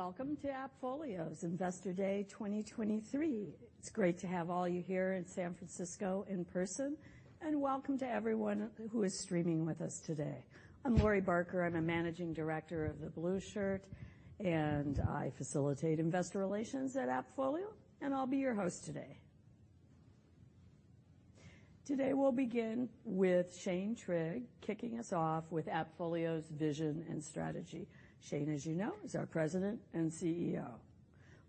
Welcome to AppFolio's Investor Day 2023. It's great to have all you here in San Francisco in person, and welcome to everyone who is streaming with us today. I'm Lori Barker. I'm a Managing Director of the Blueshirt, and I facilitate investor relations at AppFolio, and I'll be your host today. Today, we'll begin with Shane Trigg kicking us off with AppFolio's vision and strategy. Shane, as you know, is our President and CEO.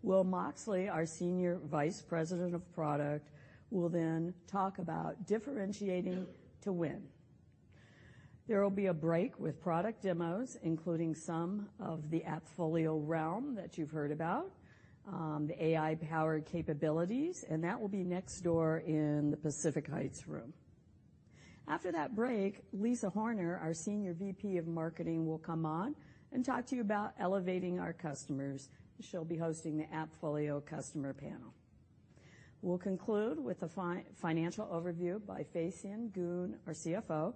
Will Moxley, our Senior Vice President of Product, will then talk about differentiating to win. There will be a break with product demos, including some of the AppFolio Realm that you've heard about, the AI-powered capabilities, and that will be next door in the Pacific Heights Room. After that break, Lisa Horner, our Senior VP of Marketing, will come on and talk to you about elevating our customers. She'll be hosting the AppFolio customer panel. We'll conclude with a financial overview by Fay Sien Goon, our CFO.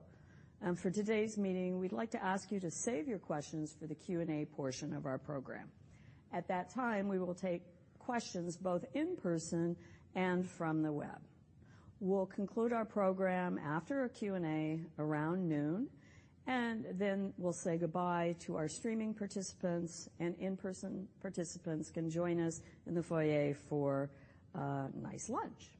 For today's meeting, we'd like to ask you to save your questions for the Q&A portion of our program. At that time, we will take questions both in person and from the web. We'll conclude our program after a Q&A around noon, and then we'll say goodbye to our streaming participants, and in-person participants can join us in the foyer for a nice lunch.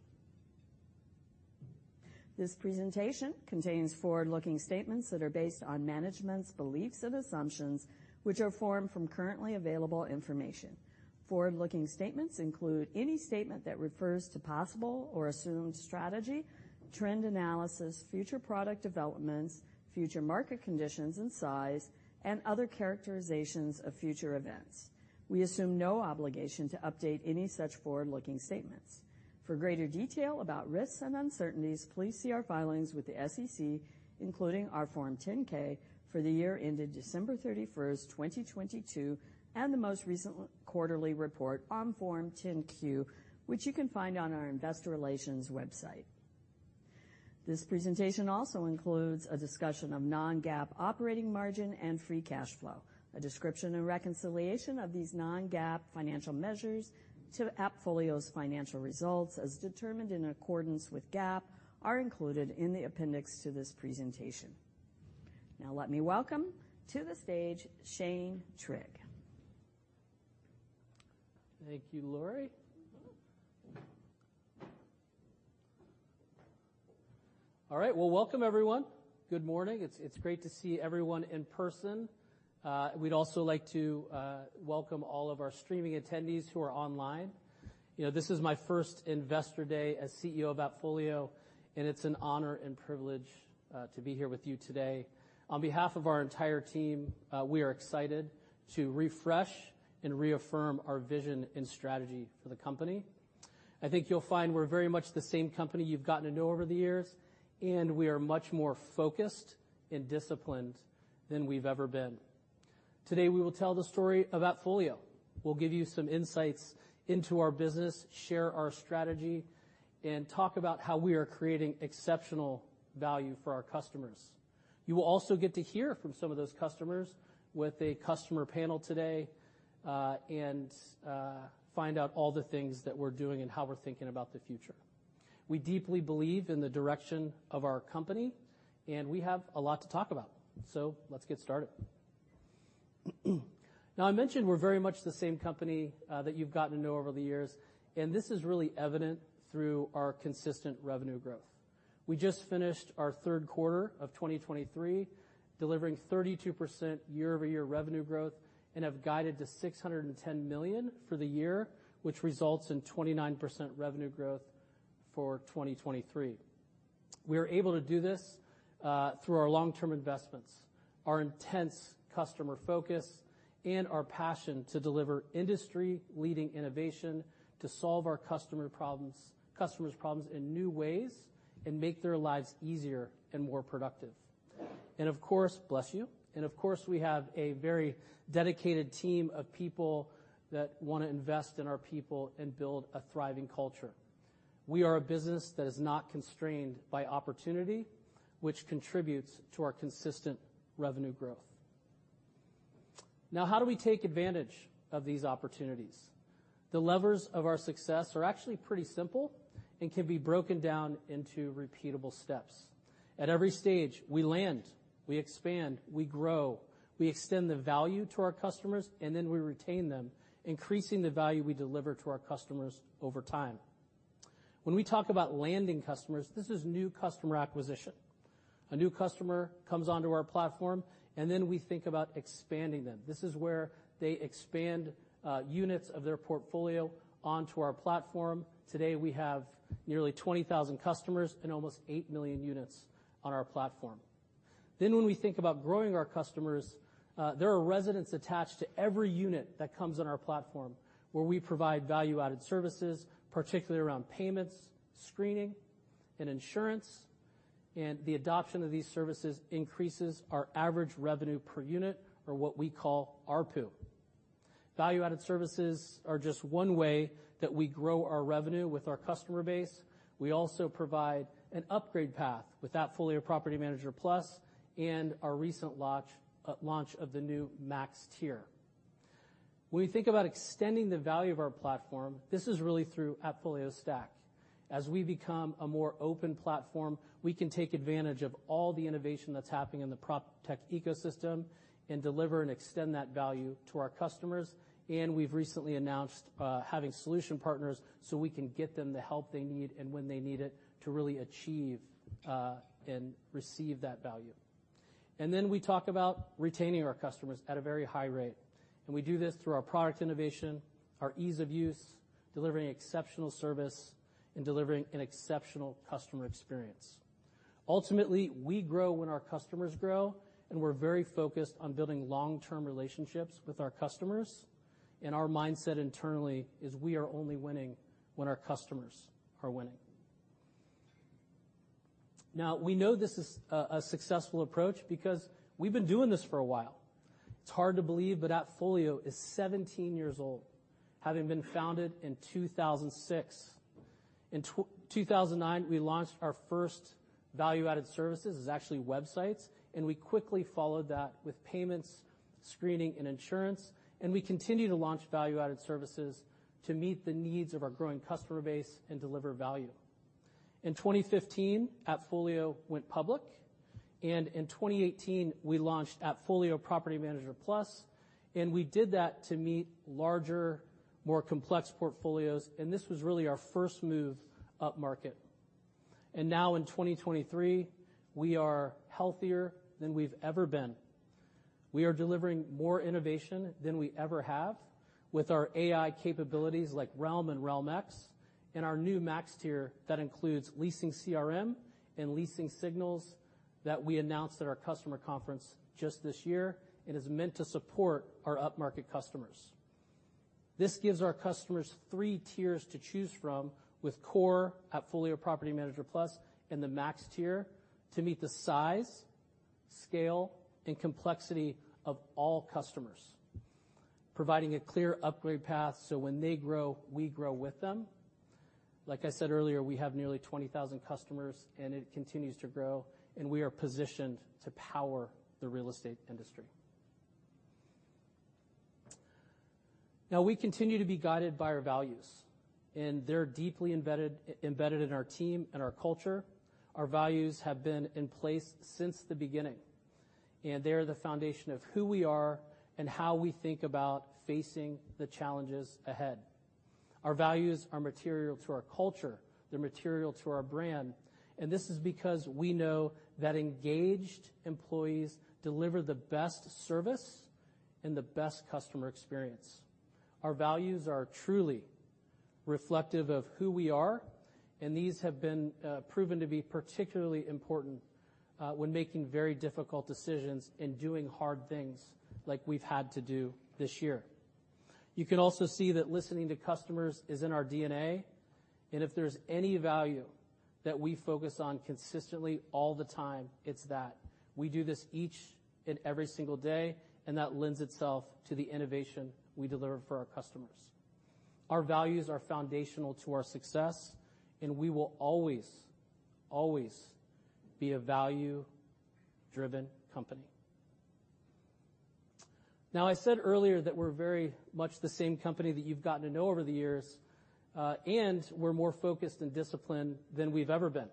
This presentation contains forward-looking statements that are based on management's beliefs and assumptions, which are formed from currently available information. Forward-looking statements include any statement that refers to possible or assumed strategy, trend analysis, future product developments, future market conditions and size, and other characterizations of future events. We assume no obligation to update any such forward-looking statements. For greater detail about risks and uncertainties, please see our filings with the SEC, including our Form 10-K for the year ended December 31, 2022, and the most recent quarterly report on Form 10-Q, which you can find on our investor relations website. This presentation also includes a discussion of non-GAAP operating margin and free cash flow. A description and reconciliation of these non-GAAP financial measures to AppFolio's financial results, as determined in accordance with GAAP, are included in the appendix to this presentation. Now let me welcome to the stage Shane Trigg. Thank you, Lori. All right. Well, welcome, everyone. Good morning. It's great to see everyone in person. We'd also like to welcome all of our streaming attendees who are online. You know, this is my first Investor Day as CEO of AppFolio, and it's an honor and privilege to be here with you today. On behalf of our entire team, we are excited to refresh and reaffirm our vision and strategy for the company. I think you'll find we're very much the same company you've gotten to know over the years, and we are much more focused and disciplined than we've ever been. Today, we will tell the story of AppFolio. We'll give you some insights into our business, share our strategy, and talk about how we are creating exceptional value for our customers. You will also get to hear from some of those customers with a customer panel today, and, find out all the things that we're doing and how we're thinking about the future. We deeply believe in the direction of our company, and we have a lot to talk about. So let's get started. Now, I mentioned we're very much the same company, that you've gotten to know over the years, and this is really evident through our consistent revenue growth. We just finished our third quarter of 2023, delivering 32% year-over-year revenue growth, and have guided to $610 million for the year, which results in 29% revenue growth for 2023. We are able to do this through our long-term investments, our intense customer focus, and our passion to deliver industry-leading innovation to solve our customer problems in new ways and make their lives easier and more productive. And of course, we have a very dedicated team of people that want to invest in our people and build a thriving culture. We are a business that is not constrained by opportunity, which contributes to our consistent revenue growth. Now, how do we take advantage of these opportunities? The levers of our success are actually pretty simple and can be broken down into repeatable steps. At every stage, we land, we expand, we grow, we extend the value to our customers, and then we retain them, increasing the value we deliver to our customers over time. When we talk about landing customers, this is new customer acquisition. A new customer comes onto our platform, and then we think about expanding them. This is where they expand units of their portfolio onto our platform. Today, we have nearly 20,000 customers and almost 8 million units on our platform. Then, when we think about growing our customers, there are residents attached to every unit that comes on our platform, where we provide value-added services, particularly around payments, screening, and insurance, and the adoption of these services increases our average revenue per unit or what we call ARPU. Value-added services are just one way that we grow our revenue with our customer base. We also provide an upgrade path with AppFolio Property Manager Plus and our recent launch of the new Max tier. When we think about extending the value of our platform, this is really through AppFolio Stack. As we become a more open platform, we can take advantage of all the innovation that's happening in the PropTech ecosystem and deliver and extend that value to our customers. We've recently announced having solution partners so we can get them the help they need and when they need it to really achieve and receive that value. We talk about retaining our customers at a very high rate, and we do this through our product innovation, our ease of use, delivering exceptional service, and delivering an exceptional customer experience. Ultimately, we grow when our customers grow, and we're very focused on building long-term relationships with our customers. Our mindset internally is we are only winning when our customers are winning. Now, we know this is a successful approach because we've been doing this for a while. It's hard to believe, but AppFolio is 17 years old, having been founded in 2006. In 2009, we launched our first value-added services, is actually websites, and we quickly followed that with payments, screening, and insurance, and we continue to launch value-added services to meet the needs of our growing customer base and deliver value. In 2015, AppFolio went public, and in 2018, we launched AppFolio Property Manager Plus, and we did that to meet larger, more complex portfolios, and this was really our first move upmarket. Now in 2023, we are healthier than we've ever been. We are delivering more innovation than we ever have with our AI capabilities like Realm and Realm-X, and our new Max tier that includes Leasing CRM and Leasing Signals that we announced at our customer conference just this year, and is meant to support our upmarket customers. This gives our customers three tiers to choose from, with Core, AppFolio Property Manager Plus, and the Max tier to meet the size, scale, and complexity of all customers, providing a clear upgrade path so when they grow, we grow with them. Like I said earlier, we have nearly 20,000 customers, and it continues to grow, and we are positioned to power the real estate industry. Now, we continue to be guided by our values, and they're deeply embedded in our team and our culture. Our values have been in place since the beginning, and they are the foundation of who we are and how we think about facing the challenges ahead. Our values are material to our culture, they're material to our brand, and this is because we know that engaged employees deliver the best service and the best customer experience. Our values are truly reflective of who we are, and these have been proven to be particularly important when making very difficult decisions and doing hard things like we've had to do this year. You can also see that listening to customers is in our DNA, and if there's any value that we focus on consistently all the time, it's that. We do this each and every single day, and that lends itself to the innovation we deliver for our customers. Our values are foundational to our success, and we will always, always be a value-driven company. Now, I said earlier that we're very much the same company that you've gotten to know over the years, and we're more focused and disciplined than we've ever been.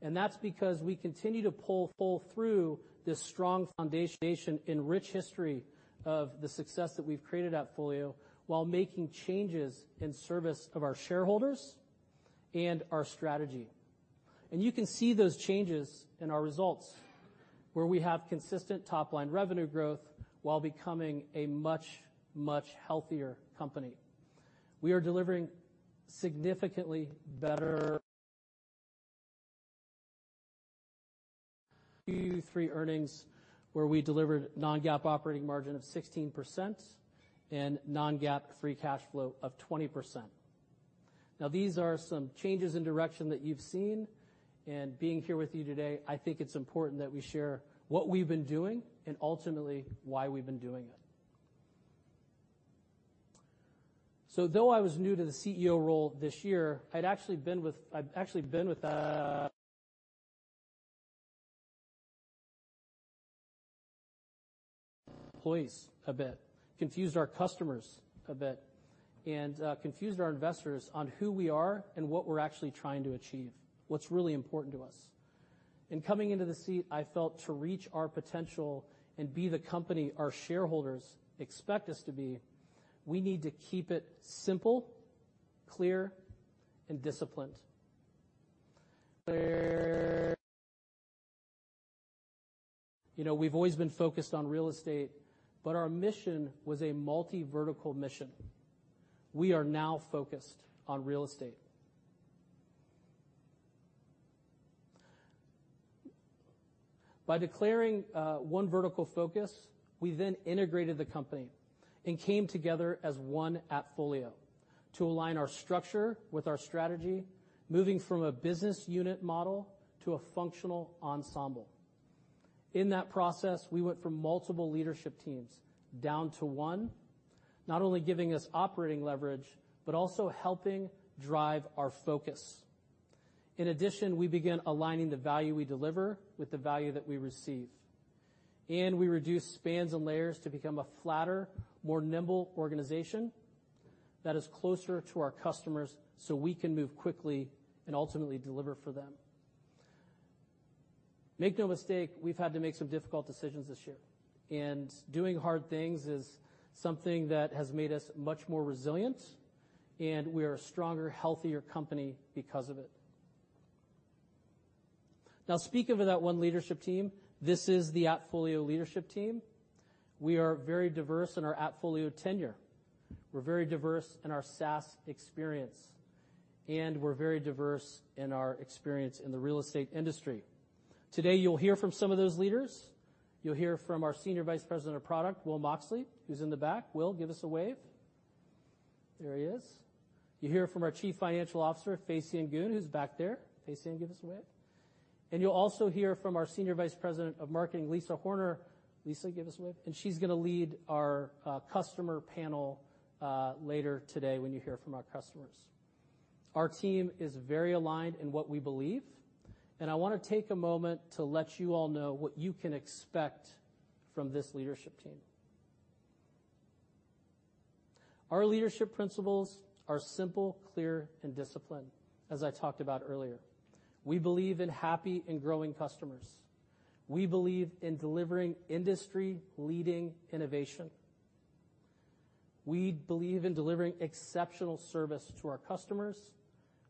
And that's because we continue to pull full through this strong foundation and rich history of the success that we've created at AppFolio while making changes in service of our shareholders and our strategy. And you can see those changes in our results, where we have consistent top-line revenue growth while becoming a much, much healthier company. We are delivering significantly better Q3 earnings, where we delivered non-GAAP operating margin of 16% and non-GAAP free cash flow of 20%. Now, these are some changes in direction that you've seen, and being here with you today, I think it's important that we share what we've been doing and ultimately why we've been doing it. So though I was new to the CEO role this year, I've actually been with employees a bit, confused our customers a bit, and confused our investors on who we are and what we're actually trying to achieve, what's really important to us. In coming into the seat, I felt to reach our potential and be the company our shareholders expect us to be, we need to keep it simple, clear, and disciplined. You know, we've always been focused on real estate, but our mission was a multivertical mission. We are now focused on real estate. By declaring one vertical focus, we then integrated the company and came together as one AppFolio to align our structure with our strategy, moving from a business unit model to a functional ensemble. In that process, we went from multiple leadership teams down to one, not only giving us operating leverage, but also helping drive our focus. In addition, we begin aligning the value we deliver with the value that we receive, and we reduce spans and layers to become a flatter, more nimble organization that is closer to our customers so we can move quickly and ultimately deliver for them. Make no mistake, we've had to make some difficult decisions this year, and doing hard things is something that has made us much more resilient, and we are a stronger, healthier company because of it. Now, speaking of that one leadership team, this is the AppFolio leadership team. We are very diverse in our AppFolio tenure. We're very diverse in our SaaS experience, and we're very diverse in our experience in the real estate industry. Today, you'll hear from some of those leaders. You'll hear from our Senior Vice President of Product, Will Moxley, who's in the back. Will, give us a wave. There he is. You'll hear from our Chief Financial Officer, Fay Sien Goon, who's back there. Fay Sien, give us a wave. And you'll also hear from our Senior Vice President of Marketing, Lisa Horner. Lisa, give us a wave. And she's gonna lead our customer panel later today when you hear from our customers. Our team is very aligned in what we believe, and I wanna take a moment to let you all know what you can expect from this leadership team. Our leadership principles are simple, clear, and disciplined, as I talked about earlier. We believe in happy and growing customers. We believe in delivering industry-leading innovation. We believe in delivering exceptional service to our customers.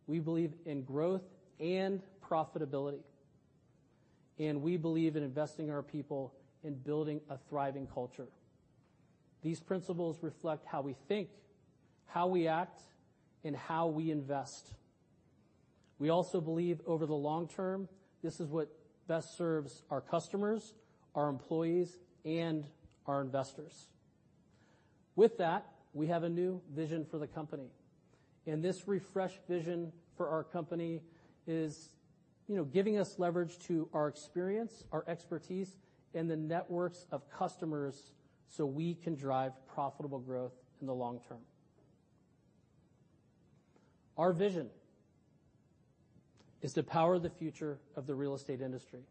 We believe in growth and profitability, and we believe in investing in our people and building a thriving culture. These principles reflect how we think, how we act, and how we invest. We also believe over the long term, this is what best serves our customers, our employees, and our investors. With that, we have a new vision for the company, and this refreshed vision for our company is, you know, giving us leverage to our experience, our expertise, and the networks of customers, so we can drive profitable growth in the long term. Our vision is to power the future of the real estate industry,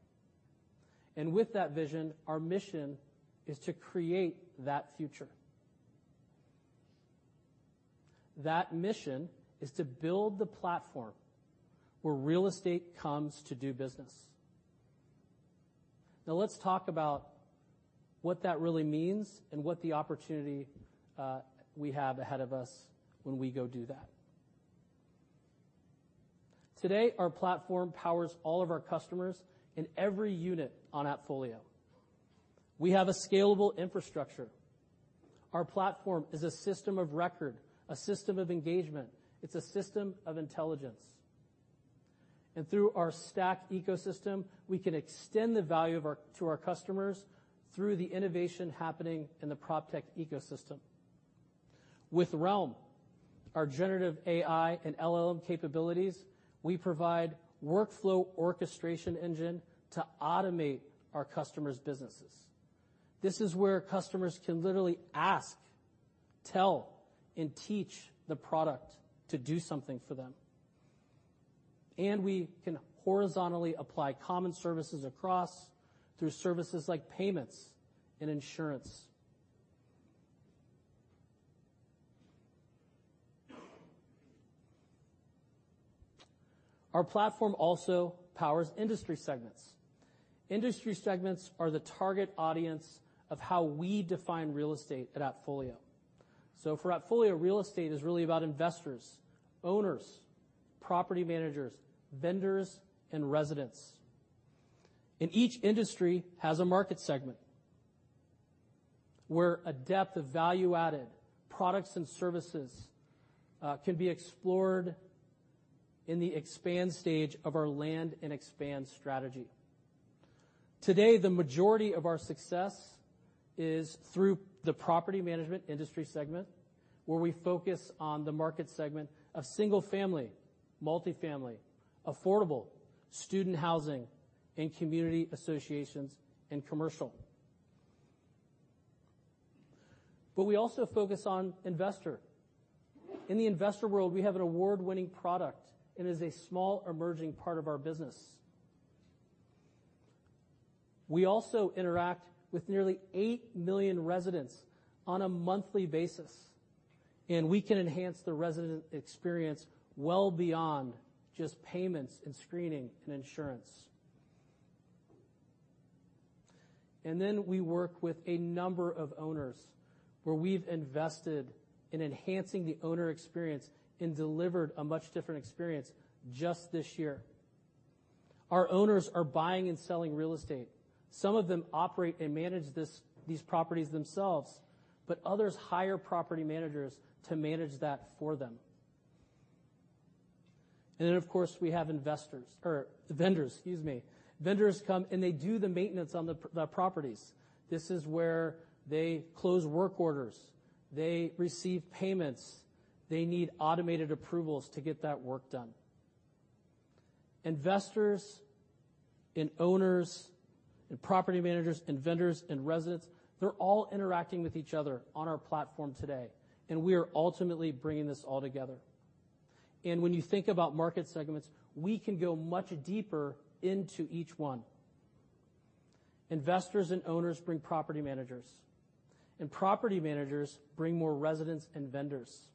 and with that vision, our mission is to create that future. That mission is to build the platform where real estate comes to do business. Now, let's talk about what that really means and what the opportunity we have ahead of us when we go do that. Today, our platform powers all of our customers in every unit on AppFolio. We have a scalable infrastructure. Our platform is a system of record, a system of engagement. It's a system of intelligence, and through our stack ecosystem, we can extend the value of our-- to our customers through the innovation happening in the PropTech ecosystem. With Realm, our generative AI and LLM capabilities, we provide workflow orchestration engine to automate our customers' businesses. This is where customers can literally ask, tell, and teach the product to do something for them. We can horizontally apply common services across through services like payments and insurance. Our platform also powers industry segments. Industry segments are the target audience of how we define real estate at AppFolio. For AppFolio, real estate is really about investors, owners, property managers, vendors, and residents. Each industry has a market segment, where a depth of value-added products and services can be explored in the expand stage of our land and expand strategy. Today, the majority of our success is through the property management industry segment, where we focus on the market segment of single-family, multifamily, affordable, student housing, and community associations and commercial. We also focus on investor. In the investor world, we have an award-winning product. It is a small, emerging part of our business. We also interact with nearly 8 million residents on a monthly basis, and we can enhance the resident experience well beyond just payments and screening and insurance. And then we work with a number of owners, where we've invested in enhancing the owner experience and delivered a much different experience just this year. Our owners are buying and selling real estate. Some of them operate and manage this, these properties themselves, but others hire property managers to manage that for them. And then, of course, we have investors or vendors. Excuse me. Vendors come, and they do the maintenance on the properties. This is where they close work orders, they receive payments. They need automated approvals to get that work done. Investors, owners, and property managers, and vendors, and residents, they're all interacting with each other on our platform today, and we are ultimately bringing this all together. When you think about market segments, we can go much deeper into each one. Investors and owners bring property managers, and property managers bring more residents and vendors.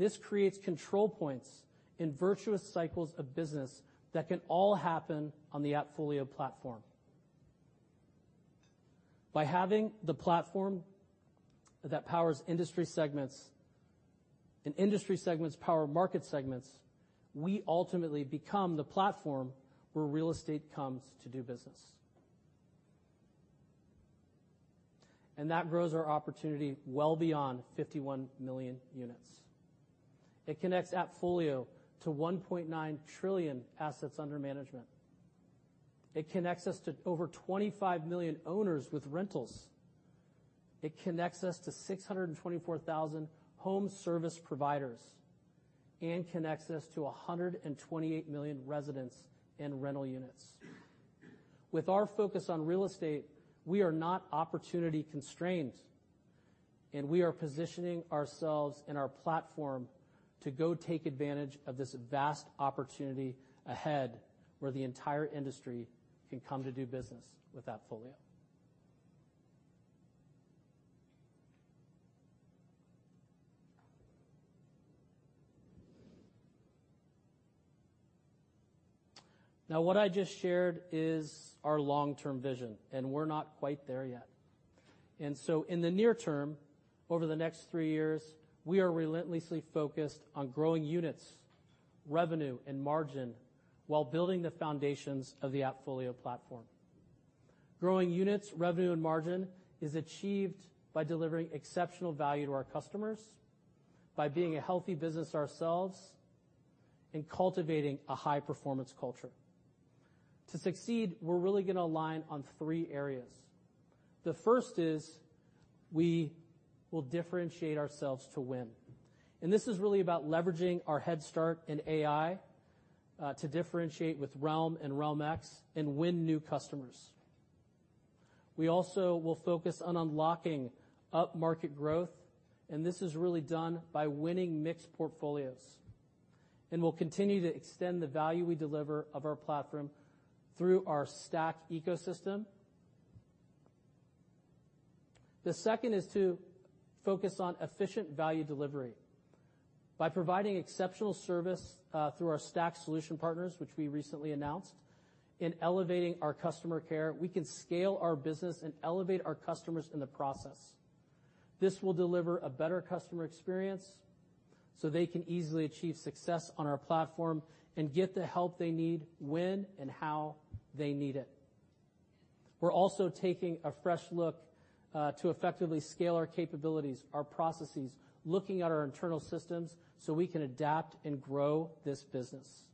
This creates control points and virtuous cycles of business that can all happen on the AppFolio platform. By having the platform that powers industry segments, and industry segments power market segments, we ultimately become the platform where real estate comes to do business. That grows our opportunity well beyond 51 million units. It connects AppFolio to $1.9 trillion assets under management. It connects us to over 25 million owners with rentals. It connects us to 624,000 home service providers, and connects us to 128 million residents in rental units. With our focus on real estate, we are not opportunity constrained, and we are positioning ourselves and our platform to go take advantage of this vast opportunity ahead, where the entire industry can come to do business with AppFolio. Now, what I just shared is our long-term vision, and we're not quite there yet. And so in the near term, over the next three years, we are relentlessly focused on growing units, revenue, and margin while building the foundations of the AppFolio platform. Growing units, revenue, and margin is achieved by delivering exceptional value to our customers, by being a healthy business ourselves, and cultivating a high-performance culture. To succeed, we're really gonna align on three areas. The first is we will differentiate ourselves to win, and this is really about leveraging our head start in AI, to differentiate with Realm and Realm-X and win new customers. We also will focus on unlocking upmarket growth, and this is really done by winning mixed portfolios. We'll continue to extend the value we deliver of our platform through our Stack ecosystem. The second is to focus on efficient value delivery. By providing exceptional service, through our Stack Solution Partners, which we recently announced, in elevating our customer care, we can scale our business and elevate our customers in the process. This will deliver a better customer experience, so they can easily achieve success on our platform and get the help they need when and how they need it. We're also taking a fresh look to effectively scale our capabilities, our processes, looking at our internal systems, so we can adapt and grow this business.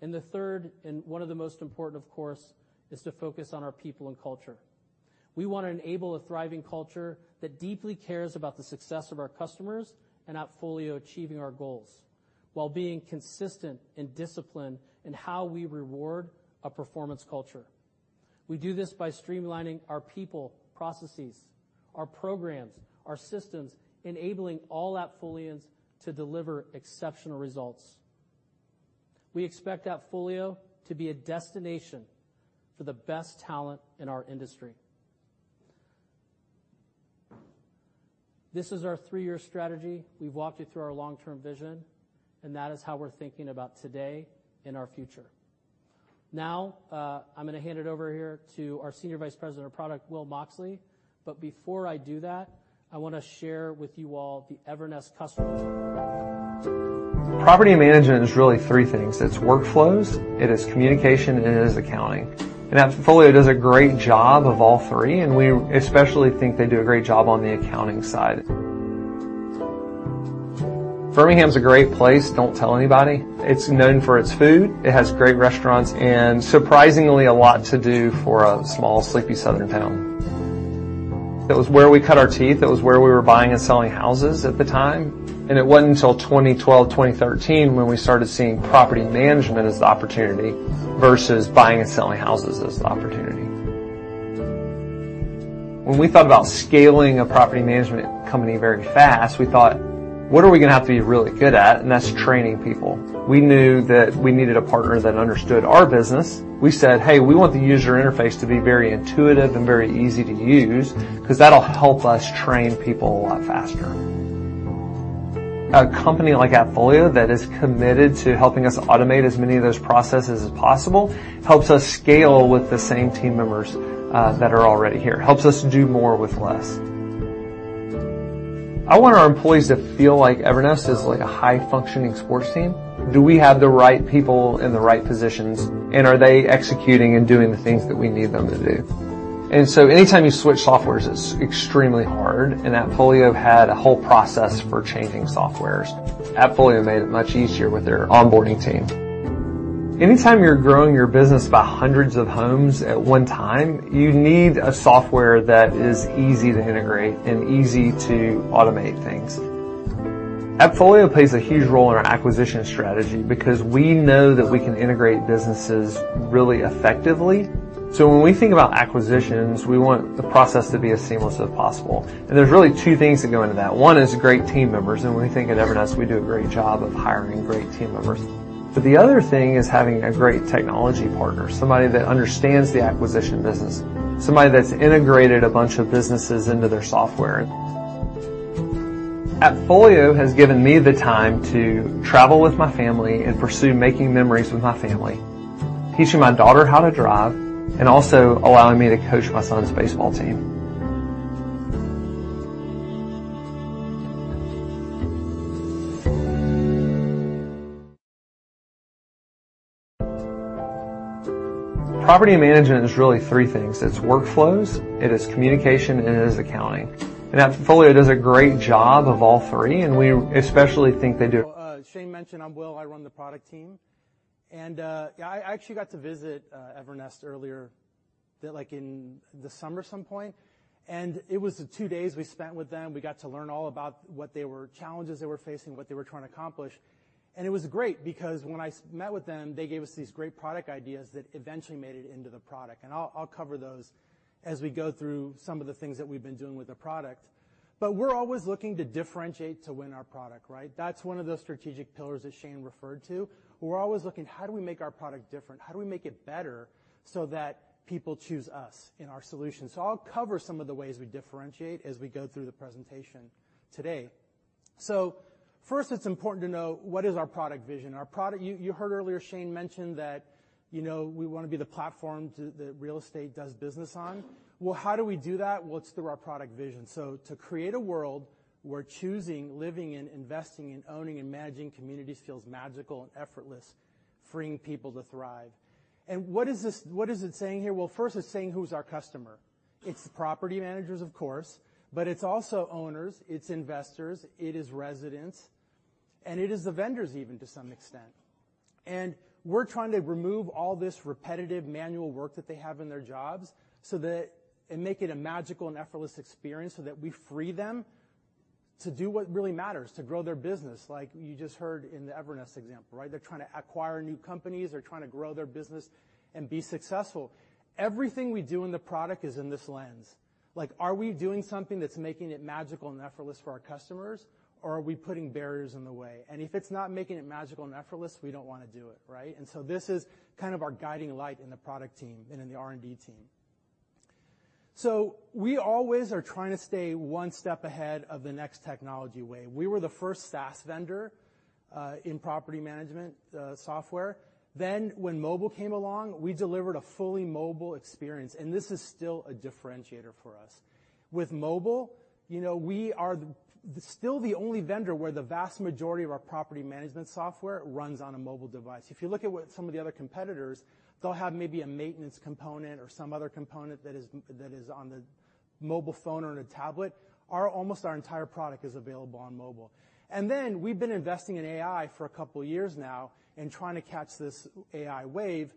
And the third, and one of the most important, of course, is to focus on our people and culture. We wanna enable a thriving culture that deeply cares about the success of our customers and AppFolio achieving our goals, while being consistent and disciplined in how we reward a performance culture. We do this by streamlining our people, processes, our programs, our systems, enabling all AppFolions to deliver exceptional results. We expect AppFolio to be a destination for the best talent in our industry. This is our three-year strategy. We've walked you through our long-term vision, and that is how we're thinking about today and our future. Now, I'm gonna hand it over here to our Senior Vice President of Product, Will Moxley. But before I do that, I wanna share with you all the Evernest customer. Property management is really three things: it's workflows, it is communication, and it is accounting. And AppFolio does a great job of all three, and we especially think they do a great job on the accounting side. Birmingham is a great place. Don't tell anybody. It's known for its food. It has great restaurants, and surprisingly, a lot to do for a small, sleepy Southern town. It was where we cut our teeth. It was where we were buying and selling houses at the time, and it wasn't until 2012, 2013, when we started seeing property management as the opportunity versus buying and selling houses as the opportunity. When we thought about scaling a property management company very fast, we thought, "What are we gonna have to be really good at?" And that's training people. We knew that we needed a partner that understood our business. We said, "Hey, we want the user interface to be very intuitive and very easy to use, 'cause that'll help us train people a lot faster." A company like AppFolio that is committed to helping us automate as many of those processes as possible, helps us scale with the same team members that are already here. Helps us do more with less. I want our employees to feel like Evernest is like a high-functioning sports team. Do we have the right people in the right positions, and are they executing and doing the things that we need them to do? And so anytime you switch softwares, it's extremely hard, and AppFolio had a whole process for changing softwares. AppFolio made it much easier with their onboarding team. Anytime you're growing your business by hundreds of homes at one time, you need a software that is easy to integrate and easy to automate things. AppFolio plays a huge role in our acquisition strategy because we know that we can integrate businesses really effectively. So when we think about acquisitions, we want the process to be as seamless as possible. There's really two things that go into that. One is great team members, and we think at Evernest, we do a great job of hiring great team members. But the other thing is having a great technology partner, somebody that understands the acquisition business, somebody that's integrated a bunch of businesses into their software. AppFolio has given me the time to travel with my family and pursue making memories with my family, teaching my daughter how to drive, and also allowing me to coach my son's baseball team. Property management is really three things: it's workflows, it is communication, and it is accounting. AppFolio does a great job of all three, and we especially think they do. Shane mentioned, I'm Will. I run the product team. I actually got to visit Evernest earlier, that like in the summer, some point, and it was the two days we spent with them. We got to learn all about what they were, challenges they were facing, what they were trying to accomplish. It was great because when I met with them, they gave us these great product ideas that eventually made it into the product. I'll cover those as we go through some of the things that we've been doing with the product. But we're always looking to differentiate to win our product, right? That's one of the strategic pillars that Shane referred to. We're always looking, how do we make our product different? How do we make it better so that people choose us in our solution? So I'll cover some of the ways we differentiate as we go through the presentation today. So first, it's important to know what is our product vision. Our product. You heard earlier, Shane mentioned that, you know, we wanna be the platform to, that real estate does business on. Well, how do we do that? Well, it's through our product vision. So to create a world where choosing, living, and investing and owning and managing communities feels magical and effortless, freeing people to thrive. And what is this? What is it saying here? Well, first, it's saying, who's our customer? It's the property managers, of course, but it's also owners, it's investors, it is residents, and it is the vendors, even to some extent. We're trying to remove all this repetitive manual work that they have in their jobs so that, and make it a magical and effortless experience, so that we free them to do what really matters, to grow their business, like you just heard in the Evernest example, right? They're trying to acquire new companies. They're trying to grow their business and be successful. Everything we do in the product is in this lens. Like, are we doing something that's making it magical and effortless for our customers, or are we putting barriers in the way? And if it's not making it magical and effortless, we don't wanna do it, right? And so this is kind of our guiding light in the product team and in the R&D team. So we always are trying to stay one step ahead of the next technology wave. We were the first SaaS vendor in property management software. Then when mobile came along, we delivered a fully mobile experience, and this is still a differentiator for us. With mobile, you know, we are still the only vendor where the vast majority of our property management software runs on a mobile device. If you look at what some of the other competitors, they'll have maybe a maintenance component or some other component that is on the mobile phone or in a tablet. Our almost entire product is available on mobile. And then we've been investing in AI for a couple of years now and trying to catch this AI wave.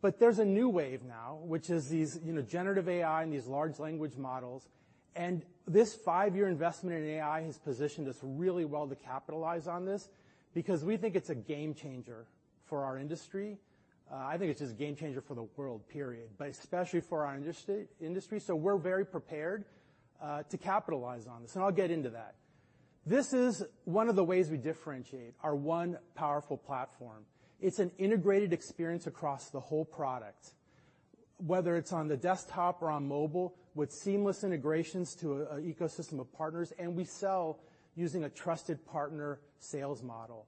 But there's a new wave now, which is these, you know, generative AI and these large language models. This five-year investment in AI has positioned us really well to capitalize on this because we think it's a game changer for our industry. I think it's just a game changer for the world, period, but especially for our industry. So we're very prepared to capitalize on this, and I'll get into that. This is one of the ways we differentiate, our one powerful platform. It's an integrated experience across the whole product, whether it's on the desktop or on mobile, with seamless integrations to an ecosystem of partners, and we sell using a trusted partner sales model.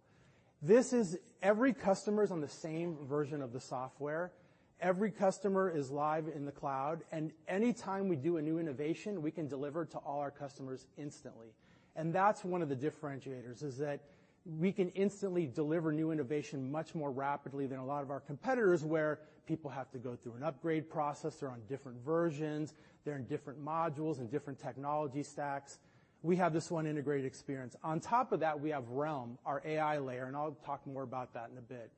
This is every customer is on the same version of the software. Every customer is live in the cloud, and anytime we do a new innovation, we can deliver to all our customers instantly. And that's one of the differentiators, is that we can instantly deliver new innovation much more rapidly than a lot of our competitors, where people have to go through an upgrade process, they're on different versions, they're in different modules and different technology stacks. We have this one integrated experience. On top of that, we have Realm, our AI layer, and I'll talk more about that in a bit.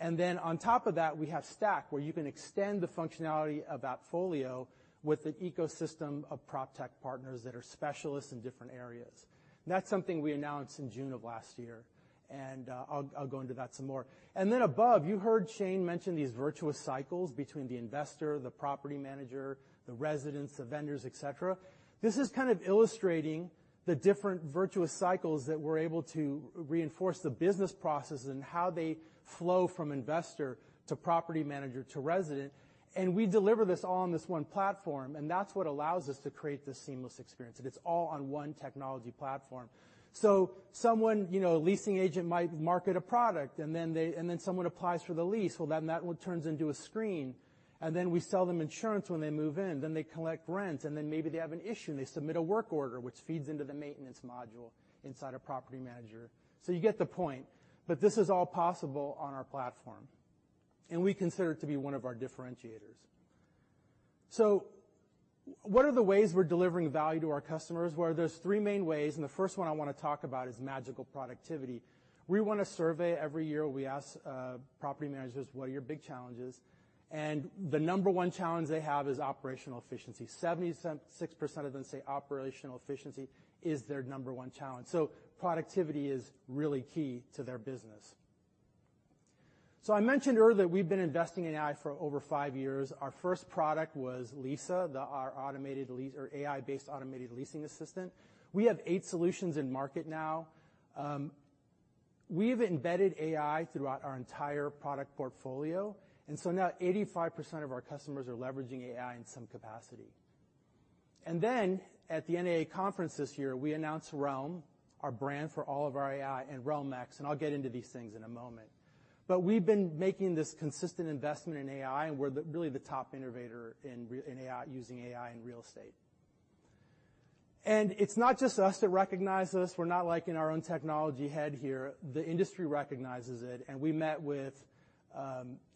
And then on top of that, we have Stack, where you can extend the functionality of AppFolio with an ecosystem of PropTech partners that are specialists in different areas. That's something we announced in June of last year, and I'll go into that some more. And then above, you heard Shane mention these virtuous cycles between the investor, the property manager, the residents, the vendors, et cetera. This is kind of illustrating the different virtuous cycles that we're able to reinforce the business processes and how they flow from investor to property manager to resident. And we deliver this all on this one platform, and that's what allows us to create this seamless experience, and it's all on one technology platform. So someone, you know, a leasing agent might market a product, and then someone applies for the lease. Well, then that one turns into a screen, and then we sell them insurance when they move in. Then they collect rent, and then maybe they have an issue, and they submit a work order, which feeds into the maintenance module inside a property manager. So you get the point, but this is all possible on our platform, and we consider it to be one of our differentiators. So what are the ways we're delivering value to our customers? Well, there's three main ways, and the first one I wanna talk about is magical productivity. We run a survey every year. We ask property managers, what are your big challenges? And the number one challenge they have is operational efficiency. 76% of them say operational efficiency is their number one challenge, so productivity is really key to their business. So I mentioned earlier that we've been investing in AI for over five years. Our first product was Lisa, our AI-based automated leasing assistant. We have eight solutions in market now. We've embedded AI throughout our entire product portfolio, and so now 85% of our customers are leveraging AI in some capacity. And then, at the NAA conference this year, we announced Realm, our brand for all of our AI, and Realm-X, and I'll get into these things in a moment. But we've been making this consistent investment in AI, and we're the, really the top innovator in AI, using AI in real estate. And it's not just us that recognize this. We're not liking our own technology head here. The industry recognizes it, and we met with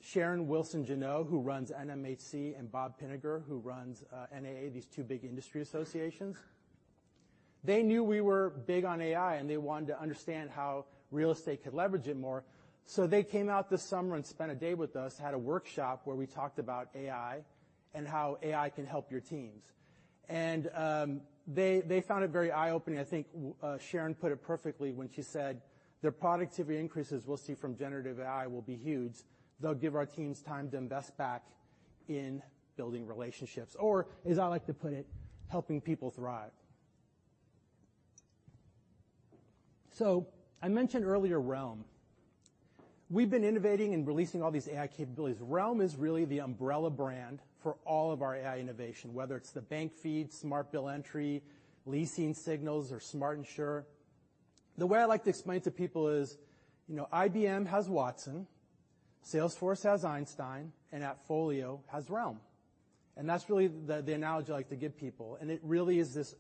Sharon Wilson Geno, who runs NMHC, and Bob Pinnegar, who runs NAA, these two big industry associations. They knew we were big on AI, and they wanted to understand how real estate could leverage it more. So they came out this summer and spent a day with us, had a workshop where we talked about AI and how AI can help your teams. They found it very eye-opening. I think Sharon put it perfectly when she said, "The productivity increases we'll see from generative AI will be huge. They'll give our teams time to invest back in building relationships," or as I like to put it, helping people thrive. I mentioned earlier, Realm. We've been innovating and releasing all these AI capabilities. Realm is really the umbrella brand for all of our AI innovation, whether it's the bank feed, Smart Bill Entry, Leasing Signals, or Smart Insure. The way I like to explain to people is, you know, IBM has Watson, Salesforce has Einstein, and AppFolio has Realm, and that's really the analogy I like to give people, and it really is this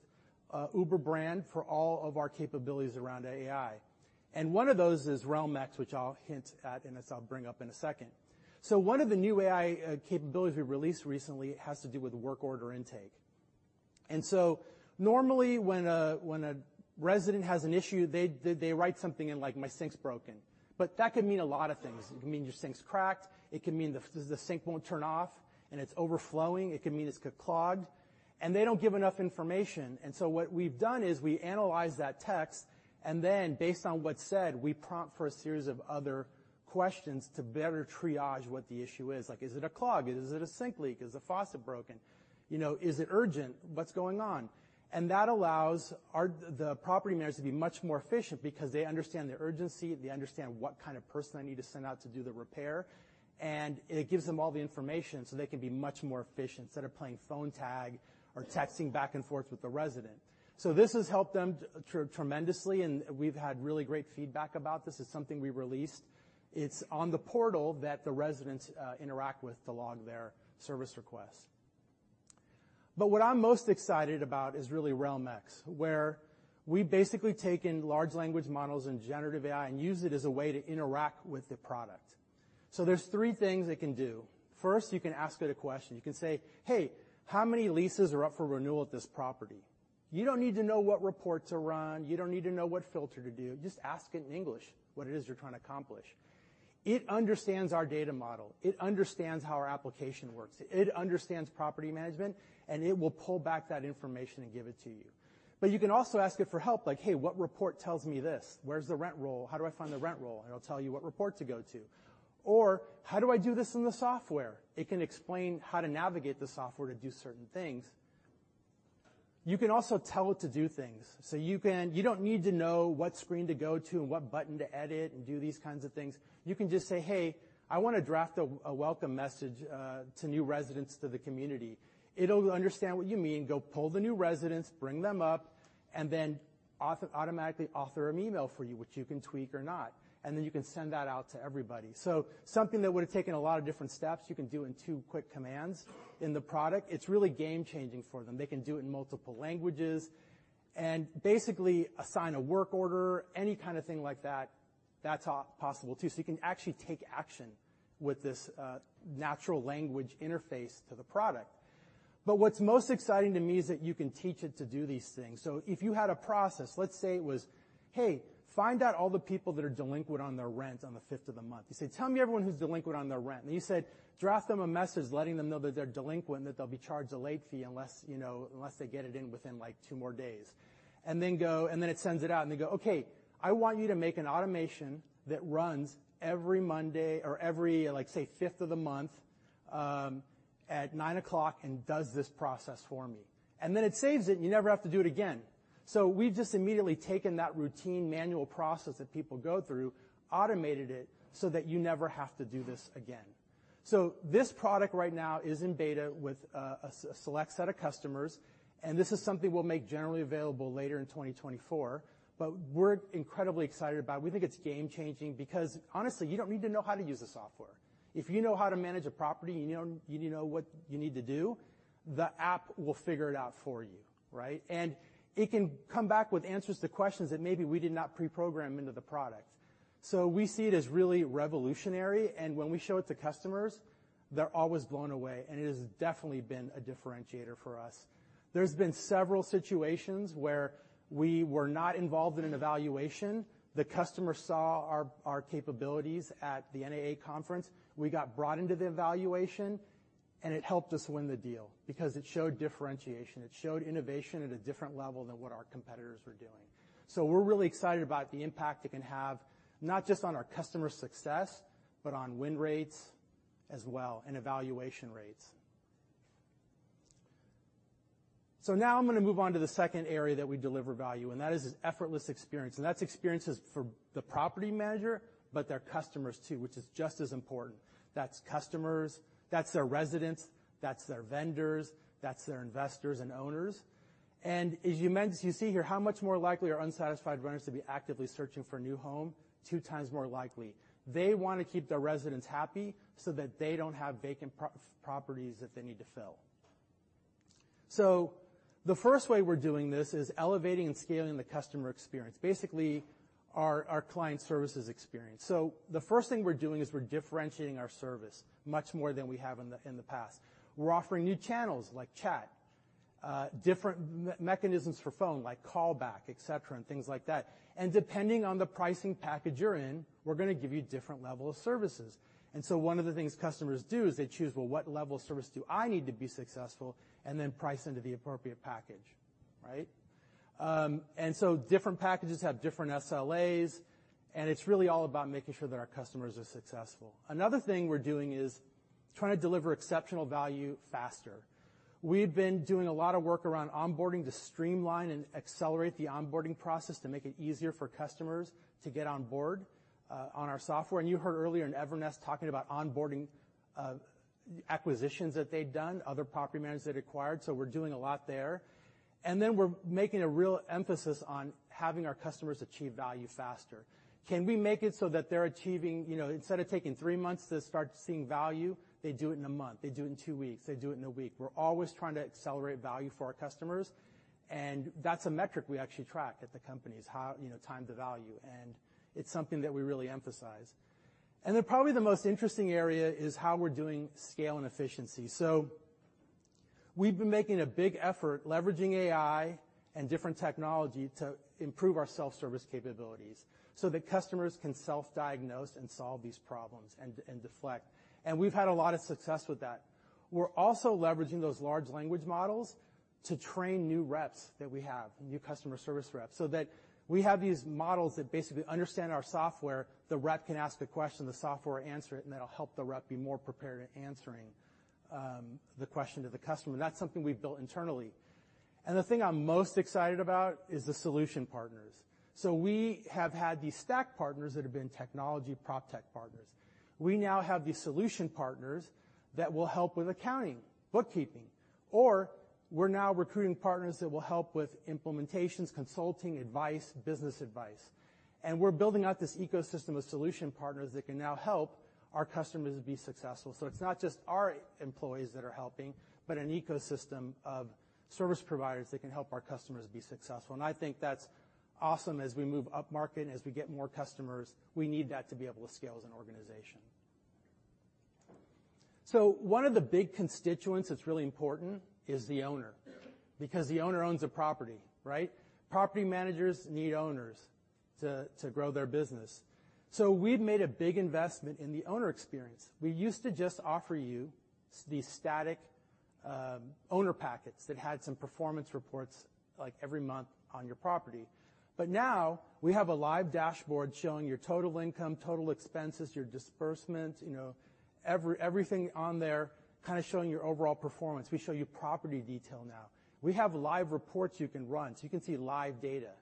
uber brand for all of our capabilities around AI. One of those is Realm-X, which I'll hint at and as I'll bring up in a second. So one of the new AI capabilities we released recently has to do with work order intake. And so normally, when a resident has an issue, they write something in, like, "My sink's broken." But that could mean a lot of things. It can mean your sink's cracked, it can mean the sink won't turn off and it's overflowing, it can mean it's clogged, and they don't give enough information. And so what we've done is we analyze that text, and then, based on what's said, we prompt for a series of other questions to better triage what the issue is. Like, is it a clog? Is it a sink leak? Is the faucet broken? You know, is it urgent? What's going on? That allows the property managers to be much more efficient because they understand the urgency, they understand what kind of person I need to send out to do the repair, and it gives them all the information so they can be much more efficient instead of playing phone tag or texting back and forth with the resident. So this has helped them tremendously, and we've had really great feedback about this. It's something we released. It's on the portal that the residents interact with to log their service requests. But what I'm most excited about is really Realm-X, where we've basically taken large language models and generative AI and used it as a way to interact with the product. So there's three things it can do. First, you can ask it a question. You can say, "Hey, how many leases are up for renewal at this property?" You don't need to know what reports to run. You don't need to know what filter to do. Just ask it in English what it is you're trying to accomplish. It understands our data model, it understands how our application works, it understands property management, and it will pull back that information and give it to you. But you can also ask it for help, like, "Hey, what report tells me this? Where's the rent roll? How do I find the rent roll?" And it'll tell you what report to go to, or, "How do I do this in the software?" It can explain how to navigate the software to do certain things. You can also tell it to do things, so you can. You don't need to know what screen to go to and what button to edit and do these kinds of things. You can just say, "Hey, I want to draft a welcome message to new residents to the community." It'll understand what you mean, go pull the new residents, bring them up, and then automatically author an email for you, which you can tweak or not, and then you can send that out to everybody. So something that would have taken a lot of different steps, you can do in two quick commands in the product. It's really game-changing for them. They can do it in multiple languages and basically assign a work order, any kind of thing like that, that's all possible too. You can actually take action with this, natural language interface to the product. What's most exciting to me is that you can teach it to do these things. So if you had a process, let's say it was, "Hey, find out all the people that are delinquent on their rent on the fifth of the month." You say, "Tell me everyone who's delinquent on their rent." And you said, "Draft them a message, letting them know that they're delinquent, that they'll be charged a late fee unless, you know, unless they get it in within, like, two more days." And then go, and then it sends it out, and they go, "Okay, I want you to make an automation that runs every Monday or every, like, say, fifth of the month, at 9:00 A.M. and does this process for me." And then it saves it, and you never have to do it again. So we've just immediately taken that routine manual process that people go through, automated it, so that you never have to do this again. So this product right now is in beta with a select set of customers, and this is something we'll make generally available later in 2024, but we're incredibly excited about it. We think it's game-changing because, honestly, you don't need to know how to use the software. If you know how to manage a property, you know, you know what you need to do, the app will figure it out for you, right? And it can come back with answers to questions that maybe we did not pre-program into the product. So we see it as really revolutionary, and when we show it to customers, they're always blown away, and it has definitely been a differentiator for us. There's been several situations where we were not involved in an evaluation. The customer saw our, our capabilities at the NAA conference. We got brought into the evaluation. It helped us win the deal because it showed differentiation. It showed innovation at a different level than what our competitors were doing. So we're really excited about the impact it can have, not just on our customer success, but on win rates as well, and evaluation rates. So now I'm gonna move on to the second area that we deliver value, and that is effortless experience, and that's experiences for the property manager, but their customers, too, which is just as important. That's customers, that's their residents, that's their vendors, that's their investors and owners. And as you mentioned, you see here, how much more likely are unsatisfied renters to be actively searching for a new home? 2x more likely. They wanna keep their residents happy so that they don't have vacant properties that they need to fill. So the first way we're doing this is elevating and scaling the customer experience. Basically, our client services experience. So the first thing we're doing is we're differentiating our service much more than we have in the past. We're offering new channels like chat, different mechanisms for phone, like call back, et cetera, and things like that. And depending on the pricing package you're in, we're gonna give you different level of services. And so one of the things customers do is they choose, "Well, what level of service do I need to be successful?" And then price into the appropriate package, right? And so different packages have different SLAs, and it's really all about making sure that our customers are successful. Another thing we're doing is trying to deliver exceptional value faster. We've been doing a lot of work around onboarding to streamline and accelerate the onboarding process to make it easier for customers to get on board, on our software. And you heard earlier in Evernest talking about onboarding, acquisitions that they've done, other property managers they've acquired, so we're doing a lot there. And then we're making a real emphasis on having our customers achieve value faster. Can we make it so that they're achieving, you know, instead of taking three months to start seeing value, they do it in a month, they do it in two weeks, they do it in a week? We're always trying to accelerate value for our customers, and that's a metric we actually track at the company is how, you know, Time to Value, and it's something that we really emphasize. Then probably the most interesting area is how we're doing scale and efficiency. So we've been making a big effort leveraging AI and different technology to improve our self-service capabilities so that customers can self-diagnose and solve these problems and, and deflect. And we've had a lot of success with that. We're also leveraging those large language models to train new reps that we have, new customer service reps, so that we have these models that basically understand our software. The rep can ask a question, the software answer it, and that'll help the rep be more prepared in answering the question to the customer, and that's something we've built internally. And the thing I'm most excited about is the solution partners. So we have had these Stack partners that have been technology PropTech partners. We now have these solution partners that will help with accounting, bookkeeping, or we're now recruiting partners that will help with implementations, consulting, advice, business advice. And we're building out this ecosystem of solution partners that can now help our customers be successful. So it's not just our employees that are helping, but an ecosystem of service providers that can help our customers be successful, and I think that's awesome as we move upmarket. As we get more customers, we need that to be able to scale as an organization. So one of the big constituents that's really important is the owner, because the owner owns a property, right? Property managers need owners to, to grow their business. So we've made a big investment in the owner experience. We used to just offer you these static, owner packets that had some performance reports, like, every month on your property. Now we have a live dashboard showing your total income, total expenses, your disbursements, you know, everything on there, kinda showing your overall performance. We show you property detail now. We have live reports you can run, so you can see live data.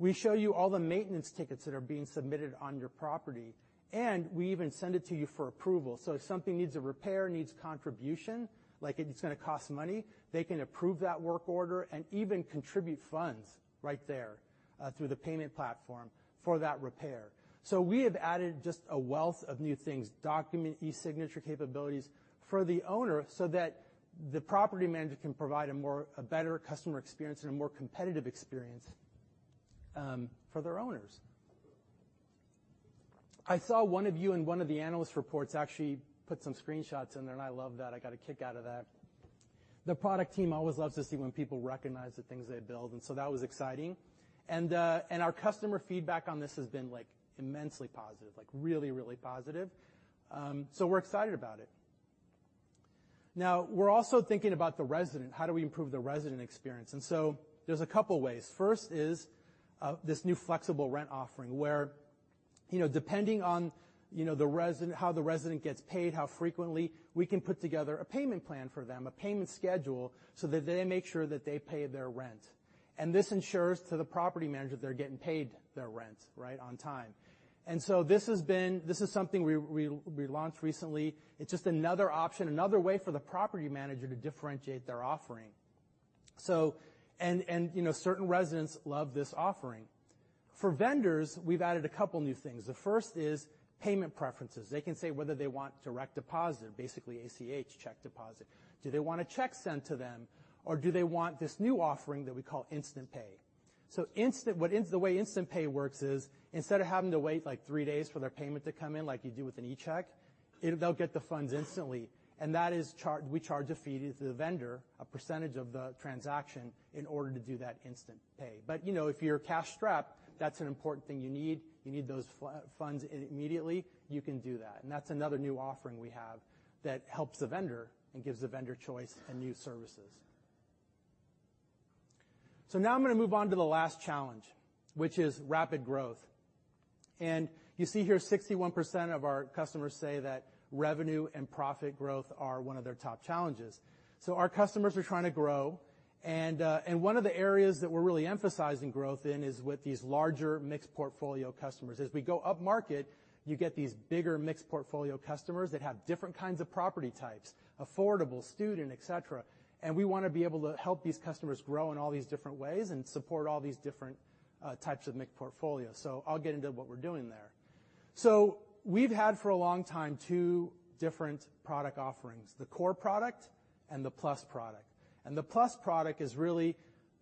We show you all the maintenance tickets that are being submitted on your property, and we even send it to you for approval. So if something needs a repair, needs contribution, like it's gonna cost money, they can approve that work order and even contribute funds right there through the payment platform for that repair. So we have added just a wealth of new things, document e-signature capabilities for the owner so that the property manager can provide a more, a better customer experience and a more competitive experience for their owners. I saw one of you in one of the analyst reports actually put some screenshots in there, and I love that. I got a kick out of that. The product team always loves to see when people recognize the things they build, and so that was exciting. And our customer feedback on this has been, like, immensely positive. Like, really, really positive. So we're excited about it. Now, we're also thinking about the resident. How do we improve the resident experience? And so there's a couple ways. First is this new Flexible Rent offering, where, you know, depending on, you know, the resident, how the resident gets paid, how frequently, we can put together a payment plan for them, a payment schedule, so that they make sure that they pay their rent. This ensures to the property manager they're getting paid their rent, right, on time. This is something we launched recently. It's just another option, another way for the property manager to differentiate their offering. You know, certain residents love this offering. For vendors, we've added a couple new things. The first is payment preferences. They can say whether they want direct deposit, basically ACH, check deposit. Do they want a check sent to them, or do they want this new offering that we call Instant Pay? So the way Instant Pay works is, instead of having to wait, like, three days for their payment to come in, like you do with an e-check, they'll get the funds instantly. And that is charged; we charge a fee to the vendor, a percentage of the transaction, in order to do that Instant Pay. But, you know, if you're cash-strapped, that's an important thing you need. You need those funds immediately; you can do that, and that's another new offering we have that helps the vendor and gives the vendor choice and new services. So now I'm gonna move on to the last challenge, which is rapid growth. You see here, 61% of our customers say that revenue and profit growth are one of their top challenges. Our customers are trying to grow, and, and one of the areas that we're really emphasizing growth in is with these larger mixed portfolio customers. As we go upmarket, you get these bigger mixed portfolio customers that have different kinds of property types, affordable, student, etc. And we wanna be able to help these customers grow in all these different ways and support all these different types of mixed portfolios. So I'll get into what we're doing there. So we've had for a long time two different product offerings, the Core product and the Plus product. And the Plus product is really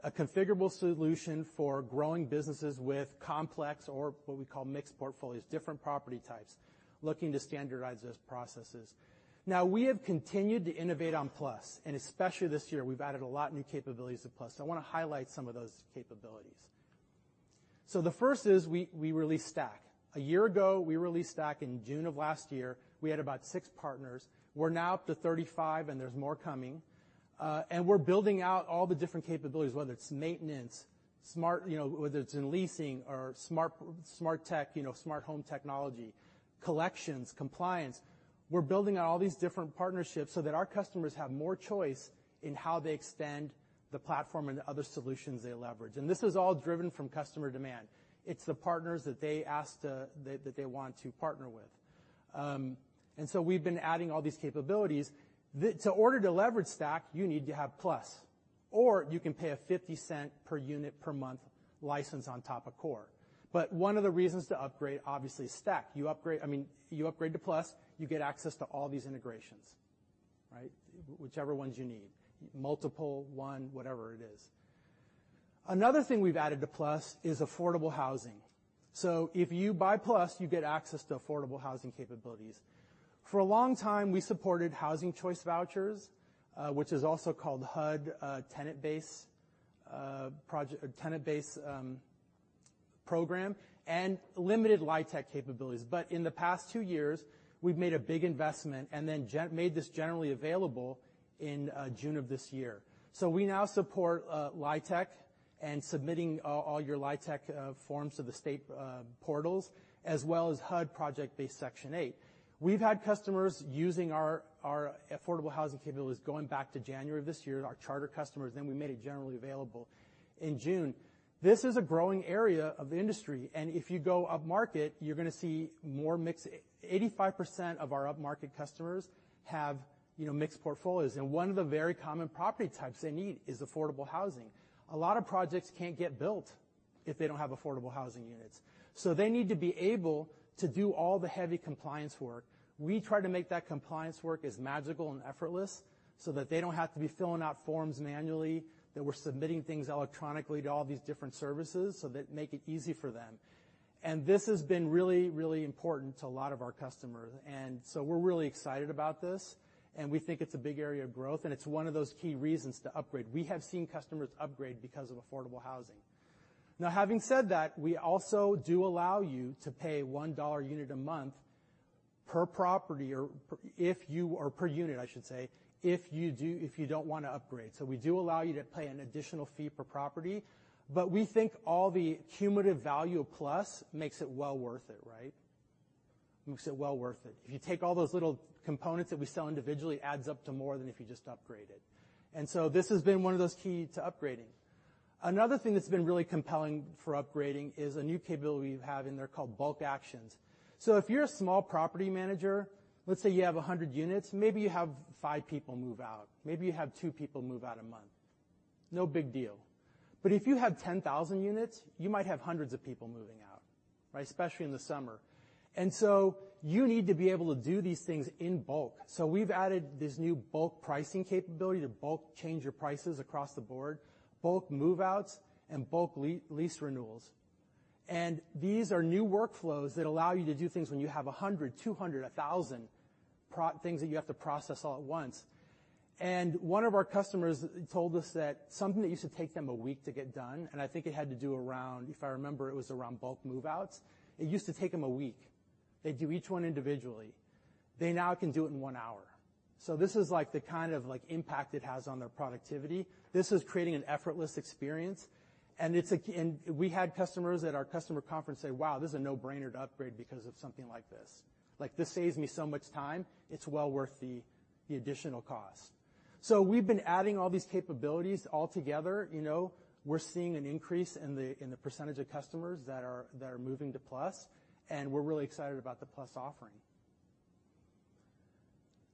a configurable solution for growing businesses with complex or what we call mixed portfolios, different property types, looking to standardize those processes. Now, we have continued to innovate on Plus, and especially this year, we've added a lot of new capabilities to Plus. I wanna highlight some of those capabilities. So the first is we released Stack. A year ago, we released Stack in June of last year; we had about 6 partners. We're now up to 35, and there's more coming. And we're building out all the different capabilities, whether it's maintenance, smart, you know, whether it's in leasing or smart, smart tech, you know, smart home technology, collections, compliance. We're building out all these different partnerships so that our customers have more choice in how they extend the platform and the other solutions they leverage. And this is all driven from customer demand. It's the partners that they ask to, they want to partner with. And so we've been adding all these capabilities. In order to leverage Stack, you need to have Plus, or you can pay a $0.50 per unit per month license on top of Core. But one of the reasons to upgrade, obviously, Stack. You upgrade, I mean, you upgrade to Plus, you get access to all these integrations, right? Whichever ones you need, multiple, one, whatever it is. Another thing we've added to Plus is Affordable Housing. So if you buy Plus, you get access to Affordable Housing capabilities. For a long time, we supported housing choice vouchers, which is also called HUD tenant-based program, and limited LIHTC capabilities. But in the past two years, we've made a big investment and then made this generally available in June of this year. So we now support LIHTC and submitting all your LIHTC forms to the state portals, as well as HUD project-based Section 8. We've had customers using our Affordable Housing capabilities going back to January of this year, our charter customers, then we made it generally available in June. This is a growing area of the industry, and if you go upmarket, you're gonna see more mix. 85% of our upmarket customers have, you know, mixed portfolios, and one of the very common property types they need is Affordable Housing. A lot of projects can't get built if they don't have Affordable Housing units, so they need to be able to do all the heavy compliance work. We try to make that compliance work as magical and effortless so that they don't have to be filling out forms manually, that we're submitting things electronically to all these different services so that make it easy for them. And this has been really, really important to a lot of our customers, and so we're really excited about this, and we think it's a big area of growth, and it's one of those key reasons to upgrade. We have seen customers upgrade because of Affordable Housing. Now, having said that, we also do allow you to pay $1 unit a month per property or per, if you, or per unit, if you do, if you don't wanna upgrade. So we do allow you to pay an additional fee per property, but we think all the cumulative value of Plus makes it well worth it, right? Makes it well worth it. If you take all those little components that we sell individually, adds up to more than if you just upgraded. And so this has been one of those key to upgrading. Another thing that's been really compelling for upgrading is a new capability we have in there called Bulk Actions. So if you're a small property manager, let's say you have 100 units, maybe you have five people move out, maybe you have two people move out a month. No big deal. But if you have 10,000 units, you might have hundreds of people moving out, right? Especially in the summer. And so you need to be able to do these things in bulk. So we've added this new bulk pricing capability to bulk change your prices across the board, bulk move-outs, and bulk lease renewals. And these are new workflows that allow you to do things when you have 100, 200, 1,000 things that you have to process all at once. And one of our customers told us that something that used to take them a week to get done, and I think it had to do around, if I remember, it was around bulk move-outs. It used to take them a week. They do each one individually. They now can do it in one hour. So this is like the kind of like impact it has on their productivity. This is creating an effortless experience, and it's a, and we had customers at our customer conference say, "Wow, this is a no-brainer to upgrade because of something like this. Like, this saves me so much time, it's well worth the additional cost." So we've been adding all these capabilities all together. You know, we're seeing an increase in the percentage of customers that are moving to Plus, and we're really excited about the Plus offering.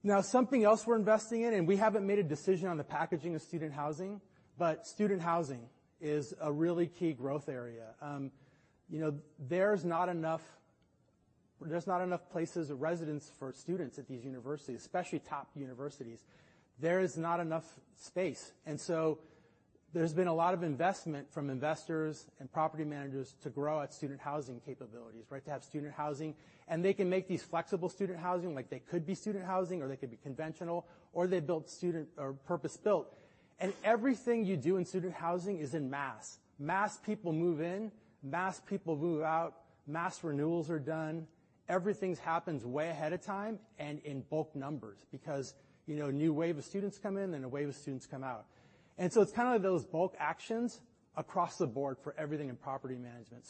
Now, something else we're investing in, and we haven't made a decision on the packaging of student housing, but student housing is a really key growth area. You know, there's not enough places of residence for students at these universities, especially top universities. There is not enough space, and so there's been a lot of investment from investors and property managers to grow out student housing capabilities, right? To have student housing, and they can make these flexible student housing, like they could be student housing, or they could be conventional, or they build student, or purpose-built. Everything you do in student housing is in mass people move in, mass people move out, mass renewals are done. Everything happens way ahead of time and in bulk numbers because, you know, a new wave of students come in, and a wave of students come out. So it's those Bulk Actions across the board for everything in property management.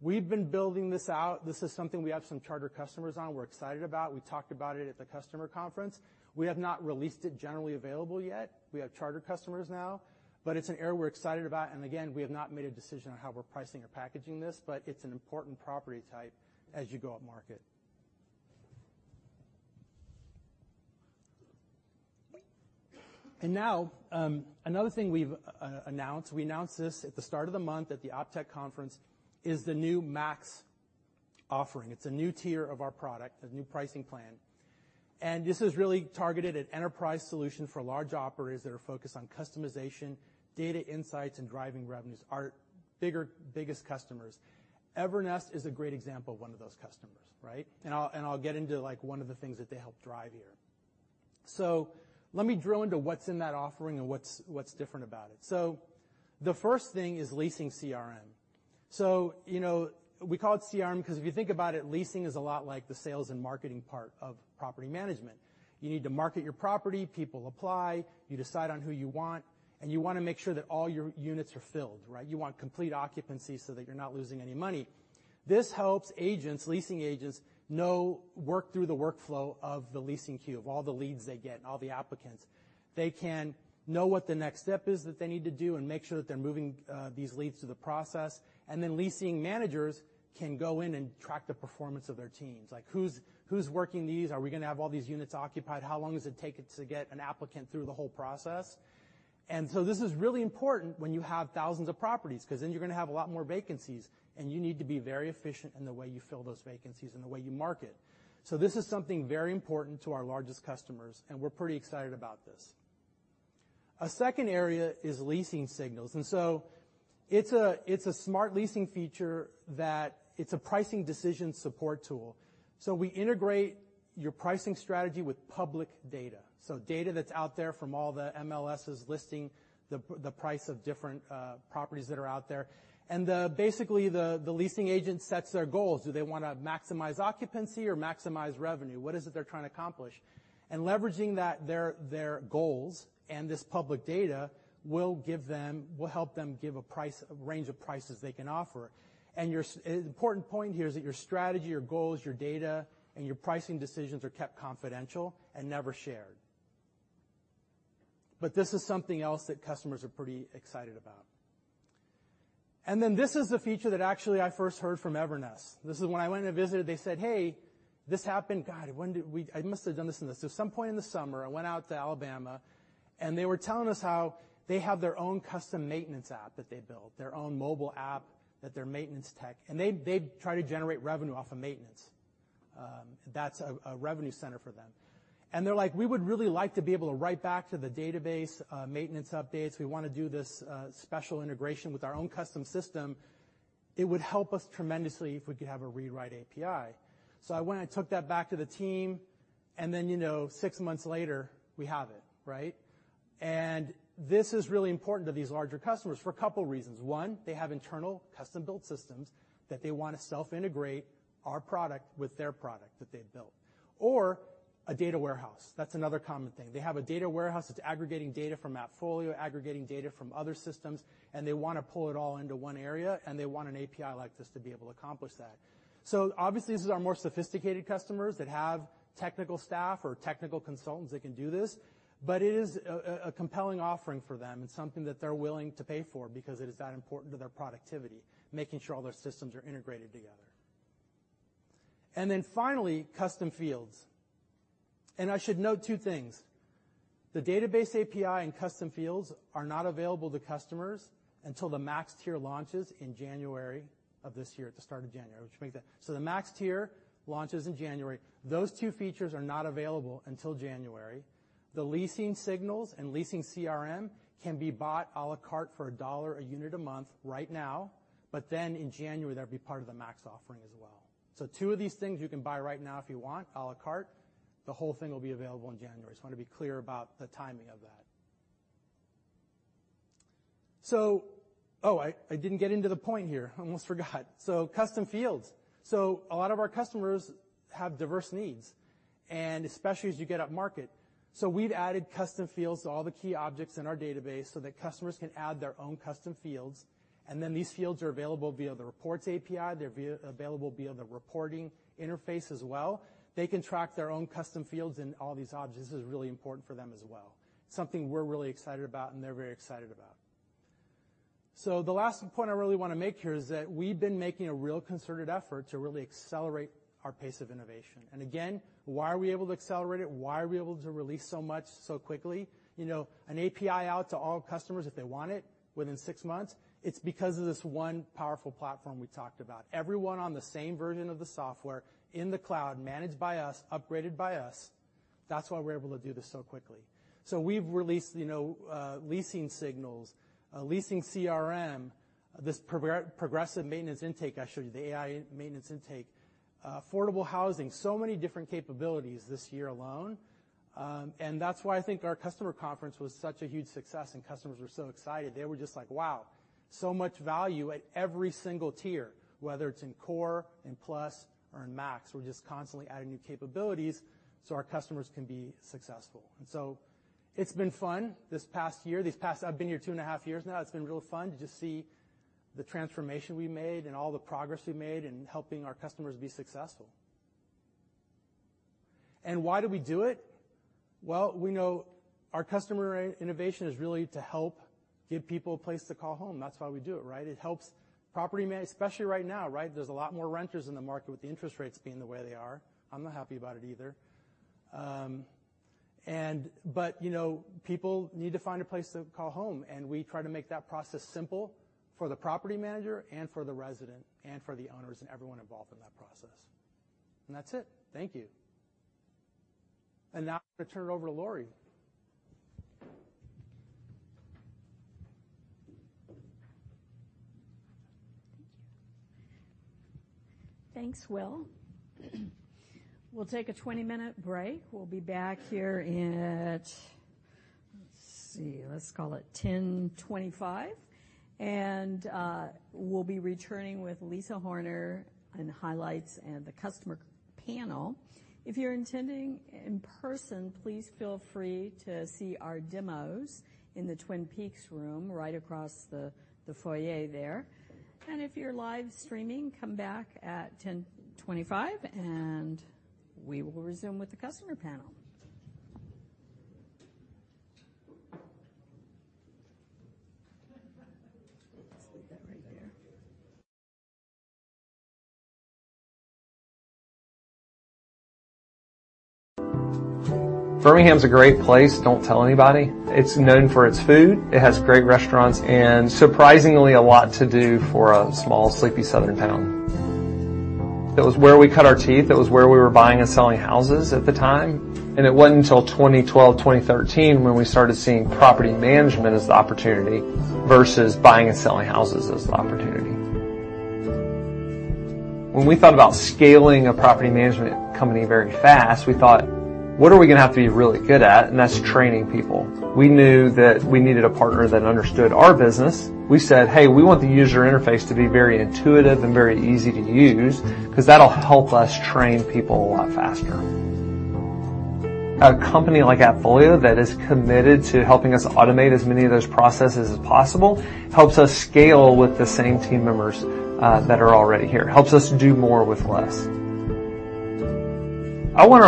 We've been building this out. This is something we have some charter customers on. We're excited about. We talked about it at the customer conference. We have not released it generally available yet. We have charter customers now, but it's an area we're excited about, and again, we have not made a decision on how we're pricing or packaging this, but it's an important property type as you go upmarket. Now, another thing we've announced, we announced this at the start of the month at the OPTECH conference, is the new Max offering. It's a new tier of our product, a new pricing plan, and this is really targeted at enterprise solution for large operators that are focused on customization, data insights, and driving revenues. Our biggest customers. Evernest is a great example of one of those customers, right? And I'll get into, like, one of the things that they help drive here. So let me drill into what's in that offering and what's different about it. So the first thing is Leasing CRM. So, you know, we call it CRM because if you think about it, leasing is a lot like the sales and marketing part of property management. You need to market your property, people apply, you decide on who you want, and you wanna make sure that all your units are filled, right? You want complete occupancy so that you're not losing any money. This helps agents, leasing agents, know how to work through the workflow of the leasing queue, of all the leads they get and all the applicants. They can know what the next step is that they need to do and make sure that they're moving these leads through the process, and then leasing managers can go in and track the performance of their teams. Like, who's, who's working these? Are we gonna have all these units occupied? How long does it take it to get an applicant through the whole process? And so this is really important when you have thousands of properties, 'cause then you're gonna have a lot more vacancies, and you need to be very efficient in the way you fill those vacancies and the way you market. So this is something very important to our largest customers, and we're pretty excited about this. A second area is Leasing Signals, and so it's a smart leasing feature that's a pricing decision support tool. So we integrate your pricing strategy with public data. So data that's out there from all the MLSs listing the price of different properties that are out there. And basically, the leasing agent sets their goals. Do they wanna maximize occupancy or maximize revenue? What is it they're trying to accomplish? Leveraging that, their goals and this public data will help them give a price, a range of prices they can offer. Your important point here is that your strategy, your goals, your data, and your pricing decisions are kept confidential and never shared. But this is something else that customers are pretty excited about. And then this is a feature that actually I first heard from Evernest. This is when I went in to visit it, they said, "Hey, this happened." God, I must have done this in some point in the summer, I went out to Alabama, and they were telling us how they have their own custom maintenance app that they built, their own mobile app that their maintenance tech, and they, they try to generate revenue off of maintenance. That's a revenue center for them. And they're like: We would really like to be able to write back to the database, maintenance updates. We wanna do this, special integration with our own custom system. It would help us tremendously if we could have a read/write API. So I went and took that back to the team, and then, you know, six months later, we have it, right? And this is really important to these larger customers for a couple reasons. One, they have internal custom-built systems that they wanna self-integrate our product with their product that they've built, or a data warehouse. That's another common thing. They have a data warehouse that's aggregating data from AppFolio, aggregating data from other systems, and they wanna pull it all into one area, and they want an API like this to be able to accomplish that. So obviously, these are more sophisticated customers that have technical staff or technical consultants that can do this, but it is a compelling offering for them and something that they're willing to pay for because it is that important to their productivity, making sure all their systems are integrated together. And then finally, custom fields. And I should note two things. The Database API and Custom Fields are not available to customers until the Max tier launches in January of this year, at the start of January, which makes it the Max tier launches in January. Those two features are not available until January. The Leasing Signals and Leasing CRM can be bought à la carte for $1 a unit a month right now, but then in January, that'll be part of the Max offering as well. So two of these things you can buy right now if you want, à la carte. The whole thing will be available in January. So I wanna be clear about the timing of that. Oh, I didn't get into the point here. I almost forgot. So custom fields. So a lot of our customers have diverse needs, and especially as you get upmarket. So we've added custom fields to all the key objects in our database so that customers can add their own custom fields, and then these fields are available via the reports API. They're available via the reporting interface as well. They can track their own custom fields and all these objects. This is really important for them as well. Something we're really excited about and they're very excited about. So the last point I really wanna make here is that we've been making a real concerted effort to really accelerate our pace of innovation. And again, why are we able to accelerate it? Why are we able to release so much so quickly? You know, an API out to all customers if they want it within six months, it's because of this one powerful platform we talked about. Everyone on the same version of the software in the cloud, managed by us, upgraded by us, that's why we're able to do this so quickly. So we've released, you know, Leasing Signals, Leasing CRM, this progressive maintenance intake I showed you, the AI maintenance intake, Affordable Housing, so many different capabilities this year alone. And that's why I think our customer conference was such a huge success and customers were so excited. They were just like, "Wow, so much value at every single tier," whether it's in Core, in Plus, or in Max. We're just constantly adding new capabilities so our customers can be successful. And so it's been fun this past year. I've been here 2.5 years now. It's been real fun to just see the transformation we made and all the progress we made in helping our customers be successful. And why do we do it? Well, we know our customer innovation is really to help give people a place to call home. That's why we do it, right? It helps property man, especially right now, right? There's a lot more renters in the market with the interest rates being the way they are. I'm not happy about it either. People need to find a place to call home, and we try to make that process simple for the property manager and for the resident and for the owners and everyone involved in that process. That's it. Thank you. Now I'm gonna turn it over to Lori. Thanks, Will. We'll take a 20-minute break. We'll be back here at, let's see, let's call it 10:25, and we'll be returning with Lisa Horner on highlights and the customer panel. If you're attending in person, please feel free to see our demos in the Twin Peaks room right across the, the foyer there. And if you're live streaming, come back at 10:25, and we will resume with the customer panel. Let's leave that right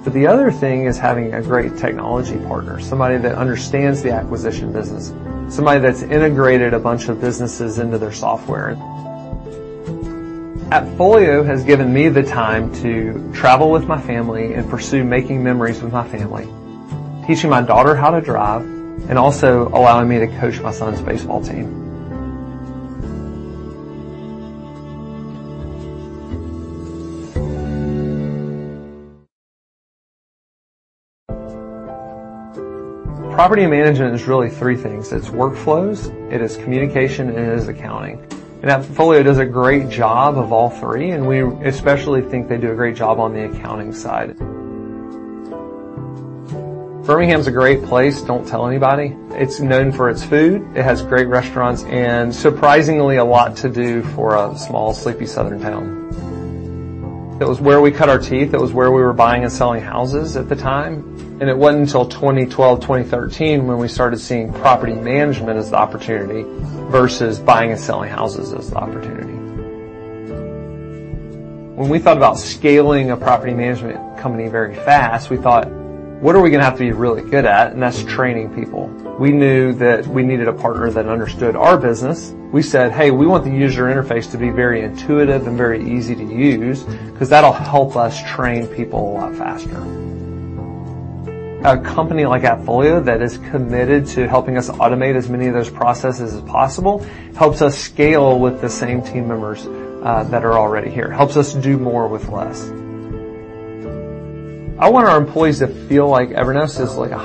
there. Birmingham's a great place. Don't tell anybody. It's known for its food. It has great restaurants and surprisingly, a lot to do for a small, sleepy Southern town. It was where we cut our teeth. It was where we were buying and selling houses at the time, and it wasn't until 2012, 2013 when we started seeing property management as the opportunity versus buying and selling houses as the opportunity. When we thought about scaling a property management company very fast, we thought, "What are we gonna have to be really good at?" And that's training people. We knew that we needed a partner that understood our business. We said, "Hey, we want the user interface to be very intuitive and very easy to use, 'cause that'll help us train people a lot faster." A company like AppFolio that is committed to helping us automate as many of those processes as possible, helps us scale with the same team members, that are already here. Helps us do more with less. I want our employees to feel like Evernest is like a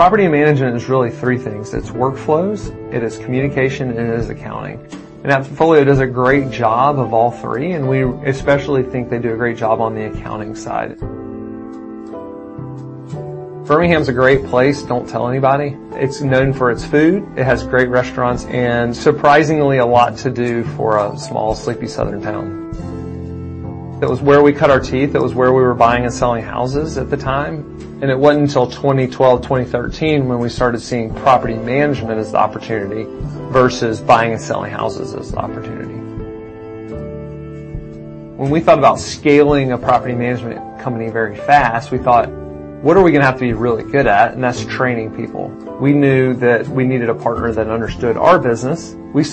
high-functioning sports team.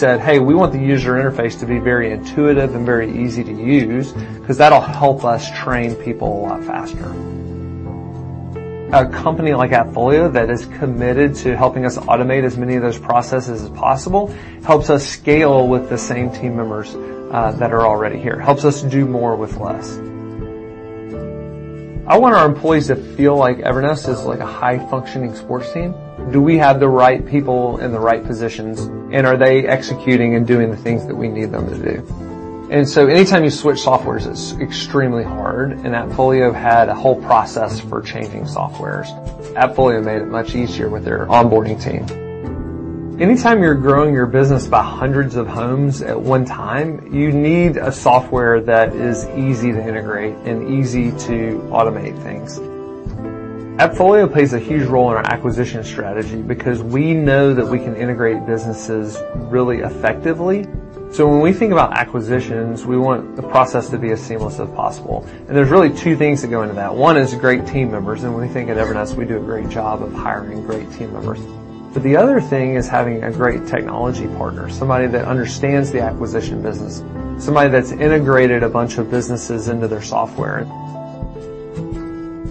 Do we have the right people in the right positions, and are they executing and doing the things that we need them to do? And so anytime you switch softwares, it's extremely hard, and AppFolio had a whole process for changing softwares. AppFolio made it much easier with their onboarding team. Anytime you're growing your business by hundreds of homes at one time, you need a software that is easy to integrate and easy to automate things.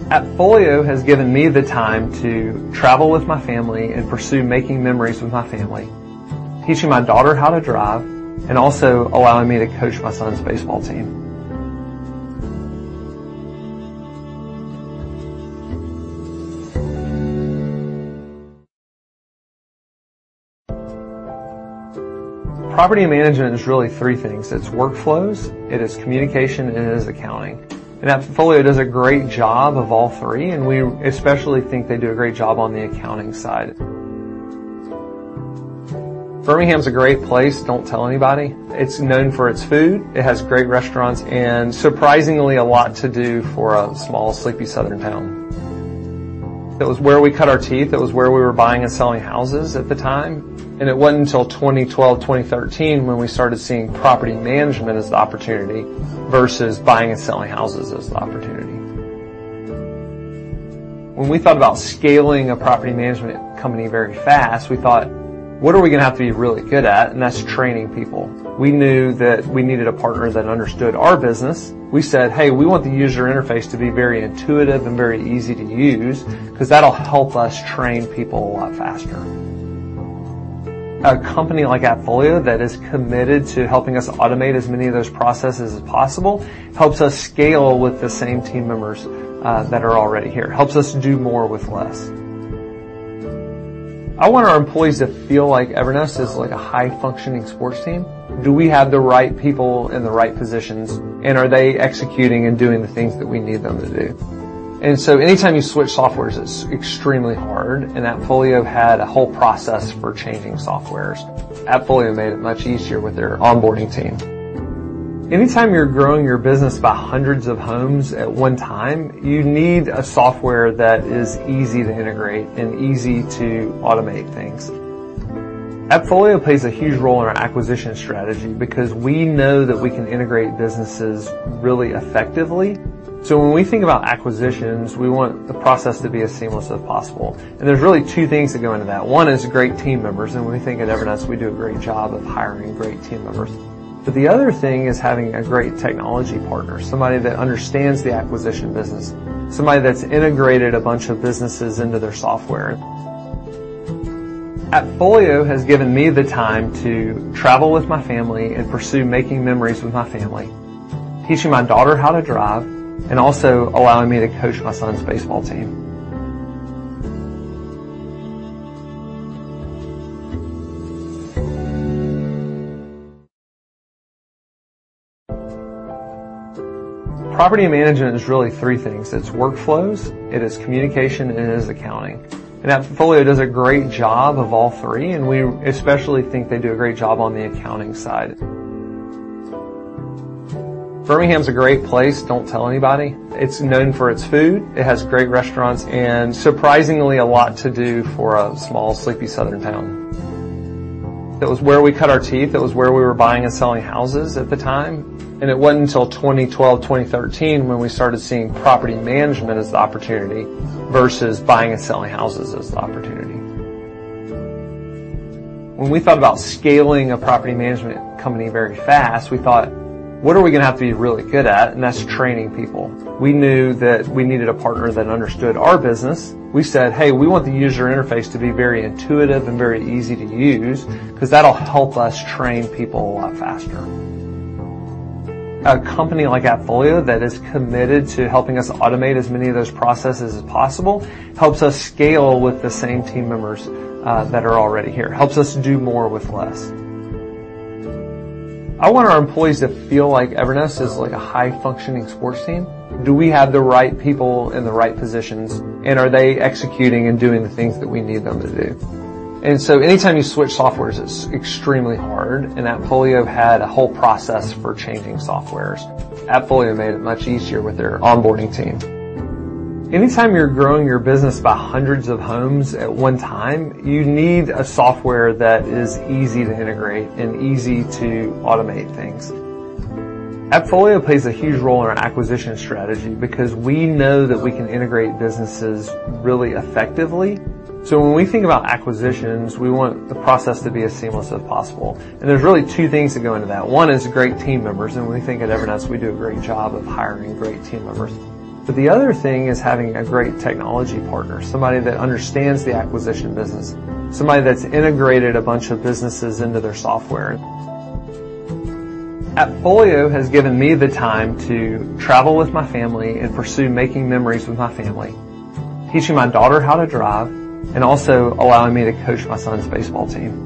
AppFolio has given me the time to travel with my family and pursue making memories with my family, teaching my daughter how to drive, and also allowing me to coach my son's baseball team. Property management is really three things: it's workflows, it is communication, and it is accounting. And AppFolio does a great job of all three, and we especially think they do a great job on the accounting side. Birmingham's a great place. Don't tell anybody. It's known for its food. It has great restaurants and surprisingly, a lot to do for a small, sleepy Southern town. It was where we cut our teeth, it was where we were buying and selling houses at the time, and it wasn't until 2012, 2013 when we started seeing property management as the opportunity versus buying and selling houses as the opportunity. When we thought about scaling a property management company very fast, we thought, "What are we going to have to be really good at?" And that's training people. We knew that we needed a partner that understood our business. We said, "Hey, we want the user interface to be very intuitive and very easy to use, because that'll help us train people a lot faster." A company like AppFolio that is committed to helping us automate as many of those processes as possible, helps us scale with the same team members that are already here. Helps us do more with less. I want our employees to feel like Evernest is like a high-functioning sports team. Do we have the right people in the right positions, and are they executing and doing the things that we need them to do? And so anytime you switch softwares, it's extremely hard, and AppFolio had a whole process for changing softwares. AppFolio made it much easier with their onboarding team. Anytime you're growing your business by hundreds of homes at one time, you need a software that is easy to integrate and easy to automate things. AppFolio plays a huge role in our acquisition strategy because we know that we can integrate businesses really effectively. So when we think about acquisitions, we want the process to be as seamless as possible. And there's really two things that go into that. One is great team members, and we think at Evernest, we do a great job of hiring great team members. But the other thing is having a great technology partner, somebody that understands the acquisition business, somebody that's integrated a bunch of businesses into their software. AppFolio has given me the time to travel with my family and pursue making memories with my family, teaching my daughter how to drive, and also allowing me to coach my son's baseball team.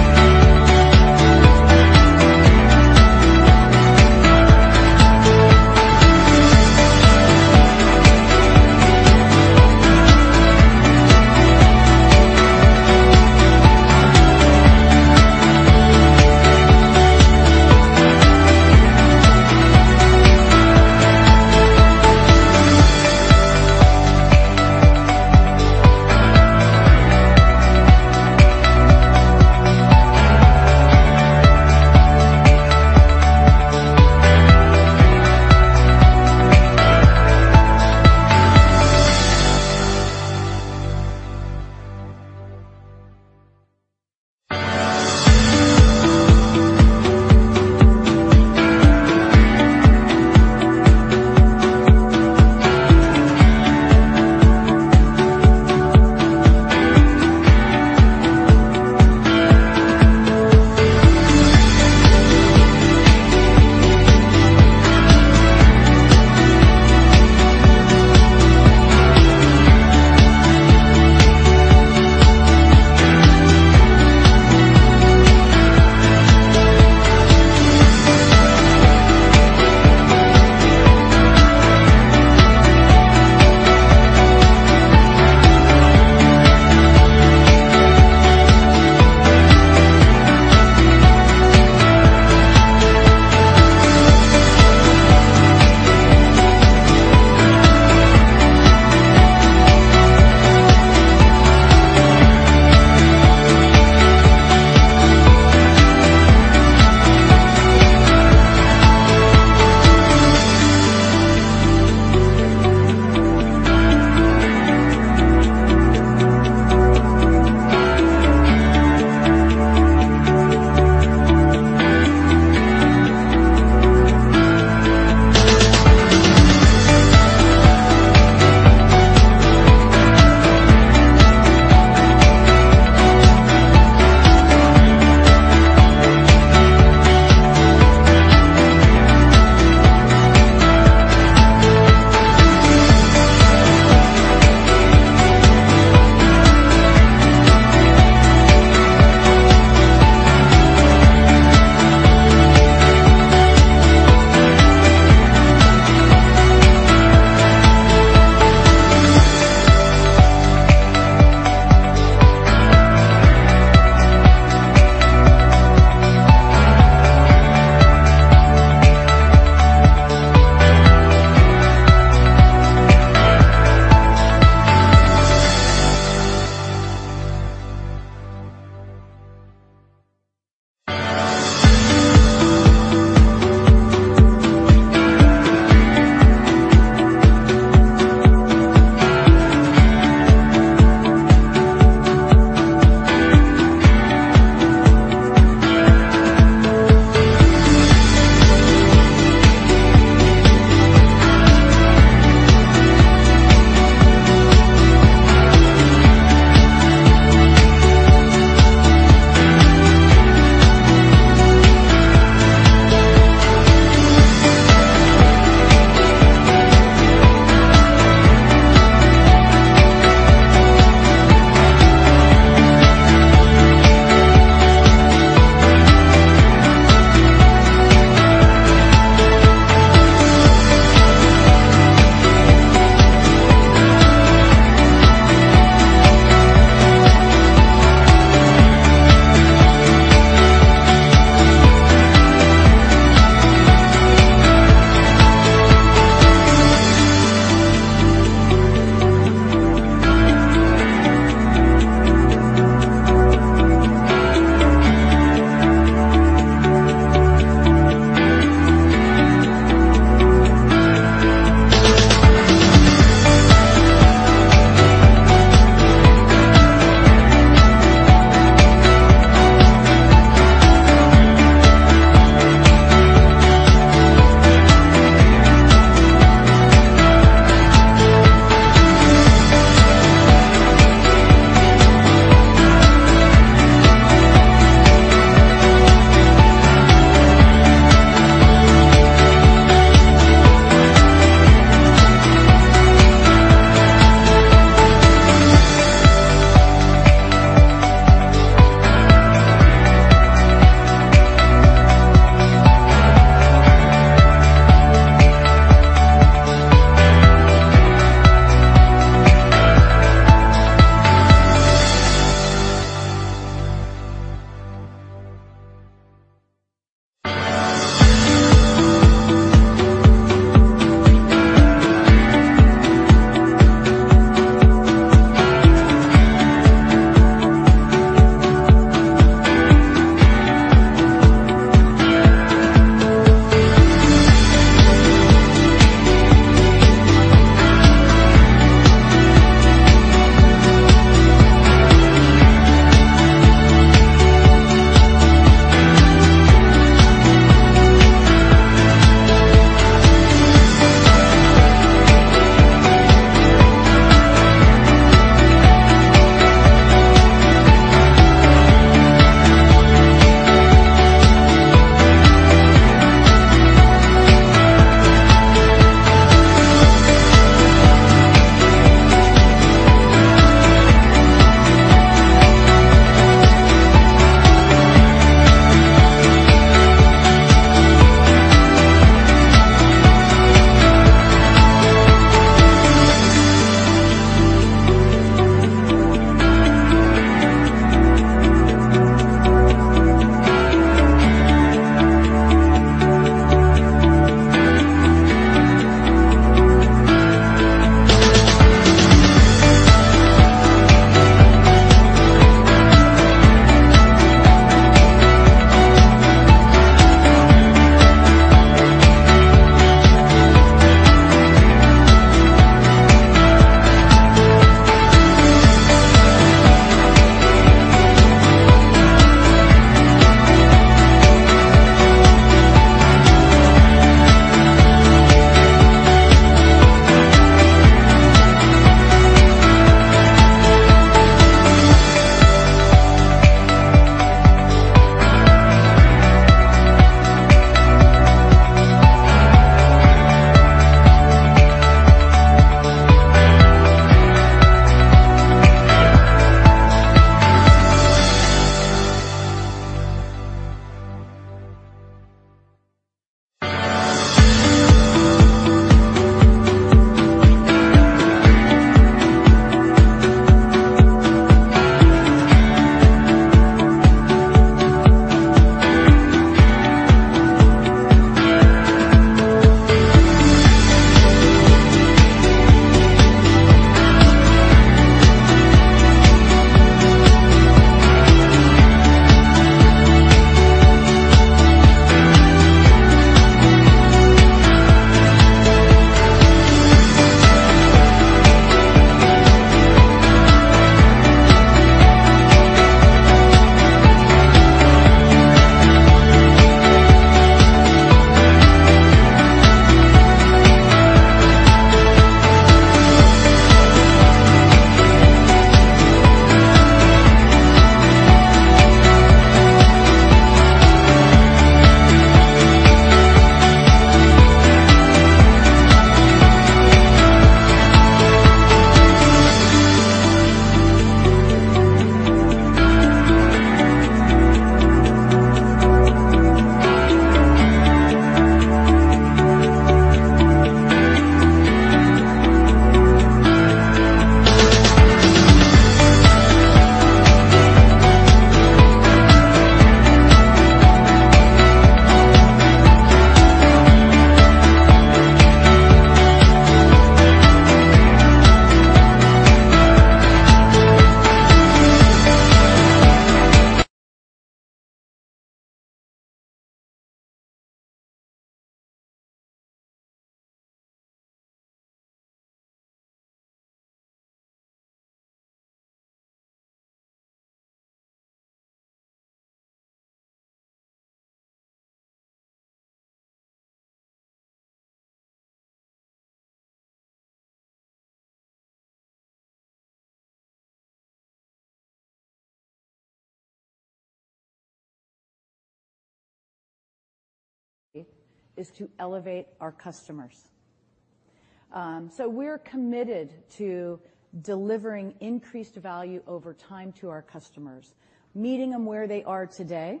We're committed to delivering increased value over time to our customers, meeting them where they are today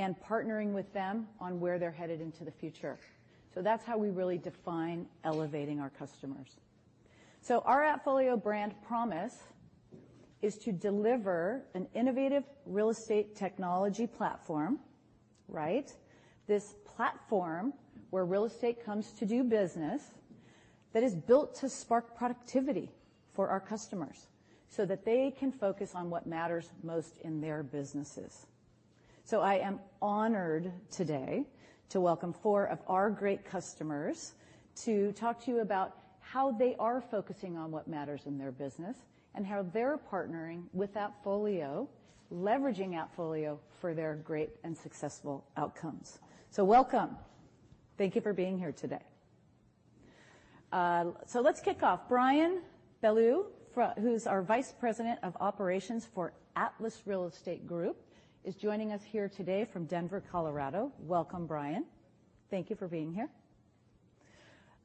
and partnering with them on where they're headed into the future. That's how we really define elevating our customers. Our AppFolio brand promise is to deliver an innovative real estate technology platform, right? This platform where real estate comes to do business, that is built to spark productivity for our customers, so that they can focus on what matters most in their businesses. I am honored today to welcome four of our great customers to talk to you about how they are focusing on what matters in their business and how they're partnering with AppFolio, leveraging AppFolio for their great and successful outcomes. Welcome. Thank you for being here today. Let's kick off. Brian Bellew, who's our vice president of operations for Atlas Real Estate Group, is joining us here today from Denver, Colorado. Welcome, Brian. Thank you for being here.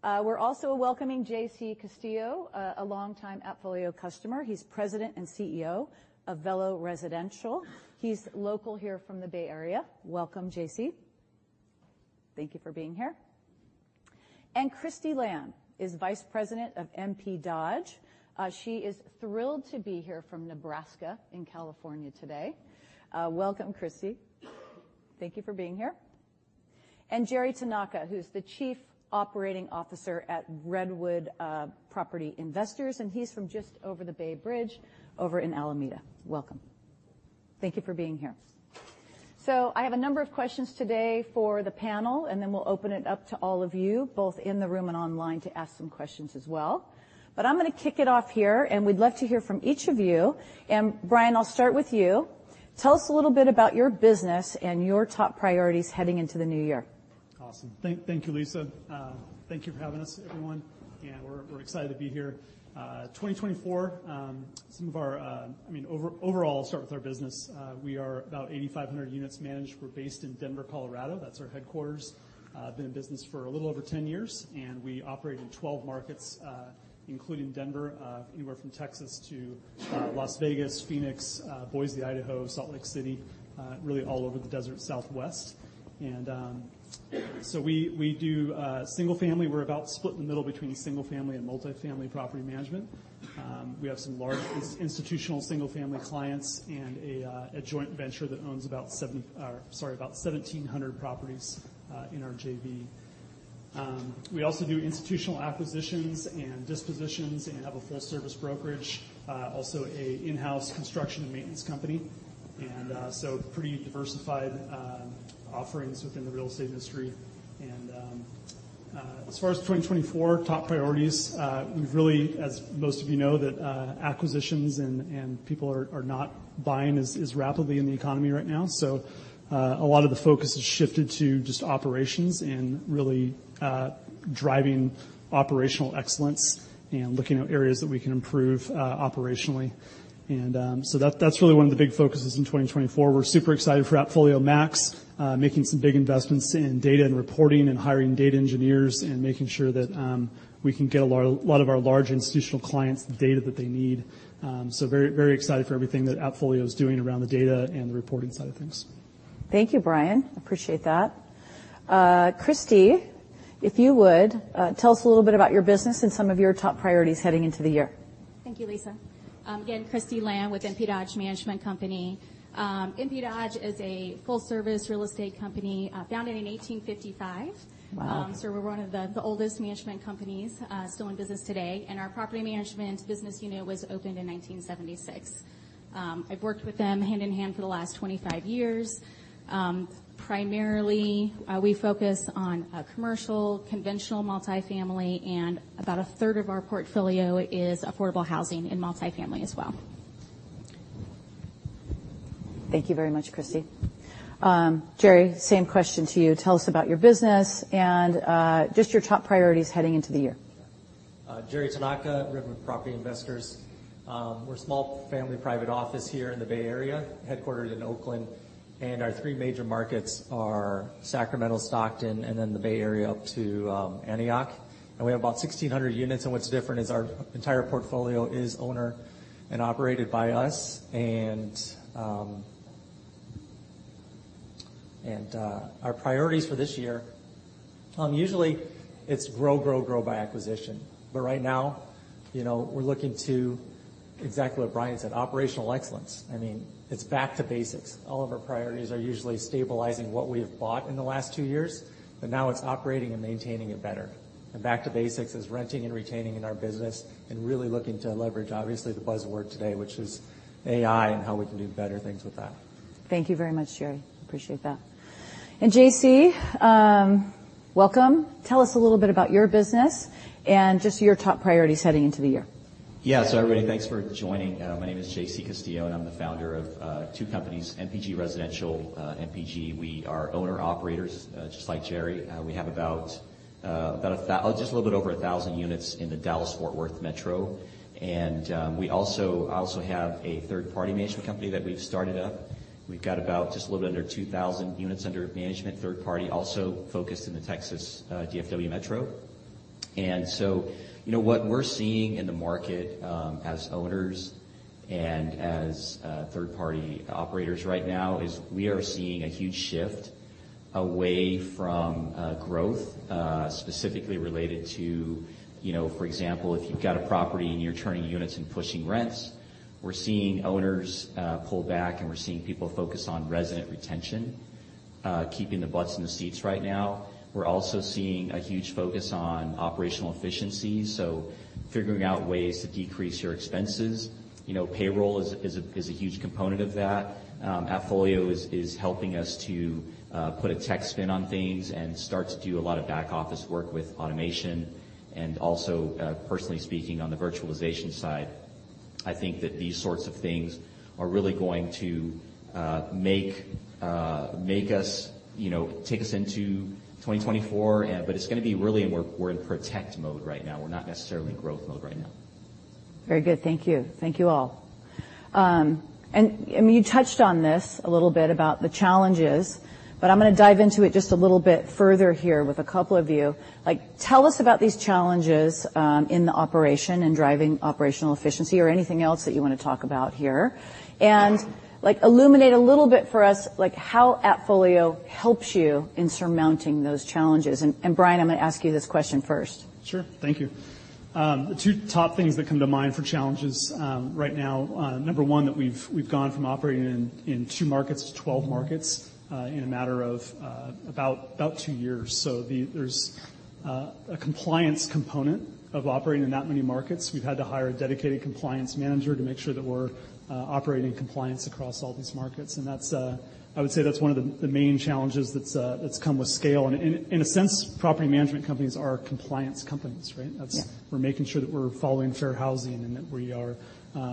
We're also welcoming JC Castillo, a longtime AppFolio customer. He's President and CEO of Velo Residential. He's local here from the Bay Area. Welcome, JC. Thank you for being here. And Kristy Lamb is Vice President of NP Dodge. She is thrilled to be here in California today from Nebraska. Welcome, Kristy. Thank you for being here. And Jerry Tanaka, who's the Chief Operating Officer at Redwood Property Investors, and he's from just over the Bay Bridge over in Alameda. Welcome. Thank you for being here. So I have a number of questions today for the panel, and then we'll open it up to all of you, both in the room and online, to ask some questions as well. But I'm gonna kick it off here, and we'd love to hear from each of you. And, Brian, I'll start with you. Tell us a little bit about your business and your top priorities heading into the new year. Awesome. Thank you, Lisa. Thank you for having us, everyone, and we're excited to be here. 2024, overall, start with our business. We are about 8,500 units managed. We're based in Denver, Colorado. That's our headquarters. Been in business for a little over 10 years, and we operate in 12 markets, including Denver, anywhere from Texas to Las Vegas, Phoenix, Boise, Idaho, Salt Lake City, really all over the desert Southwest. And so we do single-family. We're about split in the middle between single-family and multifamily property management. We have some large institutional single family clients and a joint venture that owns about 7, sorry, about 1,700 properties in our JV. We also do institutional acquisitions and dispositions and have a full-service brokerage, also an in-house construction and maintenance company, and so pretty diversified offerings within the real estate industry. As far as 2024 top priorities, we've really, as most of you know, acquisitions and people are not buying as rapidly in the economy right now. So, a lot of the focus has shifted to just operations and really driving operational excellence and looking at areas that we can improve operationally. That's really one of the big focuses in 2024. We're super excited for AppFolio Max, making some big investments in data and reporting and hiring data engineers and making sure that we can get a lot, lot of our large institutional clients the data that they need. So very, very excited for everything that AppFolio is doing around the data and the reporting side of things. Thank you, Brian. Appreciate that. Kristy, if you would, tell us a little bit about your business and some of your top priorities heading into the year. Thank you, Lisa. Kristy Lamb with NP Dodge Management Company. NP Dodge is a full-service real estate company, founded in 1855. Wow! So we're one of the, the oldest management companies still in business today, and our property management business unit was opened in 1976. I've worked with them hand in hand for the last 25 years. Primarily, we focus on commercial, conventional multifamily, and about a third of our portfolio is Affordable Housing and multifamily as well. Thank you very much, Kristy. Jerry, same question to you. Tell us about your business and, just your top priorities heading into the year. Jerry Tanaka, Redwood Property Investors. We're a small family private office here in the Bay Area, headquartered in Oakland, and our three major markets are Sacramento, Stockton, and then the Bay Area up to Antioch. And we have about 1,600 units, and what's different is our entire portfolio is owner and operated by us. And our priorities for this year, usually it's grow, grow, grow by acquisition, but right now, you know, we're looking to exactly what Brian said, operational excellence. I mean, it's back to basics. All of our priorities are usually stabilizing what we have bought in the last two years, but now it's operating and maintaining it better. Back to basics is renting and retaining in our business and really looking to leverage, obviously, the buzzword today, which is AI, and how we can do better things with that. Thank you very much, Jerry. Appreciate that. JC, welcome. Tell us a little bit about your business and just your top priorities heading into the year. Yeah. So everybody, thanks for joining. My name is JC Castillo, and I'm the founder of two companies, MPG Residential. MPG, we are owner-operators, just like Jerry. We have about just a little bit over 1,000 units in the Dallas-Fort Worth metro. We also have a third-party management company that we've started up. We've got about just a little bit under 2,000 units under management, third party, also focused in the Texas DFW metro. You know, what we're seeing in the market as owners and as third-party operators right now is we are seeing a huge shift away from growth, specifically related to, you know, for example, if you've got a property and you're turning units and pushing rents, we're seeing owners pull back, and we're seeing people focus on resident retention, keeping the butts in the seats right now. We're also seeing a huge focus on operational efficiency, so figuring out ways to decrease your expenses. You know, payroll is a huge component of that. AppFolio is helping us to put a tech spin on things and start to do a lot of back-office work with automation and also, personally speaking, on the virtualization side. I think that these sorts of things are really going to make us, you know, take us into 2024, but it's gonna be really we're in protect mode right now. We're not necessarily in growth mode right now. Very good. Thank you all. And, and you touched on this a little bit about the challenges, but I'm gonna dive into it just a little bit further here with a couple of you. Like, tell us about these challenges, in the operation and driving operational efficiency or anything else that you want to talk about here. And illuminate a little bit for us, like, how AppFolio helps you in surmounting those challenges. And Brian, I'm gonna ask you this question first. Sure. Thank you. The two top things that come to mind for challenges, right now, number one, that we've gone from operating in 2 markets to 12 markets, in a matter of about 2 years. So there's a compliance component of operating in that many markets. We've had to hire a dedicated compliance manager to make sure that we're operating in compliance across all these markets, and that's, I would say that's one of the main challenges that's come with scale. And in a sense, property management companies are compliance companies, right? That's where we're making sure that we're following fair housing and that we are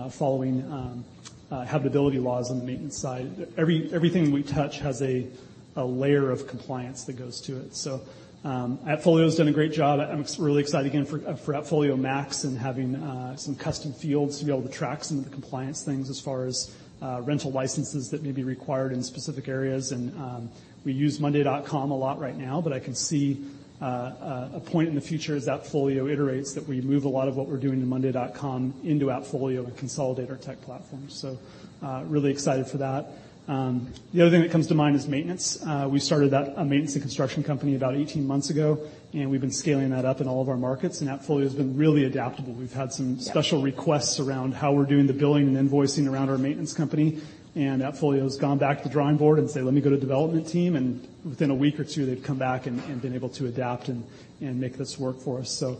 following habitability laws on the maintenance side. Everything we touch has a layer of compliance that goes to it. So, AppFolio's done a great job. I'm really excited again, for AppFolio Max and having some custom fields to be able to track some of the compliance things as far as rental licenses that may be required in specific areas. And, we use monday.com a lot right now, but I can see a point in the future as AppFolio iterates, that we move a lot of what we're doing in monday.com into AppFolio and consolidate our tech platform. So, really excited for that. The other thing that comes to mind is maintenance. We started that, a maintenance and construction company about 18 months ago, and we've been scaling that up in all of our markets, and AppFolio has been really adaptable. We've had some special requests around how we're doing the billing and invoicing around our maintenance company, and AppFolio has gone back to the drawing board and say: "Let me go to the development team." And within a week or two, they've come back and been able to adapt and make this work for us. So,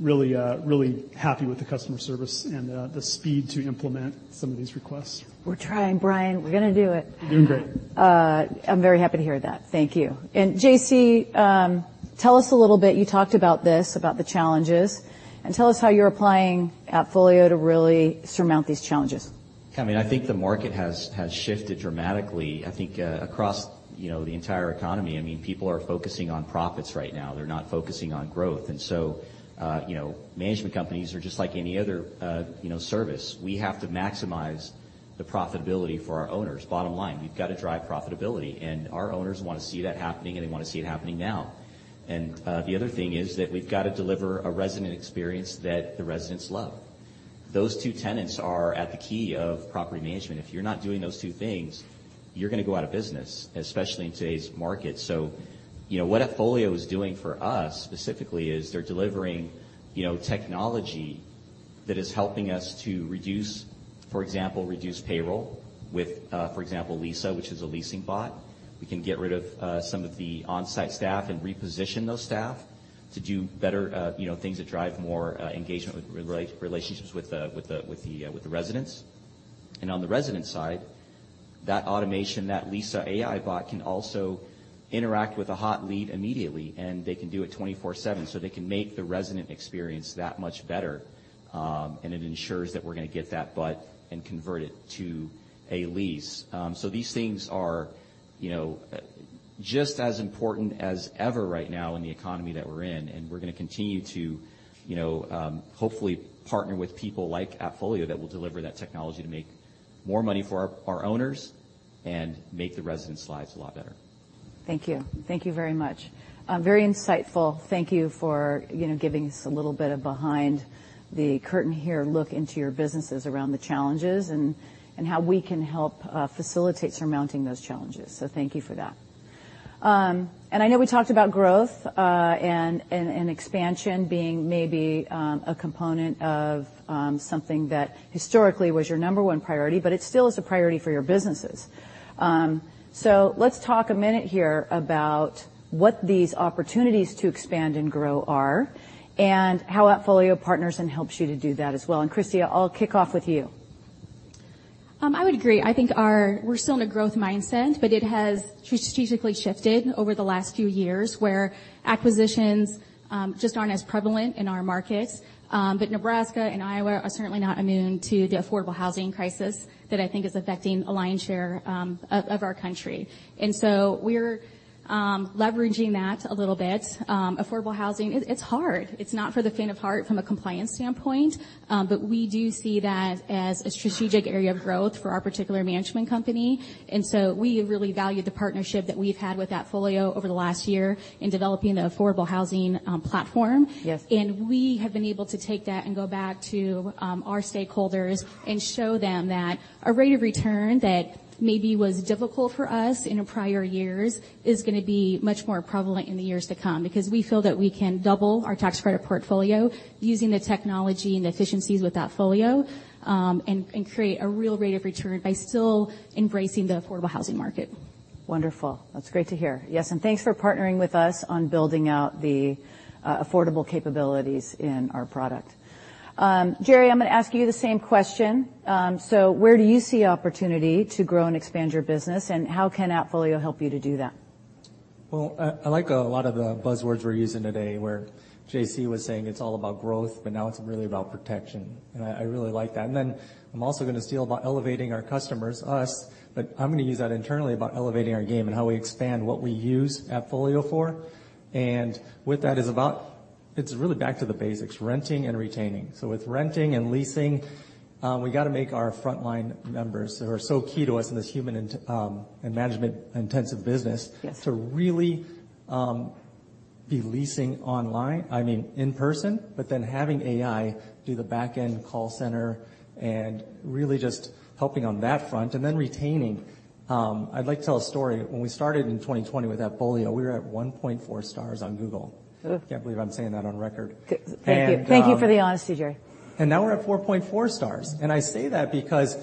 really, really happy with the customer service and the speed to implement some of these requests. We're trying, Brian. We're gonna do it. Doing great. I'm very happy to hear that. Thank you. And JC, you talked about this, about the challenges, and tell us how you're applying AppFolio to really surmount these challenges. I mean, I think the market has shifted dramatically, I think, across, you know, the entire economy. I mean, people are focusing on profits right now. They're not focusing on growth, and so, you know, management companies are just like any other, you know, service. We have to maximize the profitability for our owners. Bottom line, we've got to drive profitability, and our owners wanna see that happening, and they wanna see it happening now. The other thing is that we've got to deliver a resident experience that the residents love. Those two tenets are at the key of property management. If you're not doing those two things, you're gonna go out of business, especially in today's market. So you know, what AppFolio is doing for us specifically, is they're delivering, you know, technology that is helping us to reduce, for example, reduce payroll with, for example, Lisa, which is a leasing bot. We can get rid of some of the on-site staff and reposition those staff to do better, you know, things that drive more engagement with relationships with the residents. And on the resident side, that automation, that Lisa AI bot, can also interact with a hot lead immediately, and they can do it 24/7, so they can make the resident experience that much better. And it ensures that we're gonna get that butt and convert it to a lease. These things are, you know, just as important as ever right now in the economy that we're in, and we're gonna continue to, you know, hopefully partner with people like AppFolio that will deliver that technology to make more money for our owners and make the residents' lives a lot better. Thank you. Thank you very much. Very insightful. Thank you for giving us a little bit of behind-the-curtain here, look into your businesses around the challenges and how we can help facilitate surmounting those challenges. So thank you for that. And I know we talked about growth and expansion being maybe a component of something that historically was your number one priority, but it still is a priority for your businesses. So let's talk a minute here about what these opportunities to expand and grow are, and how AppFolio partners and helps you to do that as well. And, Kristy, I'll kick off with you. I would agree. We're still in a growth mindset, but it has strategically shifted over the last few years, where acquisitions, just aren't as prevalent in our markets. But Nebraska and Iowa are certainly not immune to the Affordable Housing crisis that I think is affecting a lion's share, of our country. And so we're, leveraging that a little bit. Affordable Housing it's hard. It's not for the faint of heart from a compliance standpoint, but we do see that as a strategic area of growth for our particular management company, and so we really value the partnership that we've had with AppFolio over the last year in developing the Affordable Housing, platform. Yes. We have been able to take that and go back to our stakeholders and show them that a rate of return that maybe was difficult for us in the prior years is gonna be much more prevalent in the years to come, because we feel that we can double our tax credit portfolio using the technology and efficiencies with AppFolio, and create a real rate of return by still embracing the Affordable Housing market. Wonderful. That's great to hear. Yes, and thanks for partnering with us on building out the affordable capabilities in our product. Jerry, I'm gonna ask you the same question. So where do you see opportunity to grow and expand your business, and how can AppFolio help you to do that? Well, I like a lot of the buzzwords we're using today, where JC was saying it's all about growth, but now it's really about protection, and I really like that. And then I'm also gonna steal about elevating our customers, us, but I'm gonna use that internally about elevating our game and how we expand what we use AppFolio for. And with that is about. It's really back to the basics: renting and retaining. So with renting and leasing, we got to make our frontline members, who are so key to us in this human and management-intensive business to really be leasing online, I mean, in person, but then having AI do the back-end call center and really just helping on that front, and then retaining. I'd like to tell a story. When we started in 2020 with AppFolio, we were at 1.4 stars on Google. I can't believe I'm saying that on record. Thank you for the honesty, Jerry. Now we're at 4.4 stars, and I say that because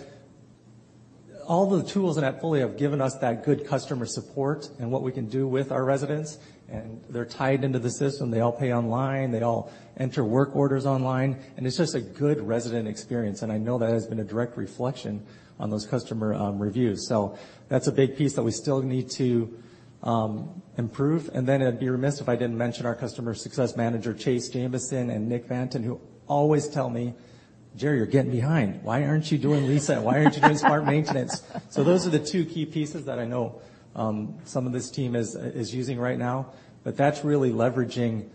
all the tools in AppFolio have given us that good customer support and what we can do with our residents, and they're tied into the system. They all pay online, they all enter work orders online, and it's just a good resident experience, and I know that has been a direct reflection on those customer reviews. So that's a big piece that we still need to improve. And then I'd be remiss if I didn't mention our customer success manager, Chase Jamison, and Nick Fantin, who always tell me: "Jerry, you're getting behind. Why aren't you doing Lisa? Why aren't you doing Smart Maintenance?" So those are the two key pieces that I know some of this team is using right now. But that's really leveraging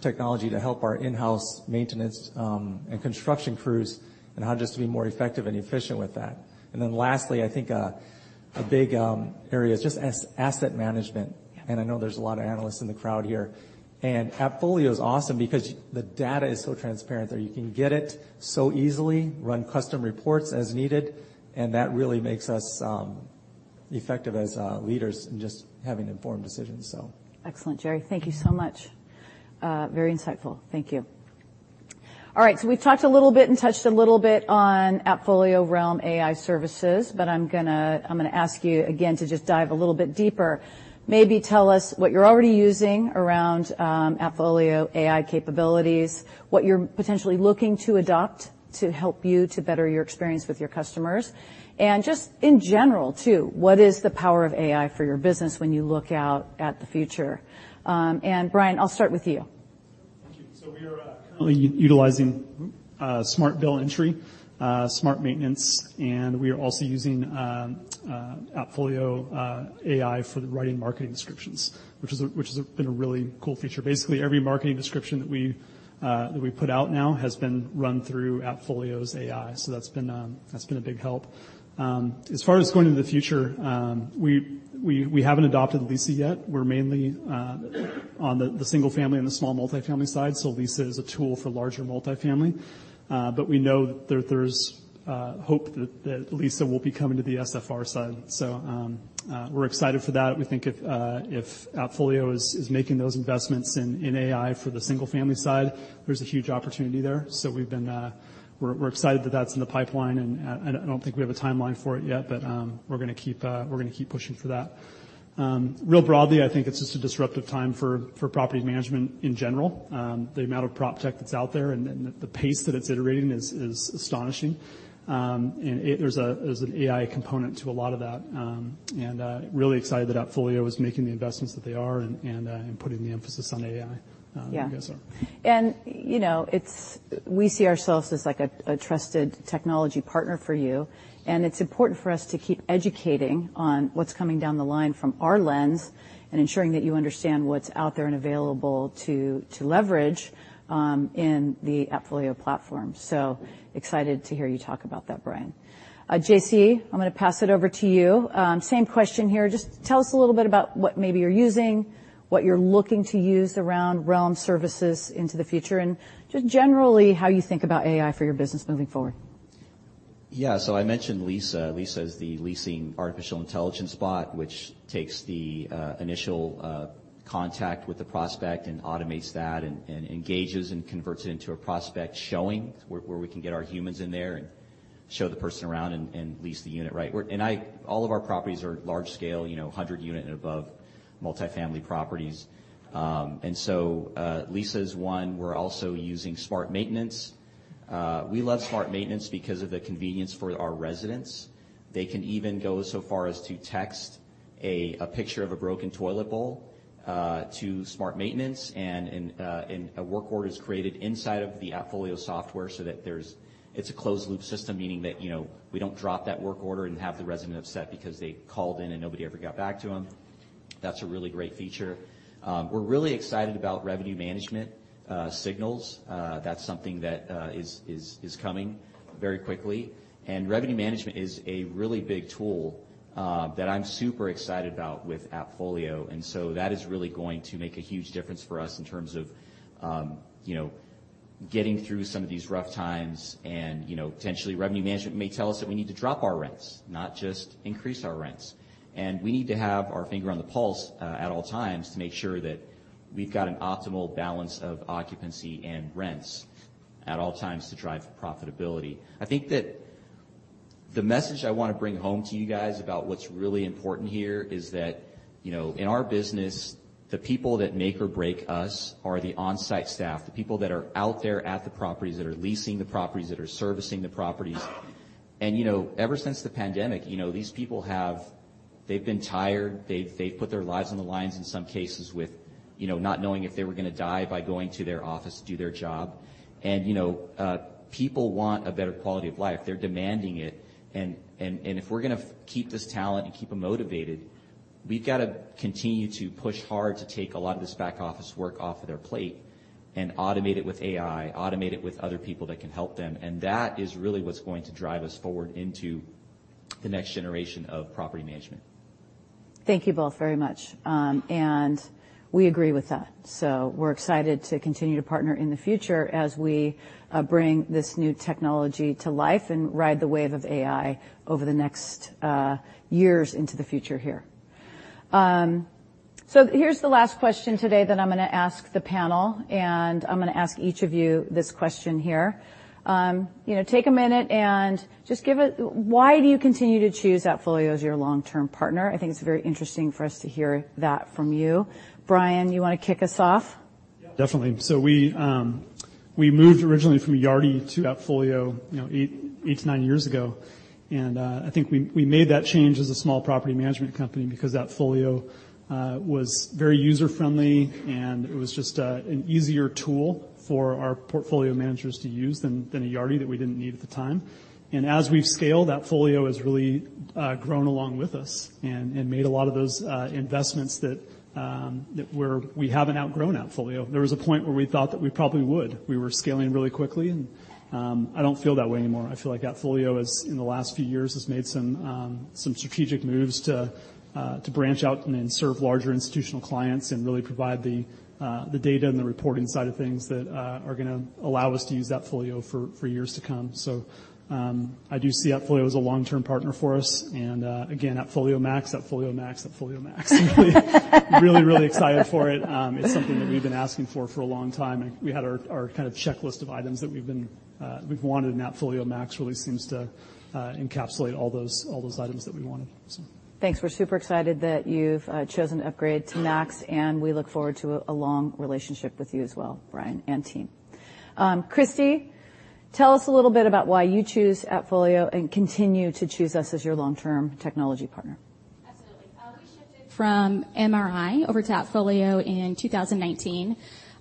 technology to help our in-house maintenance and construction crews, and how just to be more effective and efficient with that. And then lastly, I think a big area is just asset management, and I know there's a lot of analysts in the crowd here. And AppFolio is awesome because the data is so transparent there. You can get it so easily, run custom reports as needed, and that really makes us effective as leaders in just having informed decisions, so. Excellent, Jerry. Thank you so much. Very insightful. Thank you. All right, so we've talked a little bit and touched a little bit on AppFolio Realm AI services, but I'm gonna ask you again to just dive a little bit deeper. Maybe tell us what you're already using around AppFolio AI capabilities, what you're potentially looking to adopt to help you to better your experience with your customers, and just in general, too, what is the power of AI for your business when you look out at the future? And, Brian, I'll start with you. Thank you. So we are currently utilizing Smart Bill Entry, Smart Maintenance, and we are also using AppFolio AI for the writing marketing descriptions, which has been a really cool feature. Basically, every marketing description that we put out now has been run through AppFolio's AI, so that's been a big help. As far as going to the future, we haven't adopted Lisa yet. We're mainly on the single-family and the small multifamily side, so Lisa is a tool for larger multifamily. But we know that there's hope that Lisa will be coming to the SFR side. So, we're excited for that. We think if AppFolio is making those investments in AI for the single-family side, there's a huge opportunity there. We're excited that that's in the pipeline, and I don't think we have a timeline for it yet, but we're gonna keep pushing for that. Real broadly, I think it's just a disruptive time for property management in general. The amount of PropTech that's out there and the pace that it's iterating is astonishing. There's an AI component to a lot of that, and really excited that AppFolio is making the investments that they are and putting the emphasis on AI. Yeah. I guess so. And it's we see ourselves as like a trusted technology partner for you, and it's important for us to keep educating on what's coming down the line from our lens and ensuring that you understand what's out there and available to leverage in the AppFolio platform. So excited to hear you talk about that, Brian. JC, I'm gonna pass it over to you. Same question here. Just tell us a little bit about what maybe you're using, what you're looking to use around Realm services into the future, and just generally, how you think about AI for your business moving forward. Yeah. So I mentioned Lisa. Lisa is the leasing artificial intelligence bot, which takes the initial contact with the prospect and automates that and engages and converts it into a prospect showing, where we can get our humans in there and show the person around and lease the unit, right? All of our properties are large-scale, you know, 100-unit and above multifamily properties. Lisa is one. We're also using Smart Maintenance. We love Smart Maintenance because of the convenience for our residents. They can even go so far as to text a picture of a broken toilet bowl to Smart Maintenance, and a work order is created inside of the AppFolio software so that there's, it's a closed-loop system, meaning that, you know, we don't drop that work order and have the resident upset because they called in and nobody ever got back to them. That's a really great feature. We're really excited about Revenue Management signals. That's something that is coming very quickly. And revenue management is a really big tool that I'm super excited about with AppFolio, and so that is really going to make a huge difference for us in terms of, you know, getting through some of these rough times. And, you know, potentially revenue management may tell us that we need to drop our rents, not just increase our rents. We need to have our finger on the pulse at all times to make sure that we've got an optimal balance of occupancy and rents at all times to drive profitability. I think that the message I want to bring home to you guys about what's really important here is that, you know, in our business, the people that make or break us are the on-site staff, the people that are out there at the properties, that are leasing the properties, that are servicing the properties. You know, ever since the pandemic, you know, these people have been tired, they've put their lives on the lines in some cases with, you know, not knowing if they were gonna die by going to their office to do their job. You know, people want a better quality of life. They're demanding it. If we're gonna keep this talent and keep them motivated, we've got to continue to push hard to take a lot of this back-office work off of their plate and automate it with AI, automate it with other people that can help them, and that is really what's going to drive us forward into the next generation of property management. Thank you both very much. And we agree with that. So we're excited to continue to partner in the future as we bring this new technology to life and ride the wave of AI over the next years into the future here. So here's the last question today that I'm gonna ask the panel, and I'm gonna ask each of you this question here. You know, take a minute and just give it, why do you continue to choose AppFolio as your long-term partner? I think it's very interesting for us to hear that from you. Brian, you wanna kick us off? Yeah, definitely. We moved originally from Yardi to AppFolio, you know, eight to nine years ago. I think we made that change as a small property management company because AppFolio was very user-friendly, and it was just an easier tool for our portfolio managers to use than a Yardi that we didn't need at the time. As we've scaled, AppFolio has really grown along with us and made a lot of those investments that we're. We haven't outgrown AppFolio. There was a point where we thought that we probably would. We were scaling really quickly, and I don't feel that way anymore. I feel like AppFolio has, in the last few years, made some strategic moves to branch out and serve larger institutional clients and really provide the data and the reporting side of things that are gonna allow us to use AppFolio for years to come. So, I do see AppFolio as a long-term partner for us, and again, AppFolio Max, AppFolio Max, AppFolio Max. Really excited for it. It's something that we've been asking for for a long time, and we had our kind of checklist of items that we've wanted, and AppFolio Max really seems to encapsulate all those items that we wanted, so. Thanks. We're super excited that you've chosen to upgrade to Max, and we look forward to a long relationship with you as well, Brian and team. Kristy, tell us a little bit about why you choose AppFolio and continue to choose us as your long-term technology partner. Absolutely. We shifted from MRI over to AppFolio in 2019.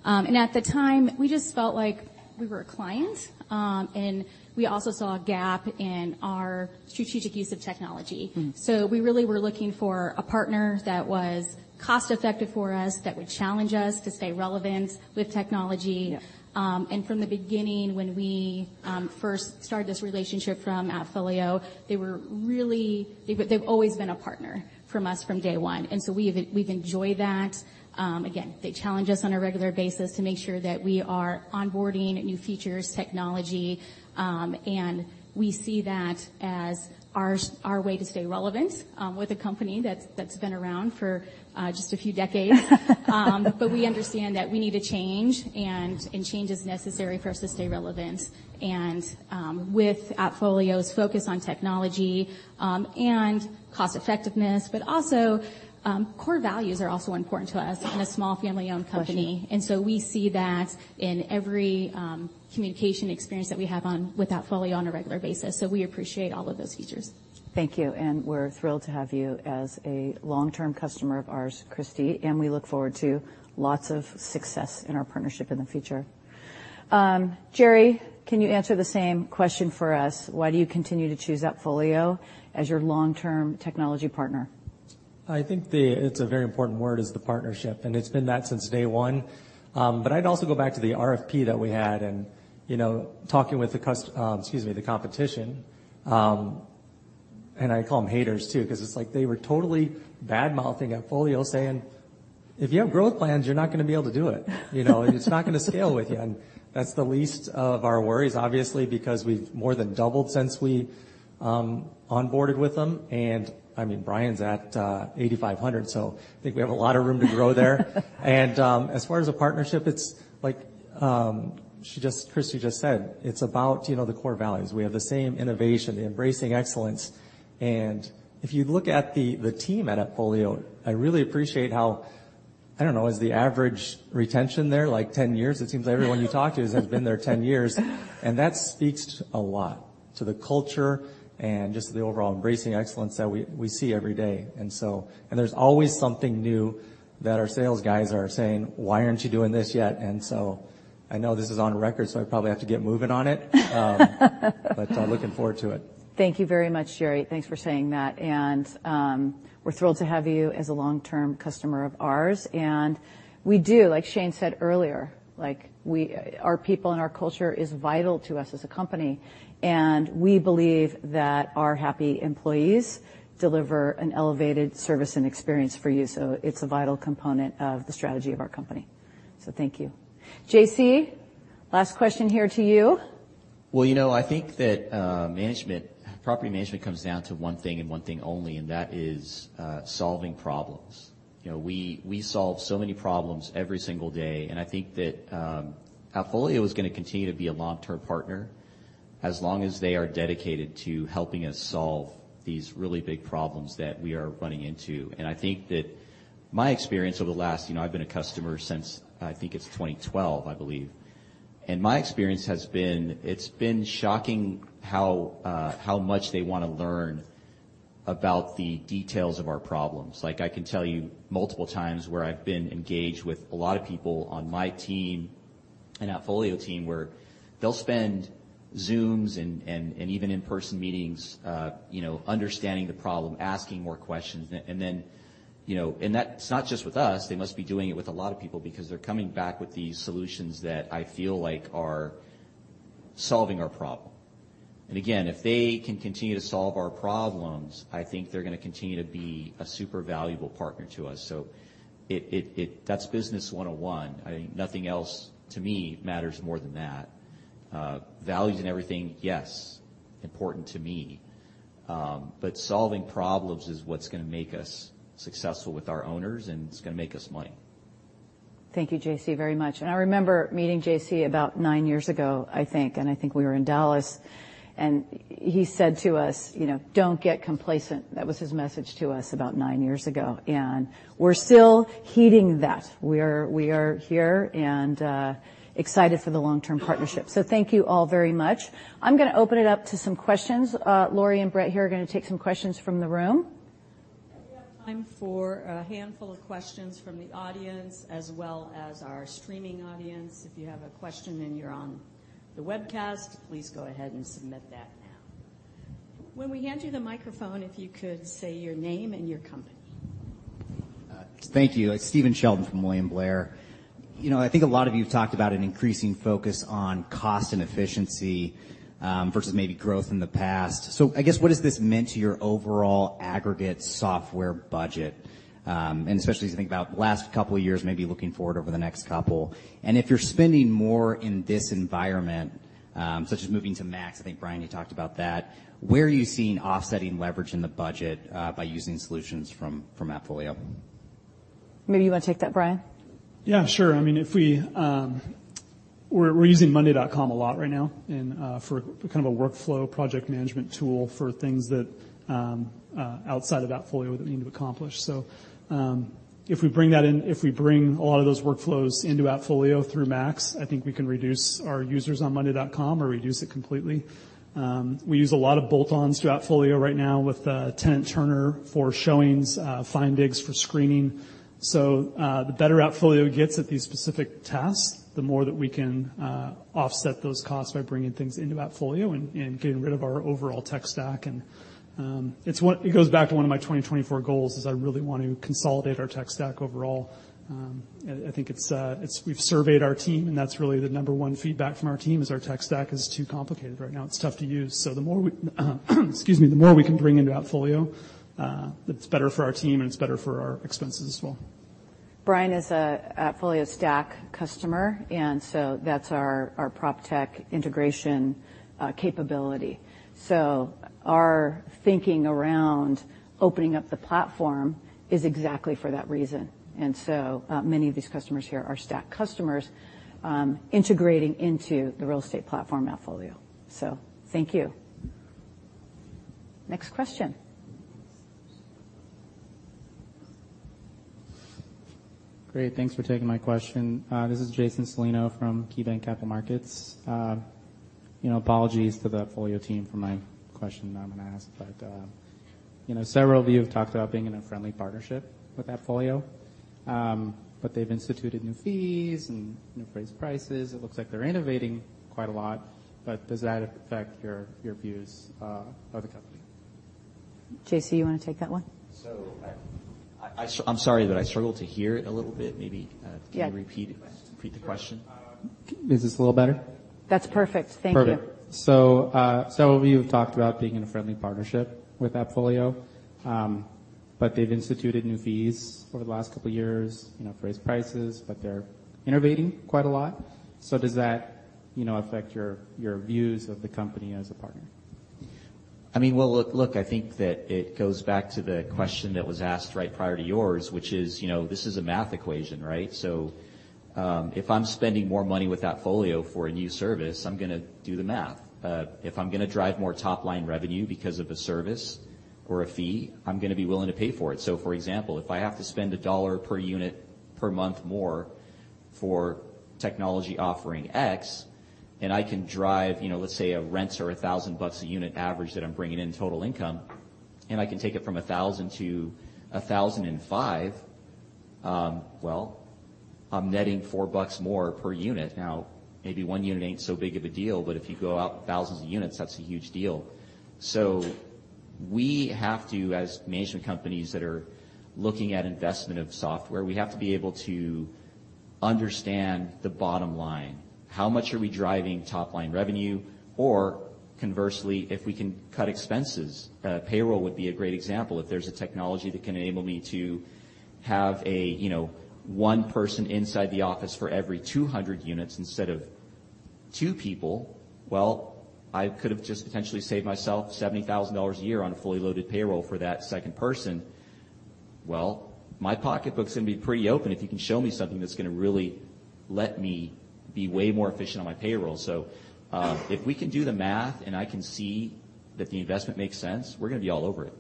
At the time, we just felt like we were a client, and we also saw a gap in our strategic use of technology. We really were looking for a partner that was cost-effective for us, that would challenge us to stay relevant with technology. And from the beginning, when we first started this relationship from AppFolio, they were really. They, they've always been a partner from us from day one, and so we've enjoyed that. Again, they challenge us on a regular basis to make sure that we are onboarding new features, technology, and we see that as our way to stay relevant with a company that's been around for just a few decades. But we understand that we need to change, and change is necessary for us to stay relevant. And with AppFolio's focus on technology and cost effectiveness, but also core values are also important to us in a small family-owned company. And so we see that in every communication experience that we have on, with AppFolio on a regular basis, so we appreciate all of those features. Thank you, and we're thrilled to have you as a long-term customer of ours, Kristy, and we look forward to lots of success in our partnership in the future. Jerry, can you answer the same question for us? Why do you continue to choose AppFolio as your long-term technology partner? It's a very important word, is the partnership, and it's been that since day one. But I'd also go back to the RFP that we had and, you know, talking with the cust-, excuse me, the competition, and I call them haters, too, 'cause it's like they were totally bad-mouthing AppFolio, saying, "If you have growth plans, you're not gonna be able to do it." it's not gonna scale with you, and that's the least of our worries, obviously, because we've more than doubled since we onboarded with them. And, I mean, Brian's at 8,500, so I think we have a lot of room to grow there. And as far as the partnership, Kristy just said, it's about the core values. We have the same innovation, the embracing excellence. If you look at the team at AppFolio, I really appreciate how is the average retention there, like, ten years? It seems everyone you talk to has been there ten years. And that speaks a lot to the culture and just the overall embracing excellence that we see every day. And so and there's always something new that our sales guys are saying: "Why aren't you doing this yet?" And so I know this is on record, so I probably have to get moving on it. Looking forward to it. Thank you very much, Jerry. Thanks for saying that, and we're thrilled to have you as a long-term customer of ours, and we do, like Shane said earlier, like our people and our culture is vital to us as a company, and we believe that our happy employees deliver an elevated service and experience for you. So it's a vital component of the strategy of our company. So thank you. JC, last question here to you. Well, you know, I think that management, property management comes down to one thing and one thing only, and that is solving problems. You know, we, we solve so many problems every single day, and I think that AppFolio is gonna continue to be a long-term partner as long as they are dedicated to helping us solve these really big problems that we are running into. And I think that my experience I've been a customer since, I think it's 2012, I believe, and my experience has been, it's been shocking how much they wanna learn about the details of our problems. Like, I can tell you multiple times where I've been engaged with a lot of people on my team and AppFolio team, where they'll spend Zooms and even in-person meetings, you know, understanding the problem, asking more questions. And then, you know, that's not just with us. They must be doing it with a lot of people because they're coming back with these solutions that I feel like are solving our problem. And again, if they can continue to solve our problems, I think they're gonna continue to be a super valuable partner to us. That's business one on one. I think nothing else, to me, matters more than that values and everything, yes, important to me. But solving problems is what's going to make us successful with our owners, and it's going to make us money. Thank you, JC, very much. I remember meeting JC about nine years ago, I think, and I think we were in Dallas, and he said to us, you know, "Don't get complacent." That was his message to us about nine years ago, and we're still heeding that. We are, we are here and excited for the long-term partnership. So thank you all very much. I'm going to open it up to some questions. Lori and Brett here are going to take some questions from the room. We have time for a handful of questions from the audience as well as our streaming audience. If you have a question and you're on the webcast, please go ahead and submit that now. When we hand you the microphone, if you could say your name and your company. Thank you. It's Stephen Sheldon from William Blair. I think a lot of you talked about an increasing focus on cost and efficiency, versus maybe growth in the past. What has this meant to your overall aggregate software budget? And especially as you think about the last couple of years, maybe looking forward over the next couple. And if you're spending more in this environment, such as moving to Max, Brian, you talked about that, where are you seeing offsetting leverage in the budget, by using solutions from AppFolio? Maybe you want to take that, Brian? We're using monday.com a lot right now, and for kind of a workflow project management tool for things that outside of AppFolio that we need to accomplish. So, if we bring a lot of those workflows into AppFolio through Max, I think we can reduce our users on monday.com or reduce it completely. We use a lot of bolt-ons to AppFolio right now with Tenant Turner for showings, Findigs for screening. So, the better AppFolio gets at these specific tasks, the more that we can offset those costs by bringing things into AppFolio and getting rid of our overall tech stack. And, it's one. It goes back to one of my 2024 goals, is I really want to consolidate our tech stack overall. I think we've surveyed our team, and that's really the number one feedback from our team, is our tech stack is too complicated right now. It's tough to use. So the more we, excuse me, the more we can bring into AppFolio, it's better for our team, and it's better for our expenses as well. Brian is a AppFolio Stack customer, and so that's our PropTech integration capability. So our thinking around opening up the platform is exactly for that reason, and so, many of these customers here are Stack customers, integrating into the real estate platform AppFolio. So thank you. Next question. Great, thanks for taking my question. This is Jason Celino from KeyBanc Capital Markets. You know, apologies to the AppFolio team for my question I'm going to ask, but, you know, several of you have talked about being in a friendly partnership with AppFolio. But they've instituted new fees and new raised prices. It looks like they're innovating quite a lot, but does that affect your, your views, of the company? JC, you want to take that one? So I'm sorry, but I struggled to hear it a little bit. Maybe, can you repeat, repeat the question? Perfect. So, several of you have talked about being in a friendly partnership with AppFolio. But they've instituted new fees over the last couple of years, you know, raised prices, but they're innovating quite a lot. So does that, you know, affect your views of the company as a partner? I mean, well, look, look, I think that it goes back to the question that was asked right prior to yours, which is, you know, this is a math equation, right? So, if I'm spending more money with AppFolio for a new service, I'm going to do the math. If I'm going to drive more top-line revenue because of a service or a fee, I'm going to be willing to pay for it. So, for example, if I have to spend $1 per unit per month more for technology offering X, and I can drive, you know, let's say a rents are $1,000 a unit average that I'm bringing in total income, and I can take it from $1,000-$1,005, well, I'm netting $4 more per unit. Now, maybe one unit ain't so big of a deal, but if you go out thousands of units, that's a huge deal. So we have to, as management companies that are looking at investment of software, we have to be able to understand the bottom line. How much are we driving top-line revenue, or conversely, if we can cut expenses? Payroll would be a great example. If there's a technology that can enable me to have a, you know, one person inside the office for every 200 units instead of two people, well, I could have just potentially saved myself $70,000 a year on a fully loaded payroll for that second person. Well, my pocketbook's going to be pretty open if you can show me something that's going to really let me be way more efficient on my payroll. If we can do the math, and I can see that the investment makes sense, we're going to be all over it.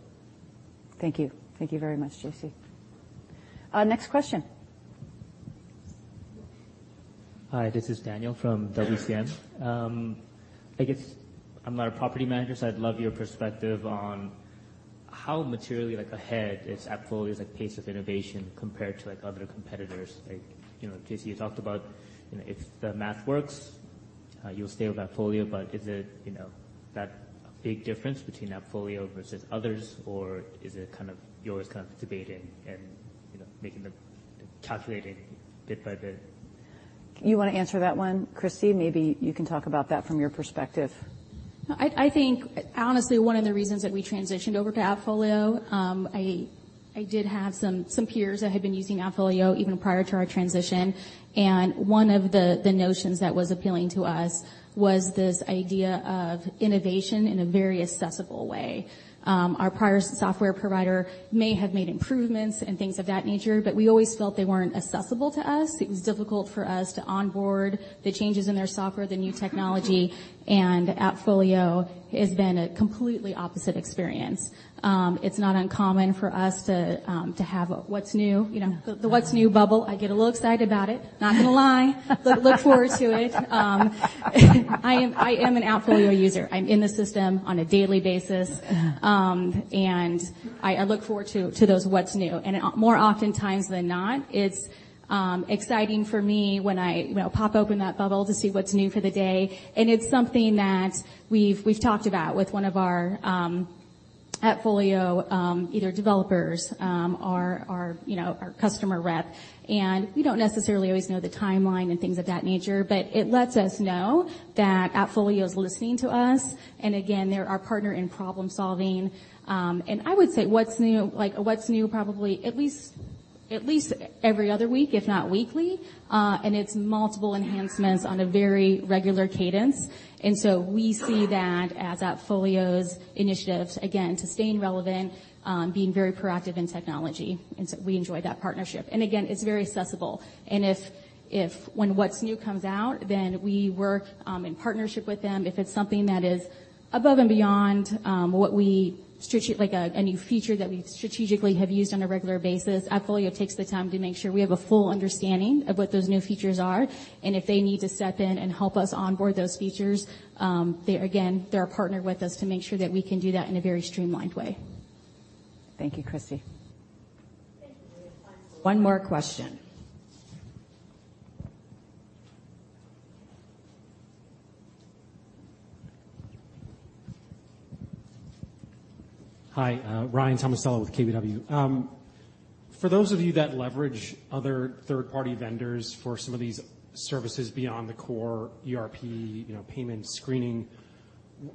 Thank you. Thank you very much, JC. Next question. Hi, this is Daniel from WCM. I guess I'm not a property manager, so I'd love your perspective on how materially ahead is AppFolio's pace of innovation compared to other competitors? Like JC, you talked about if the math works, you'll stay with AppFolio, but is it that big difference between AppFolio versus others, or you're always debating and making the calculating bit by bit? You want to answer that one, Kristy? Maybe you can talk about that from your perspective. No, honestly, one of the reasons that we transitioned over to AppFolio, I did have some peers that had been using AppFolio even prior to our transition. And one of the notions that was appealing to us was this idea of innovation in a very accessible way. Our prior software provider may have made improvements and things of that nature, but we always felt they weren't accessible to us. It was difficult for us to onboard the changes in their software, the new technology, and AppFolio has been a completely opposite experience. It's not uncommon for us to have a What's New, you know, the What's New bubble. I get a little excited about it. Not gonna lie. Look forward to it. I am an AppFolio user. I'm in the system on a daily basis, and I look forward to those What's New. More oftentimes than not, it's exciting for me when I, you know, pop open that bubble to see what's new for the day. It's something that we've talked about with one of our AppFolio developers or, you know, our customer rep. We don't necessarily always know the timeline and things of that nature, but it lets us know that AppFolio is listening to us. Again, they're our partner in problem-solving. I would say What's New, like What's New, probably at least every other week, if not weekly, and it's multiple enhancements on a very regular cadence. And so we see that as AppFolio's initiatives, again, to staying relevant, being very proactive in technology, and so we enjoy that partnership. And again, it's very accessible. And if, if when What's New comes out, then we work in partnership with them. If it's something that is above and beyond, like a new feature that we strategically have used on a regular basis, AppFolio takes the time to make sure we have a full understanding of what those new features are, and if they need to step in and help us onboard those features, they, again, they're partnered with us to make sure that we can do that in a very streamlined way. Thank you, Kristy. One more question. Hi, Ryan Tomasello with KBW. For those of you that leverage other third-party vendors for some of these services beyond the core ERP, you know, payment screening,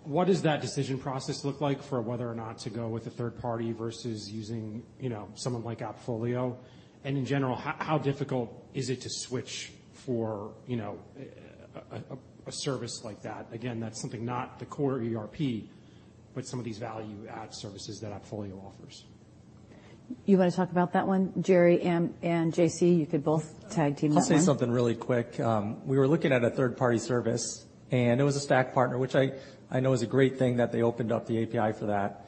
what does that decision process look like for whether or not to go with a third party versus using, you know, someone like AppFolio? And in general, how difficult is it to switch for, you know, a service like that? Again, that's something not the core ERP, but some of these value-add services that AppFolio offers. You wanna talk about that one? Jerry and JC, you could both tag team that one. I'll say something really quick. We were looking at a third-party service, and it was a Stack partner, which I, I know is a great thing that they opened up the API for that.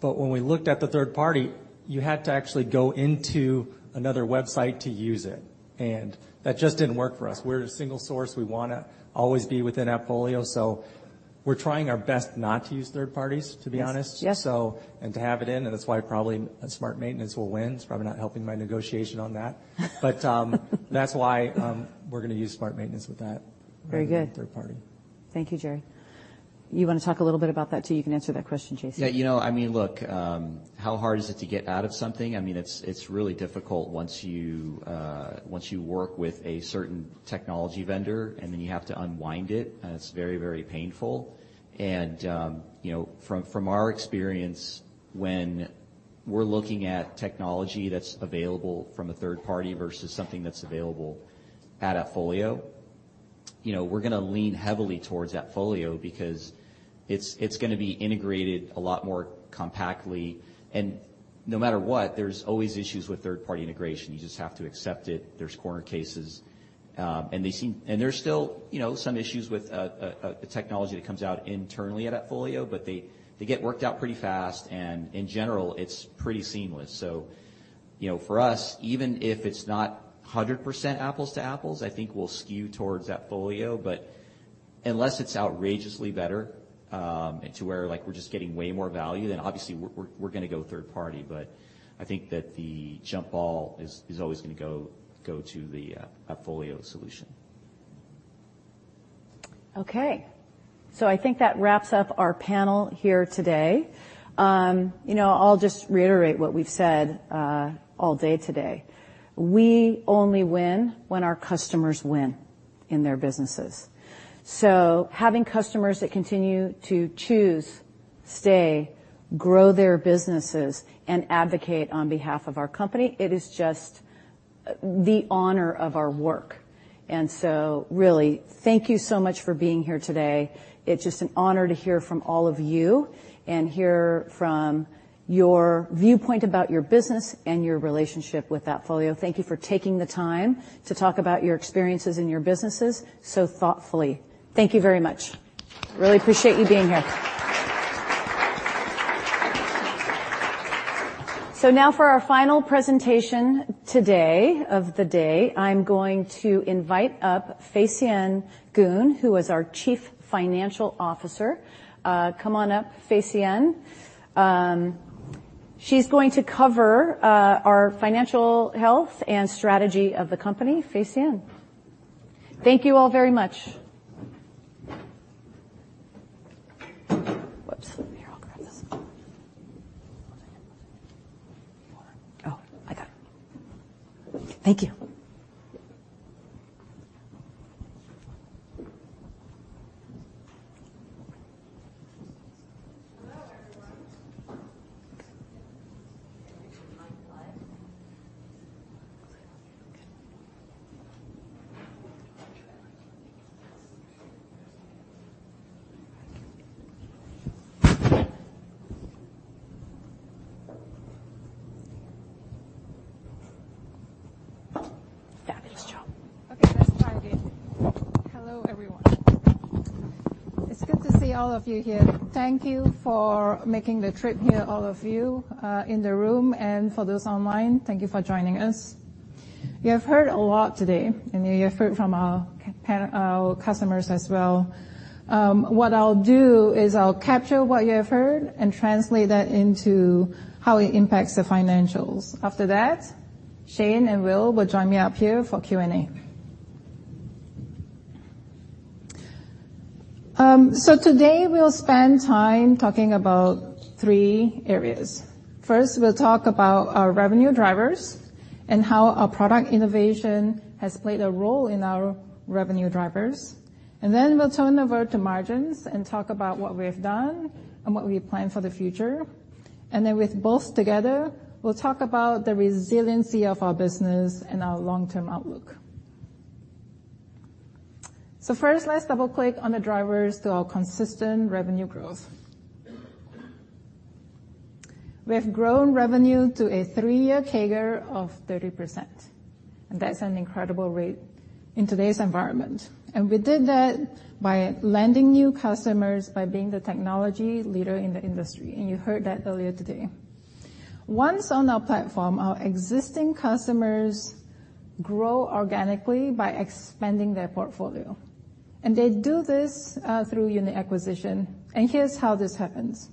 But when we looked at the third party, you had to actually go into another website to use it, and that just didn't work for us. We're a single source. We wanna always be within AppFolio, so we're trying our best not to use third parties, to be honest. Yes. And to have it in, and that's why probably Smart Maintenance will win. It's probably not helping my negotiation on that. But, that's why, we're gonna use Smart Maintenance with that rather than third party. Thank you, Jerry. You wanna talk a little bit about that, too? You can answer that question, JC. Look, how hard is it to get out of something? I mean, it's really difficult once you work with a certain technology vendor, and then you have to unwind it. It's very, very painful. From our experience, when we're looking at technology that's available from a third party versus something that's available at AppFolio, you know, we're gonna lean heavily towards AppFolio because it's gonna be integrated a lot more compactly. No matter what, there's always issues with third-party integration. You just have to accept it. There's corner cases. There's still some issues with the technology that comes out internally at AppFolio, but they get worked out pretty fast, and in general, it's pretty seamless. For us, even if it's not 100% apples-to-apples, I think we'll skew towards AppFolio. But unless it's outrageously better to where we're just getting way more value, then obviously we're gonna go third party. But I think that the jump ball is always gonna go to the AppFolio solution. Okay. So I think that wraps up our panel here today. You know, I'll just reiterate what we've said, all day today. We only win when our customers win in their businesses. So having customers that continue to choose, stay, grow their businesses, and advocate on behalf of our company, it is just, the honor of our work. And so really, thank you so much for being here today. It's just an honor to hear from all of you and hear from your viewpoint about your business and your relationship with AppFolio. Thank you for taking the time to talk about your experiences and your businesses so thoughtfully. Thank you very much. Really appreciate you being here. So now for our final presentation today, of the day, I'm going to invite up Fay Sien Goon, who is our Chief Financial Officer. Come on up, Fay Sien Goon. She's going to cover our financial health and strategy of the company. Fay Sien. Thank you all very much. Thank you. Hello, everyone. Fabulous job. Okay, let's try again. Hello, everyone. It's good to see all of you here. Thank you for making the trip here, all of you, in the room, and for those online, thank you for joining us. You have heard a lot today, and you have heard from our customers as well. What I'll do is I'll capture what you have heard and translate that into how it impacts the financials. After that, Shane and Will will join me up here for Q&A. So today, we'll spend time talking about three areas. First, we'll talk about our revenue drivers and how our product innovation has played a role in our revenue drivers. And then we'll turn over to margins and talk about what we've done and what we plan for the future. And then with both together, we'll talk about the resiliency of our business and our long-term outlook. So first, let's double-click on the drivers to our consistent revenue growth. We have grown revenue to a three-year CAGR of 30%, and that's an incredible rate in today's environment. And we did that by landing new customers, by being the technology leader in the industry, and you heard that earlier today. Once on our platform, our existing customers grow organically by expanding their portfolio, and they do this through unit acquisition. And here's how this happens.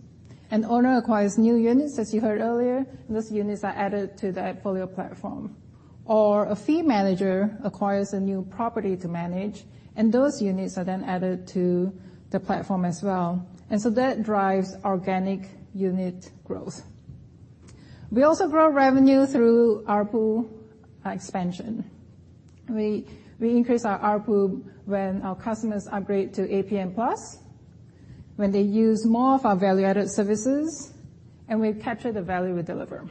An owner acquires new units, as you heard earlier. Those units are added to the portfolio platform. Or a fee manager acquires a new property to manage, and those units are then added to the platform as well. And so that drives organic unit growth. We also grow revenue through ARPU expansion. We increase our ARPU when our customers upgrade to APM+, when they use more of our value-added services, and we capture the value we deliver.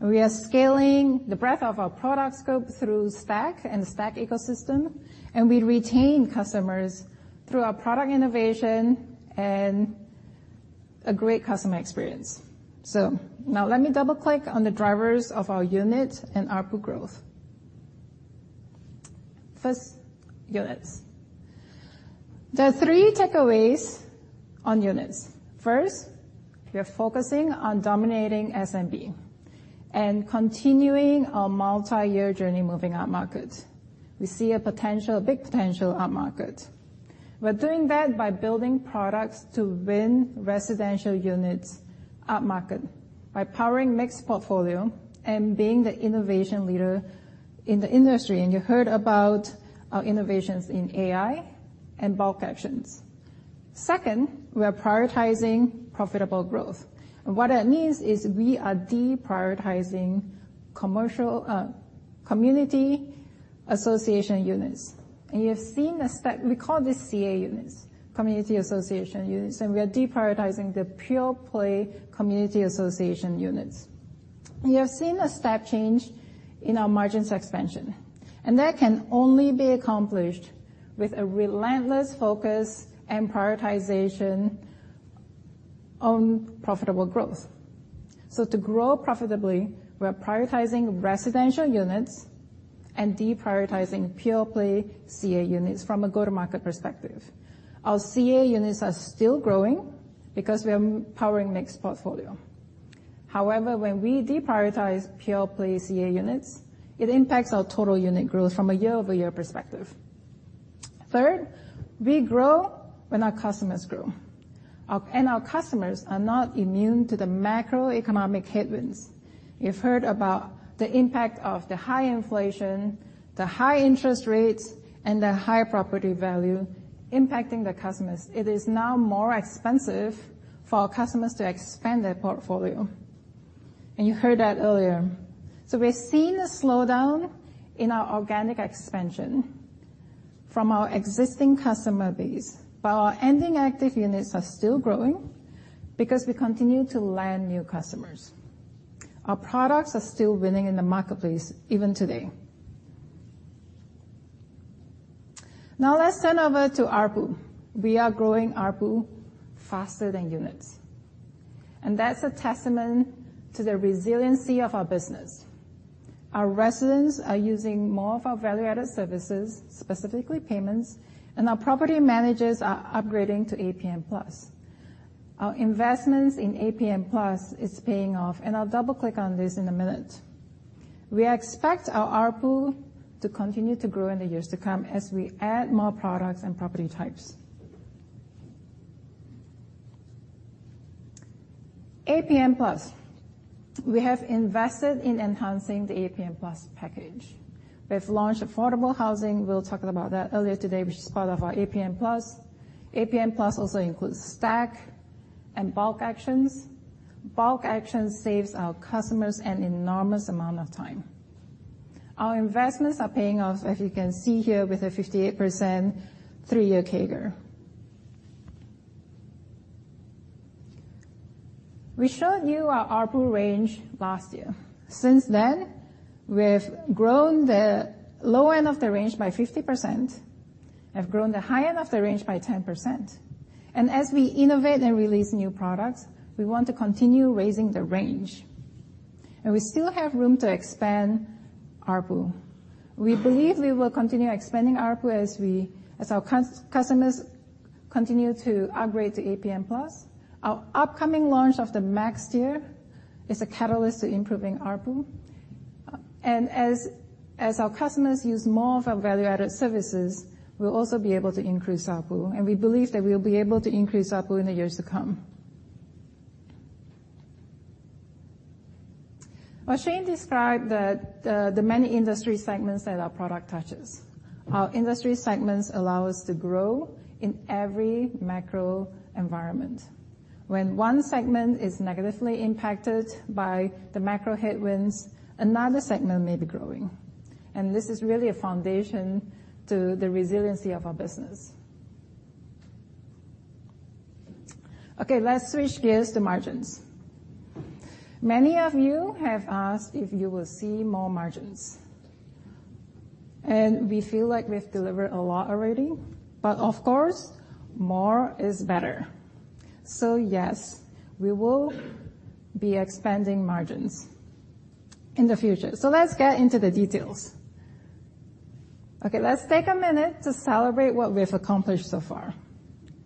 We are scaling the breadth of our product scope through Stack and Stack Ecosystem, and we retain customers through our product innovation and a great customer experience. So now let me double-click on the drivers of our unit and ARPU growth. First, units. There are three takeaways on units. First, we are focusing on dominating SMB and continuing our multi-year journey moving upmarket. We see a potential, a big potential upmarket. We're doing that by building products to win residential units upmarket, by powering mixed portfolio and being the innovation leader in the industry. And you heard about our innovations in AI and Bulk Actions. Second, we are prioritizing profitable growth, and what that means is we are deprioritizing commercial, community association units. You've seen a stack. We call this CA units, community association units, and we are deprioritizing the pure-play community association units. We have seen a step change in our margins expansion, and that can only be accomplished with a relentless focus and prioritization on profitable growth. So to grow profitably, we're prioritizing residential units and deprioritizing pure-play CA units from a go-to-market perspective. Our CA units are still growing because we are powering mixed portfolio. However, when we deprioritize pure-play CA units, it impacts our total unit growth from a year-over-year perspective. Third, we grow when our customers grow. Our customers are not immune to the macroeconomic headwinds. You've heard about the impact of the high inflation, the high interest rates, and the high property value impacting the customers. It is now more expensive for our customers to expand their portfolio, and you heard that earlier. So we're seeing a slowdown in our organic expansion from our existing customer base, but our ending active units are still growing because we continue to land new customers. Our products are still winning in the marketplace, even today. Now, let's turn over to ARPU. We are growing ARPU faster than units, and that's a testament to the resiliency of our business. Our residents are using more of our value-added services, specifically payments, and our property managers are upgrading to APM+. Our investments in APM+ is paying off, and I'll double-click on this in a minute. We expect our ARPU to continue to grow in the years to come as we add more products and property types. APM+. We have invested in enhancing the APM+ package. We've launched Affordable Housing. We'll talk about that earlier today, which is part of our APM+. APM+ also includes Stack and Bulk Actions. Bulk Actions saves our customers an enormous amount of time. Our investments are paying off, as you can see here, with a 58% three-year CAGR. We showed you our ARPU range last year. Since then, we have grown the low end of the range by 50%, have grown the high end of the range by 10%. And as we innovate and release new products, we want to continue raising the range, and we still have room to expand ARPU. We believe we will continue expanding ARPU as our customers continue to upgrade to APM+. Our upcoming launch of the Max tier is a catalyst to improving ARPU. And as our customers use more of our value-added services, we'll also be able to increase ARPU, and we believe that we'll be able to increase ARPU in the years to come. Well, Shane described the many industry segments that our product touches. Our industry segments allow us to grow in every macro environment. When one segment is negatively impacted by the macro headwinds, another segment may be growing, and this is really a foundation to the resiliency of our business. Okay, let's switch gears to margins. Many of you have asked if you will see more margins, and we feel like we've delivered a lot already, but of course, more is better. So yes, we will be expanding margins in the future. So let's get into the details. Okay, let's take a minute to celebrate what we've accomplished so far.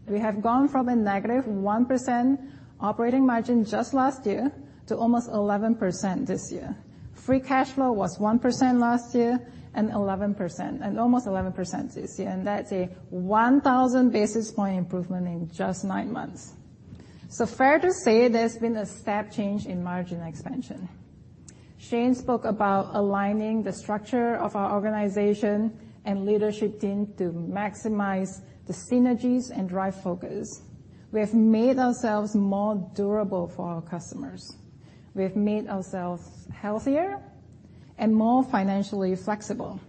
We have gone from a negative 1% operating margin just last year to almost 11% this year. Free cash flow was 1% last year and 11%, and almost 11% this year, and that's a 1,000 basis point improvement in just nine months. So fair to say there's been a step change in margin expansion. Shane spoke about aligning the structure of our organization and leadership team to maximize the synergies and drive focus. We have made ourselves more durable for our customers. We have made ourselves healthier and more financially flexible.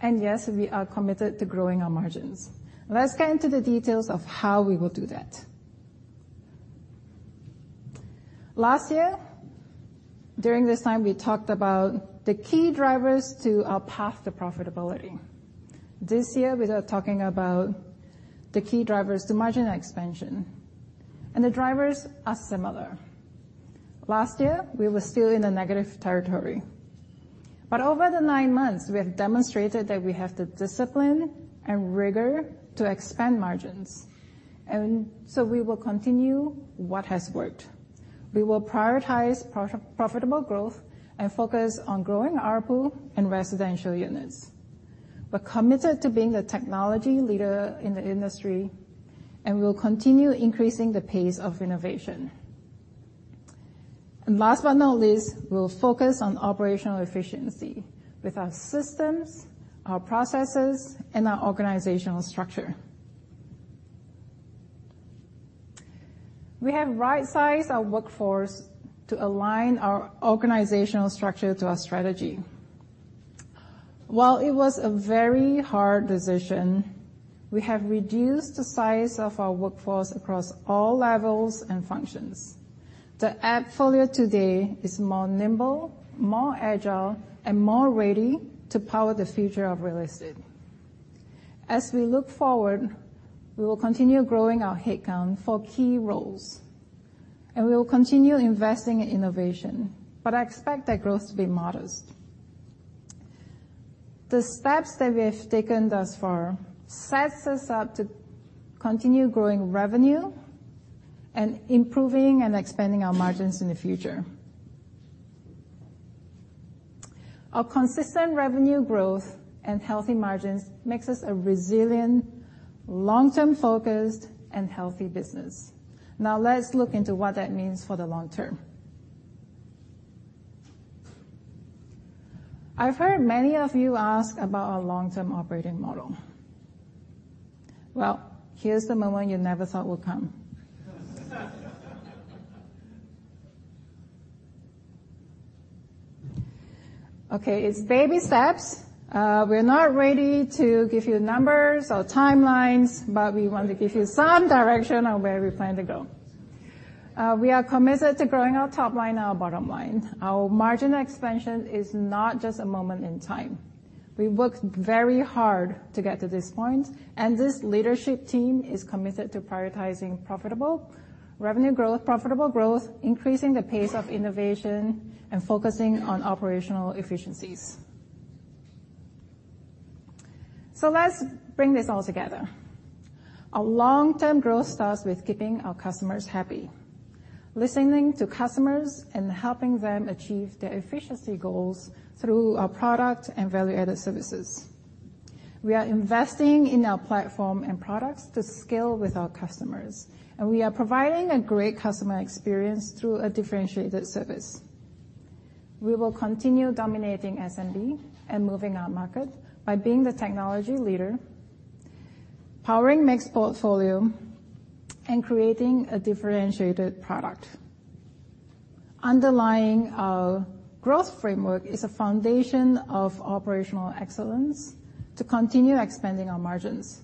And yes, we are committed to growing our margins. Let's get into the details of how we will do that. Last year, during this time, we talked about the key drivers to our path to profitability. This year, we are talking about the key drivers to margin expansion, and the drivers are similar. Last year, we were still in a negative territory, but over the nine months, we have demonstrated that we have the discipline and rigor to expand margins, and so we will continue what has worked. We will prioritize profitable growth and focus on growing ARPU and residential units. We're committed to being a technology leader in the industry, and we'll continue increasing the pace of innovation. And last but not least, we'll focus on operational efficiency with our systems, our processes, and our organizational structure. We have right-sized our workforce to align our organizational structure to our strategy. While it was a very hard decision, we have reduced the size of our workforce across all levels and functions. The AppFolio today is more nimble, more agile, and more ready to power the future of real estate. As we look forward, we will continue growing our headcount for key roles, and we will continue investing in innovation, but I expect that growth to be modest. The steps that we have taken thus far sets us up to continue growing revenue and improving and expanding our margins in the future. Our consistent revenue growth and healthy margins makes us a resilient, long-term focused and healthy business. Now, let's look into what that means for the long term. I've heard many of you ask about our long-term operating model. Well, here's the moment you never thought would come. Okay, it's baby steps. We're not ready to give you numbers or timelines, but we want to give you some direction on where we plan to go. We are committed to growing our top line and our bottom line. Our margin expansion is not just a moment in time. We've worked very hard to get to this point, and this leadership team is committed to prioritizing profitable revenue growth, profitable growth, increasing the pace of innovation, and focusing on operational efficiencies. So let's bring this all together. Our long-term growth starts with keeping our customers happy, listening to customers, and helping them achieve their efficiency goals through our product and value-added services. We are investing in our platform and products to scale with our customers, and we are providing a great customer experience through a differentiated service. We will continue dominating SMB and moving our market by being the technology leader, powering mixed portfolio, and creating a differentiated product. Underlying our growth framework is a foundation of operational excellence to continue expanding our margins.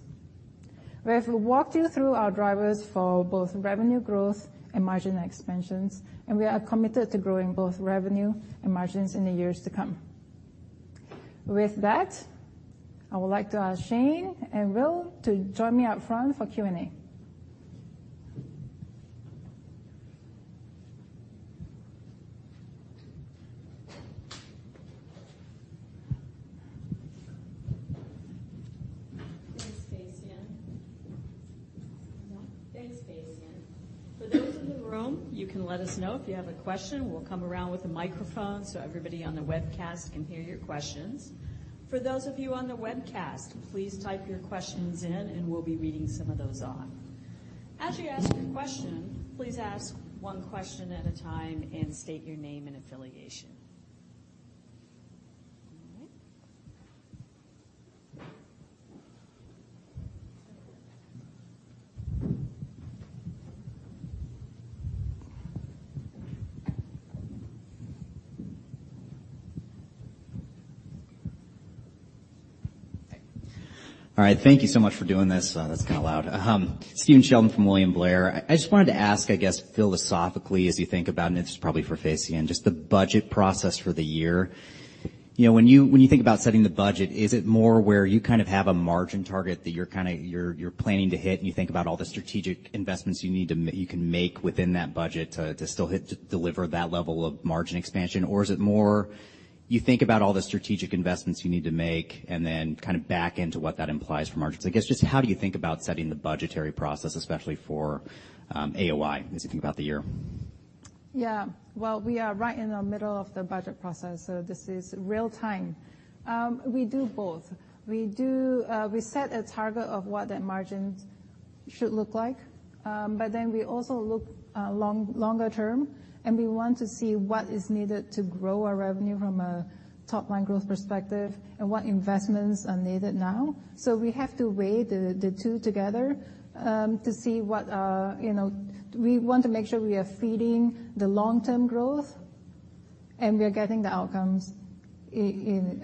We have walked you through our drivers for both revenue growth and margin expansions, and we are committed to growing both revenue and margins in the years to come. With that, I would like to ask Shane and Will to join me up front for Q&A. Thanks, Fay Sien. Thanks, Fay Sien. For those in the room, you can let us know if you have a question. We'll come around with a microphone so everybody on the webcast can hear your questions. For those of you on the webcast, please type your questions in, and we'll be reading some of those on. As you ask your question, please ask one question at a time and state your name and affiliation. All right. All right. Thank you so much for doing this. That's kind of loud. Stephen Sheldon from William Blair. I just wanted to ask, I guess, philosophically, as you think about, and this is probably for Fay Sien, just the budget process for the year. You know, when you think about setting the budget, is it more where you kind of have a margin target that you're planning to hit, and you think about all the strategic investments you need to you can make within that budget to, to still hit, to deliver that level of margin expansion? Or is it more you think about all the strategic investments you need to make and then kind of back into what that implies for margins? I guess, just how do you think about setting the budgetary process, especially for AOI, as you think about the year? Well, we are right in the middle of the budget process, so this is real time. We do both. We do, we set a target of what that margin should look like, but then we also look longer term, and we want to see what is needed to grow our revenue from a top-line growth perspective and what investments are needed now. So we have to weigh the two together, to see what we want to make sure we are feeding the long-term growth, and we are getting the outcomes in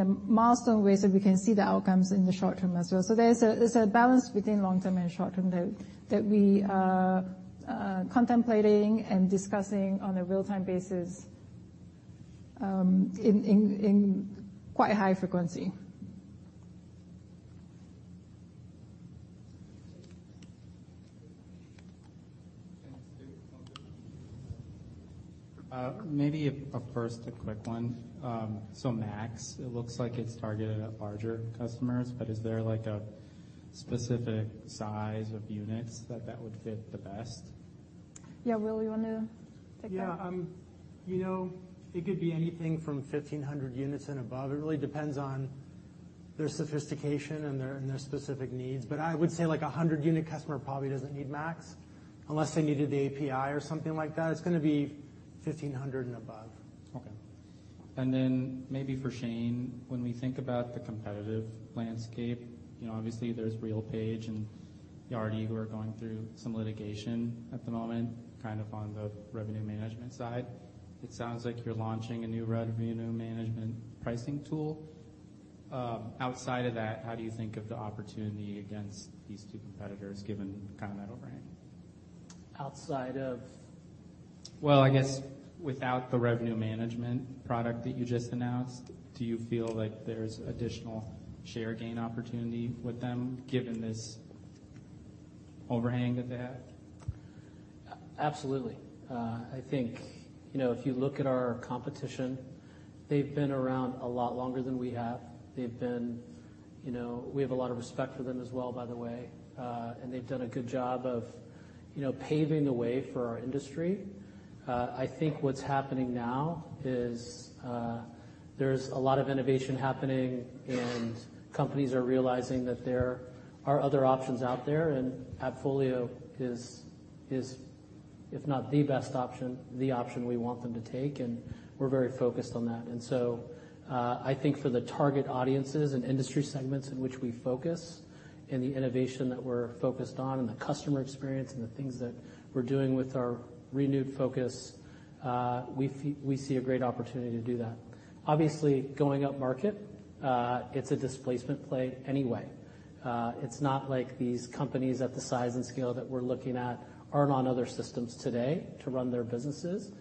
a milestone way, so we can see the outcomes in the short term as well. So there's a balance between long term and short term that we are contemplating and discussing on a real-time basis, in quite high frequency. Maybe a quick one. So Max, it looks like it's targeted at larger customers, but is there like a specific size of units that would fit the best? Will, you want to take that? It could be anything from 1,500 units and above. It really depends on their sophistication and their, and their specific needs. But I would say, like, a 100-unit customer probably doesn't need Max, unless they needed the API or something like that. It's gonna be 1,500 and above. Okay. And then maybe for Shane, when we think about the competitive landscape, you know, obviously, there's RealPage and Yardi, who are going through some litigation at the moment, kind of on the revenue management side. It sounds like you're launching a new revenue management pricing tool. Outside of that, how do you think of the opportunity against these two competitors, given kind of that overhang? Outside of? Well, I guess without the revenue management product that you just announced, do you feel like there's additional share gain opportunity with them, given this overhang that they have? Absolutely. I think if you look at our competition, they've been around a lot longer than we have. We have a lot of respect for them as well, by the way, and they've done a good job of, you know, paving the way for our industry. I think what's happening now is, there's a lot of innovation happening, and companies are realizing that there are other options out there, and AppFolio is if not the best option, the option we want them to take, and we're very focused on that. And so, I think for the target audiences and industry segments in which we focus and the innovation that we're focused on and the customer experience and the things that we're doing with our renewed focus, we see a great opportunity to do that. Obviously, going upmarket, it's a displacement play anyway. It's not like these companies at the size and scale that we're looking at aren't on other systems today to run their businesses.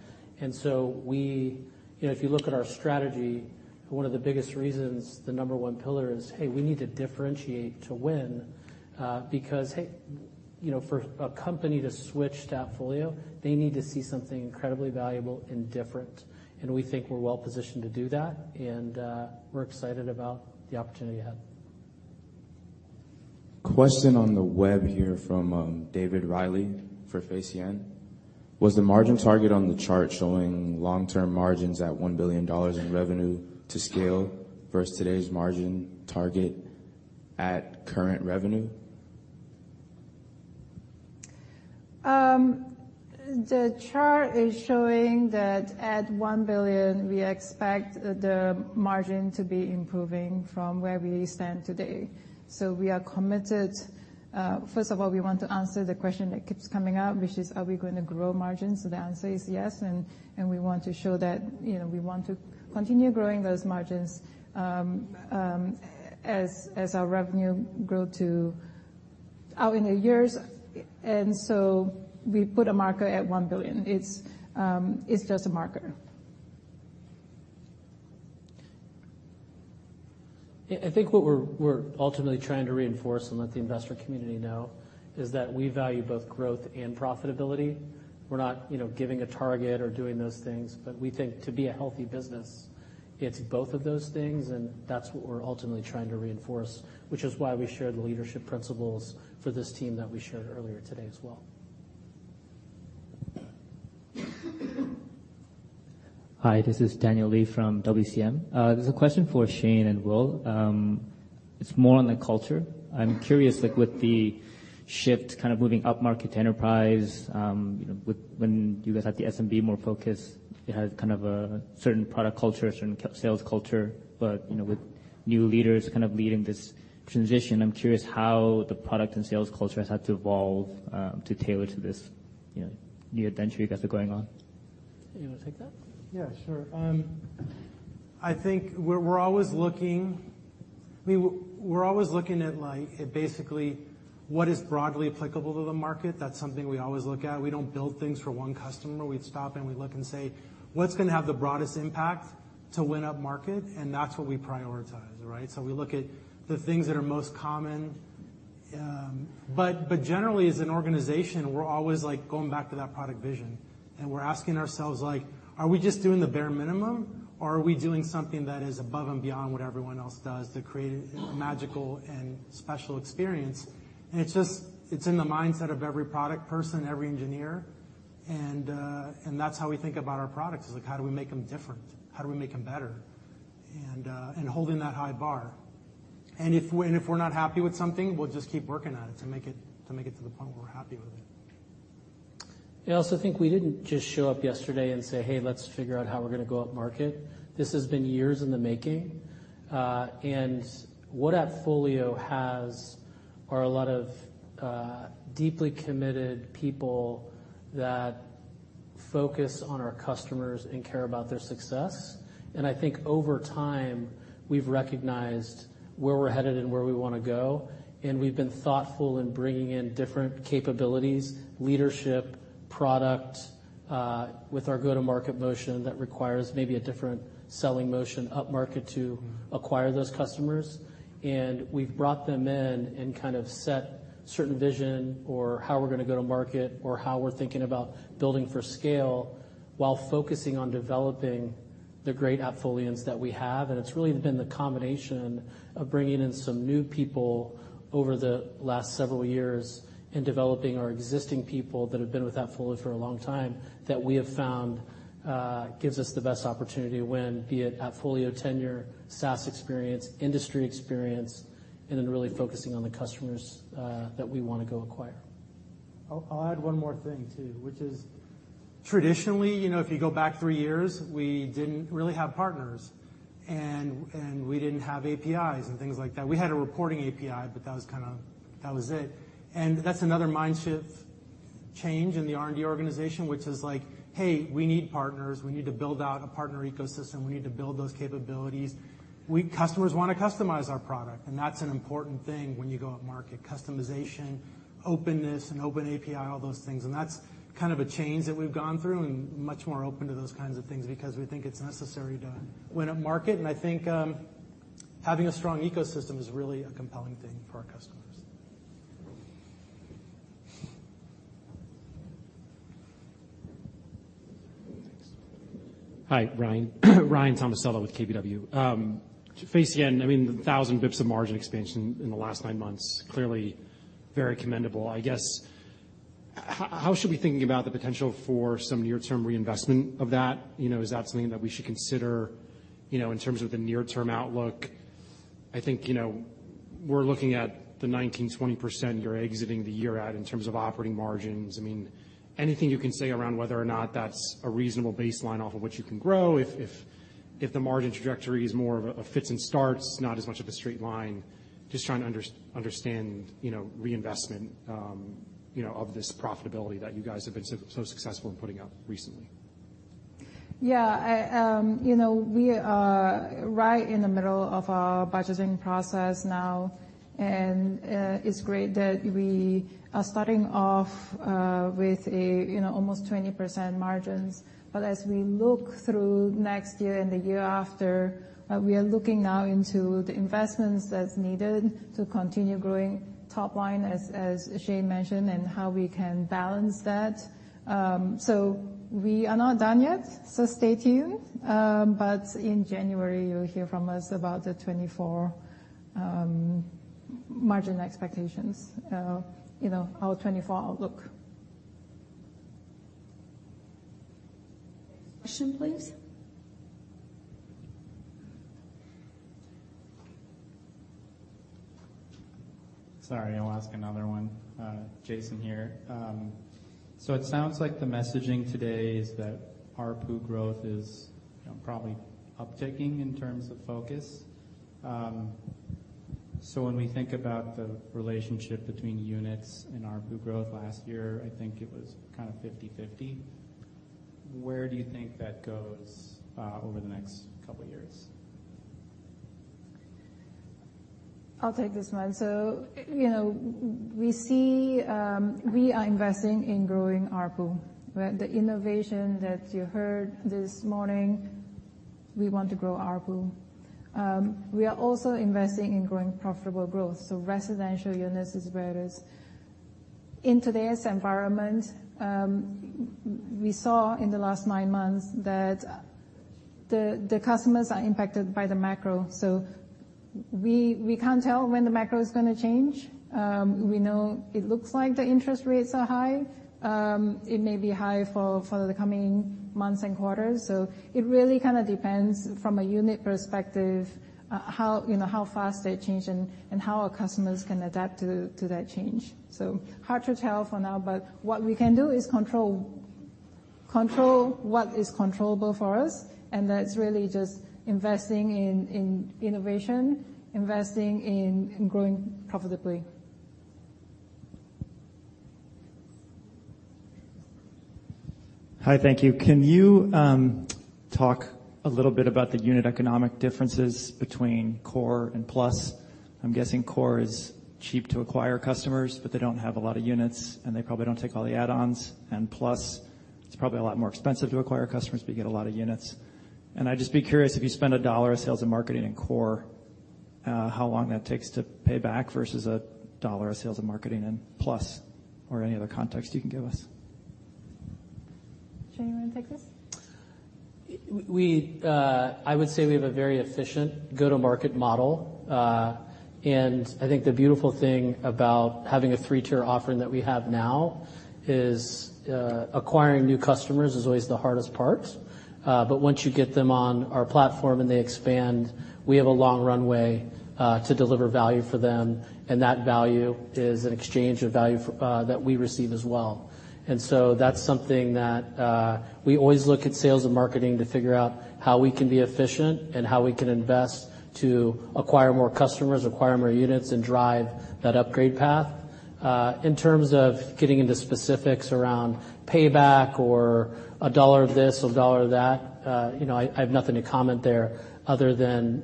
If you look at our strategy, one of the biggest reasons, the number one pillar is, hey, we need to differentiate to win, because, hey, you know, for a company to switch to AppFolio, they need to see something incredibly valuable and different, and we think we're well positioned to do that, and, we're excited about the opportunity ahead. Question on the web here from David Riley for Fay Sien: Was the margin target on the chart showing long-term margins at $1 billion in revenue to scale versus today's margin target at current revenue? The chart is showing that at $1 billion, we expect the margin to be improving from where we stand today. So we are committed. First of all, we want to answer the question that keeps coming up, which is: are we going to grow margins? So the answer is yes, and we want to show that, you know, we want to continue growing those margins, as our revenue grow to out in the years. And so we put a marker at $1 billion. It's just a marker. I think what we're ultimately trying to reinforce and let the investor community know is that we value both growth and profitability. We're not, you know, giving a target or doing those things, but we think to be a healthy business, it's both of those things, and that's what we're ultimately trying to reinforce, which is why we shared the leadership principles for this team that we shared earlier today as well. Hi, this is Daniel Lee from WCM. There's a question for Shane and Will. It's more on the culture. I'm curious, like, with the shift kind of moving upmarket to enterprise, you know, with when you guys had the SMB more focused, it had kind of a certain product culture, a certain sales culture. But, you know, with new leaders kind of leading this transition, I'm curious how the product and sales culture has had to evolve, to tailor to this, you know, new adventure you guys are going on. You want to take that? Yeah, sure. I think we're always looking at, like, basically what is broadly applicable to the market. That's something we always look at. We don't build things for one customer. We'd stop, and we look and say: "What's going to have the broadest impact to win upmarket?" And that's what we prioritize, right? So we look at the things that are most common. But generally, as an organization, we're always, like, going back to that product vision, and we're asking ourselves, like: Are we just doing the bare minimum, or are we doing something that is above and beyond what everyone else does to create a magical and special experience? And it's in the mindset of every product person, every engineer, and that's how we think about our products, is like, how do we make them different? How do we make them better? And, and holding that high bar. And if we're not happy with something, we'll just keep working on it to make it, to make it to the point where we're happy with it. I also think we didn't just show up yesterday and say, "Hey, let's figure out how we're going to go upmarket." This has been years in the making, and what AppFolio has are a lot of deeply committed people that focus on our customers and care about their success. And I think over time, we've recognized where we're headed and where we want to go, and we've been thoughtful in bringing in different capabilities, leadership, product, with our go-to-market motion that requires maybe a different selling motion upmarket to acquire those customers. And we've brought them in and kind of set certain vision or how we're going to go to market or how we're thinking about building for scale while focusing on developing the great AppFolians that we have. It's really been the combination of bringing in some new people over the last several years and developing our existing people that have been with AppFolio for a long time, that we have found gives us the best opportunity to win, be it AppFolio tenure, SaaS experience, industry experience, and then really focusing on the customers that we want to go acquire. I'll add one more thing, too, which is traditionally, you know, if you go back three years, we didn't really have partners, and we didn't have APIs and things like that. We had a reporting API, but that was it. And that's another mind shift change in the R&D organization, which is like, "Hey, we need partners. We need to build out a partner ecosystem. We need to build those capabilities." Customers want to customize our product, and that's an important thing when you go upmarket. Customization, openness, and open API, all those things, and that's kind of a change that we've gone through and much more open to those kinds of things because we think it's necessary to win at market. And I think having a strong ecosystem is really a compelling thing for our customers. Hi, Ryan. Ryan Tomasello with KBW. I mean, the 1,000 basis points of margin expansion in the last nine months, clearly very commendable. I guess, how should we be thinking about the potential for some near-term reinvestment of that? You know, is that something that we should consider, you know, in terms of the near-term outlook? I think, you know, we're looking at the 19%-20% you're exiting the year at in terms of operating margins. I mean, anything you can say around whether or not that's a reasonable baseline off of which you can grow, if the margin trajectory is more of a fits and starts, not as much of a straight line? Just trying to understand, you know, reinvestment, you know, of this profitability that you guys have been so, so successful in putting out recently. Yeah, I, you know, we are right in the middle of our budgeting process now, and, it's great that we are starting off, with a, you know, almost 20% margins. But as we look through next year and the year after, we are looking now into the investments that's needed to continue growing top line, as, as Shane mentioned, and how we can balance that. So we are not done yet, so stay tuned. But in January, you'll hear from us about the 2024 margin expectations, you know, our 2024 outlook. Question, please? Sorry, I'll ask another one. Jason here. So it sounds like the messaging today is that ARPU growth is, you know, probably upticking in terms of focus. So when we think about the relationship between units and ARPU growth last year, I think it was kind of 50/50. Where do you think that goes over the next couple of years? I'll take this one. So, you know, we see we are investing in growing ARPU, where the innovation that you heard this morning, we want to grow ARPU. We are also investing in growing profitable growth, so residential units is where it is. In today's environment, we saw in the last nine months that the customers are impacted by the macro, so we can't tell when the macro is going to change. We know it looks like the interest rates are high. It may be high for the coming months and quarters. So it really kind of depends from a unit perspective, how you know, how fast they change and how our customers can adapt to that change. Hard to tell for now, but what we can do is control, control what is controllable for us, and that's really just investing in, in innovation, investing in growing profitably. Hi, thank you. Can you talk a little bit about the unit economic differences between Core and Plus? I'm guessing Core is cheap to acquire customers, but they don't have a lot of units, and they probably don't take all the add-ons. Plus, it's probably a lot more expensive to acquire customers, but you get a lot of units. I'd just be curious, if you spend a dollar of sales and marketing in Core, how long that takes to pay back versus a dollar of sales and marketing in Plus, or any other context you can give us. Shane, you want to take this? We, I would say we have a very efficient go-to-market model. And I think the beautiful thing about having a three-tier offering that we have now is, acquiring new customers is always the hardest part. But once you get them on our platform and they expand, we have a long runway, to deliver value for them, and that value is an exchange of value for- that we receive as well. And so that's something that, we always look at sales and marketing to figure out how we can be efficient and how we can invest to acquire more customers, acquire more units, and drive that upgrade path. In terms of getting into specifics around payback or a dollar of this, a dollar of that, you know, I, I have nothing to comment there other than,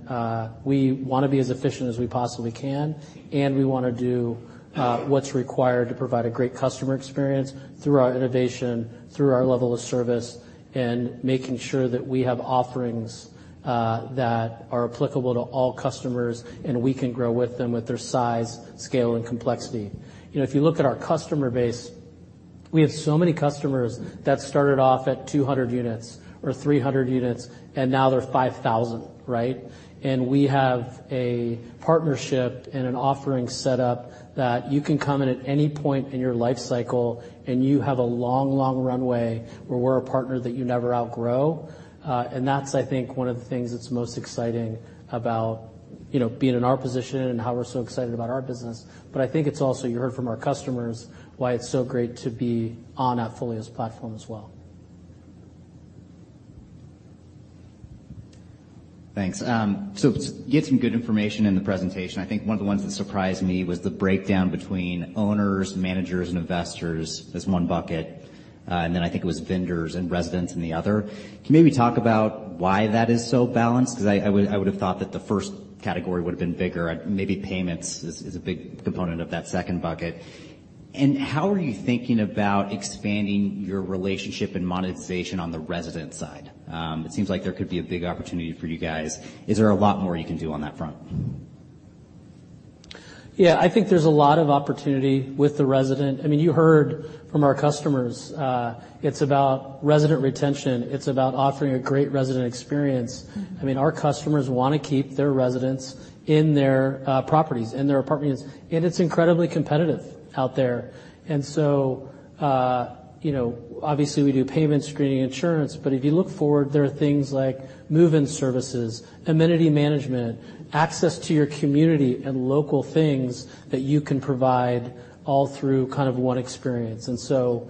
we want to be as efficient as we possibly can, and we want to do, what's required to provide a great customer experience through our innovation, through our level of service, and making sure that we have offerings, that are applicable to all customers, and we can grow with them with their size, scale, and complexity. You know, if you look at our customer base, we have so many customers that started off at 200 units or 300 units, and now they're 5,000, right? We have a partnership and an offering set up that you can come in at any point in your life cycle, and you have a long, long runway where we're a partner that you never outgrow. And that's, I think, one of the things that's most exciting about, you know, being in our position and how we're so excited about our business. I think it's also, you heard from our customers, why it's so great to be on AppFolio's platform as well. Thanks. So to get some good information in the presentation, I think one of the ones that surprised me was the breakdown between owners, managers, and investors as one bucket, and then I think it was vendors and residents in the other. Can you maybe talk about why that is so balanced? Because I, I would, I would have thought that the first category would have been bigger, and maybe payments is, is a big component of that second bucket. And how are you thinking about expanding your relationship and monetization on the resident side? It seems like there could be a big opportunity for you guys. Is there a lot more you can do on that front? Yeah, I think there's a lot of opportunity with the resident. I mean, you heard from our customers. It's about resident retention. It's about offering a great resident experience. I mean, our customers want to keep their residents in their properties, in their apartments, and it's incredibly competitive out there. And so, you know, obviously, we do payment screening insurance, but if you look forward, there are things like move-in services, amenity management, access to your community, and local things that you can provide all through kind of one experience. And so,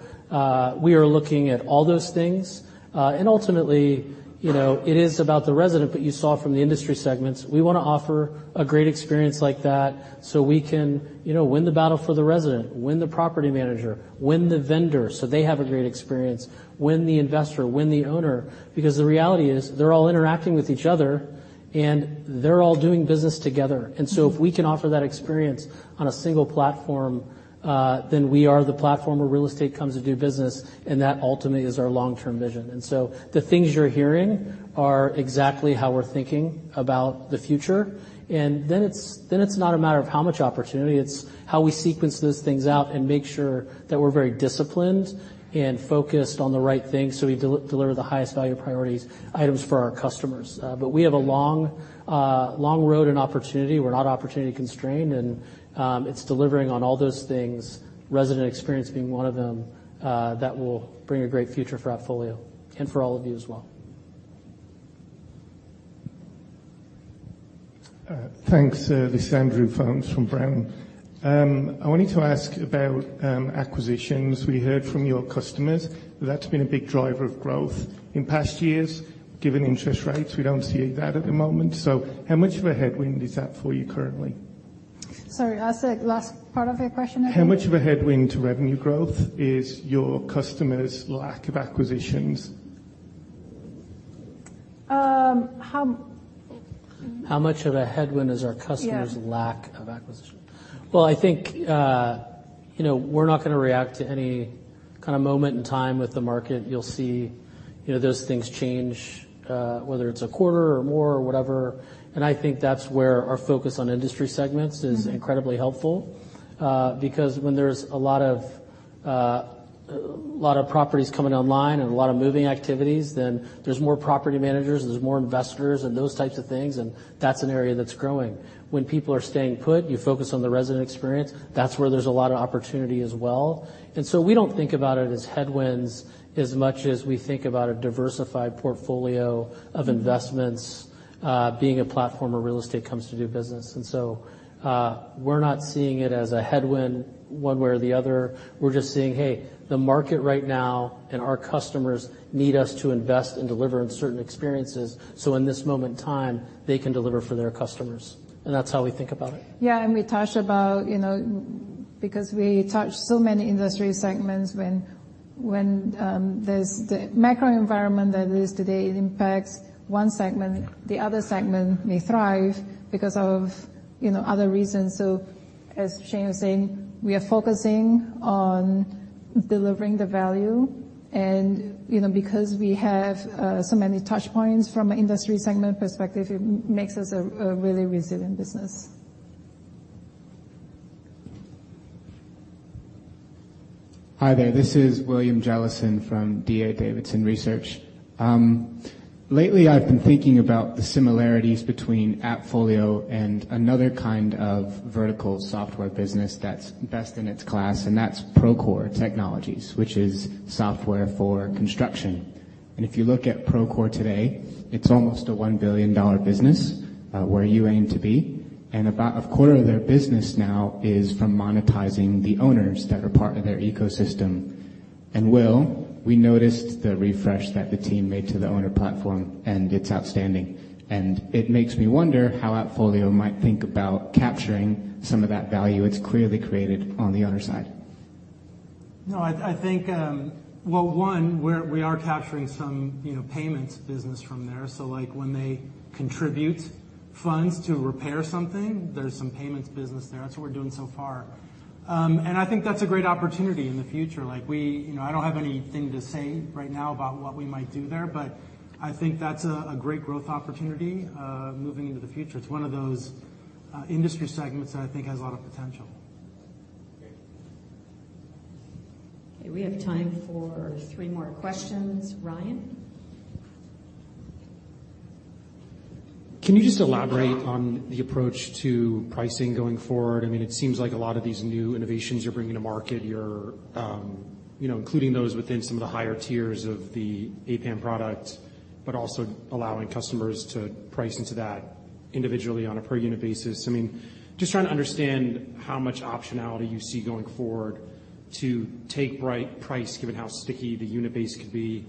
we are looking at all those things. And ultimately, you know, it is about the resident, but you saw from the industry segments, we want to offer a great experience like that so we can, you know, win the battle for the resident, win the property manager, win the vendor, so they have a great experience, win the investor, win the owner, because the reality is they're all interacting with each other, and they're all doing business together. And so if we can offer that experience on a single platform, then we are the platform where real estate comes to do business, and that ultimately is our long-term vision. And so the things you're hearing are exactly how we're thinking about the future. Then it's not a matter of how much opportunity, it's how we sequence those things out and make sure that we're very disciplined and focused on the right things, so we deliver the highest value priority items for our customers. But we have a long road and opportunity. We're not opportunity constrained, and it's delivering on all those things, resident experience being one of them, that will bring a great future for AppFolio and for all of you as well. Thanks. This is Andrew Fones from Brown. I wanted to ask about acquisitions. We heard from your customers, that's been a big driver of growth in past years. Given interest rates, we don't see that at the moment. So how much of a headwind is that for you currently? Sorry, ask the last part of your question again. How much of a headwind to revenue growth is your customers' lack of acquisitions? How much of a headwind is our customers' lack of acquisition? Well, I think, you know, we're not gonna react to any kind of moment in time with the market. You'll see, you know, those things change, whether it's a quarter or more or whatever. And I think that's where our focus on industry segments is incredibly helpful. Because when there's a lot of, a lot of properties coming online and a lot of moving activities, then there's more property managers, there's more investors, and those types of things, and that's an area that's growing. When people are staying put, you focus on the resident experience. That's where there's a lot of opportunity as well. And so we don't think about it as headwinds as much as we think about a diversified portfolio of investments, being a platform where real estate comes to do business. And so, we're not seeing it as a headwind one way or the other. We're just seeing, hey, the market right now and our customers need us to invest and deliver on certain experiences, so in this moment in time, they can deliver for their customers, and that's how we think about it. Because we touch so many industry segments, when there's the macro environment that is today, it impacts one segment, the other segment may thrive because of, you know, other reasons. So as Shane was saying, we are focusing on delivering the value, and, you know, because we have so many touch points from an industry segment perspective, it makes us a really resilient business. Hi there. This is William Jellison from DA Davidson Research. Lately, I've been thinking about the similarities between AppFolio and another kind of vertical software business that's best in its class, and that's Procore Technologies, which is software for construction. And if you look at Procore today, it's almost a $1 billion business, where you aim to be, and about a quarter of their business now is from monetizing the owners that are part of their ecosystem. And, Will, we noticed the refresh that the team made to the owner platform, and it's outstanding. And it makes me wonder how AppFolio might think about capturing some of that value it's clearly created on the other side. No, I think, well, one, we are capturing some, you know, payments business from there. So, like, when they contribute funds to repair something, there's some payments business there. That's what we're doing so far. And I think that's a great opportunity in the future. Like, we, you know, I don't have anything to say right now about what we might do there, but I think that's a great growth opportunity moving into the future. It's one of those industry segments that I think has a lot of potential. Great. We have time for three more questions. Ryan? Can you just elaborate on the approach to pricing going forward? I mean, it seems like a lot of these new innovations you're bringing to market, you're, you know, including those within some of the higher tiers of the APM product, but also allowing customers to price into that individually on a per unit basis. I mean, just trying to understand how much optionality you see going forward to take right price, given how sticky the unit base could be.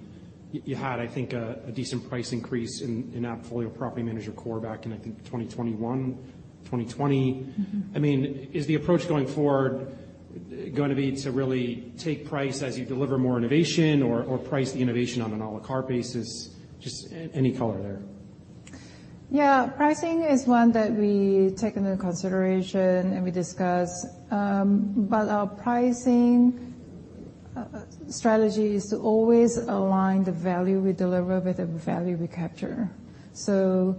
You had, I think, a decent price increase in AppFolio Property Manager Core back in, I think, 2021, 2020. I mean, is the approach going forward gonna be to really take price as you deliver more innovation or, or price the innovation on an à la carte basis? Just any color there. Yeah. Pricing is one that we take into consideration and we discuss. But our pricing strategy is to always align the value we deliver with the value we capture. So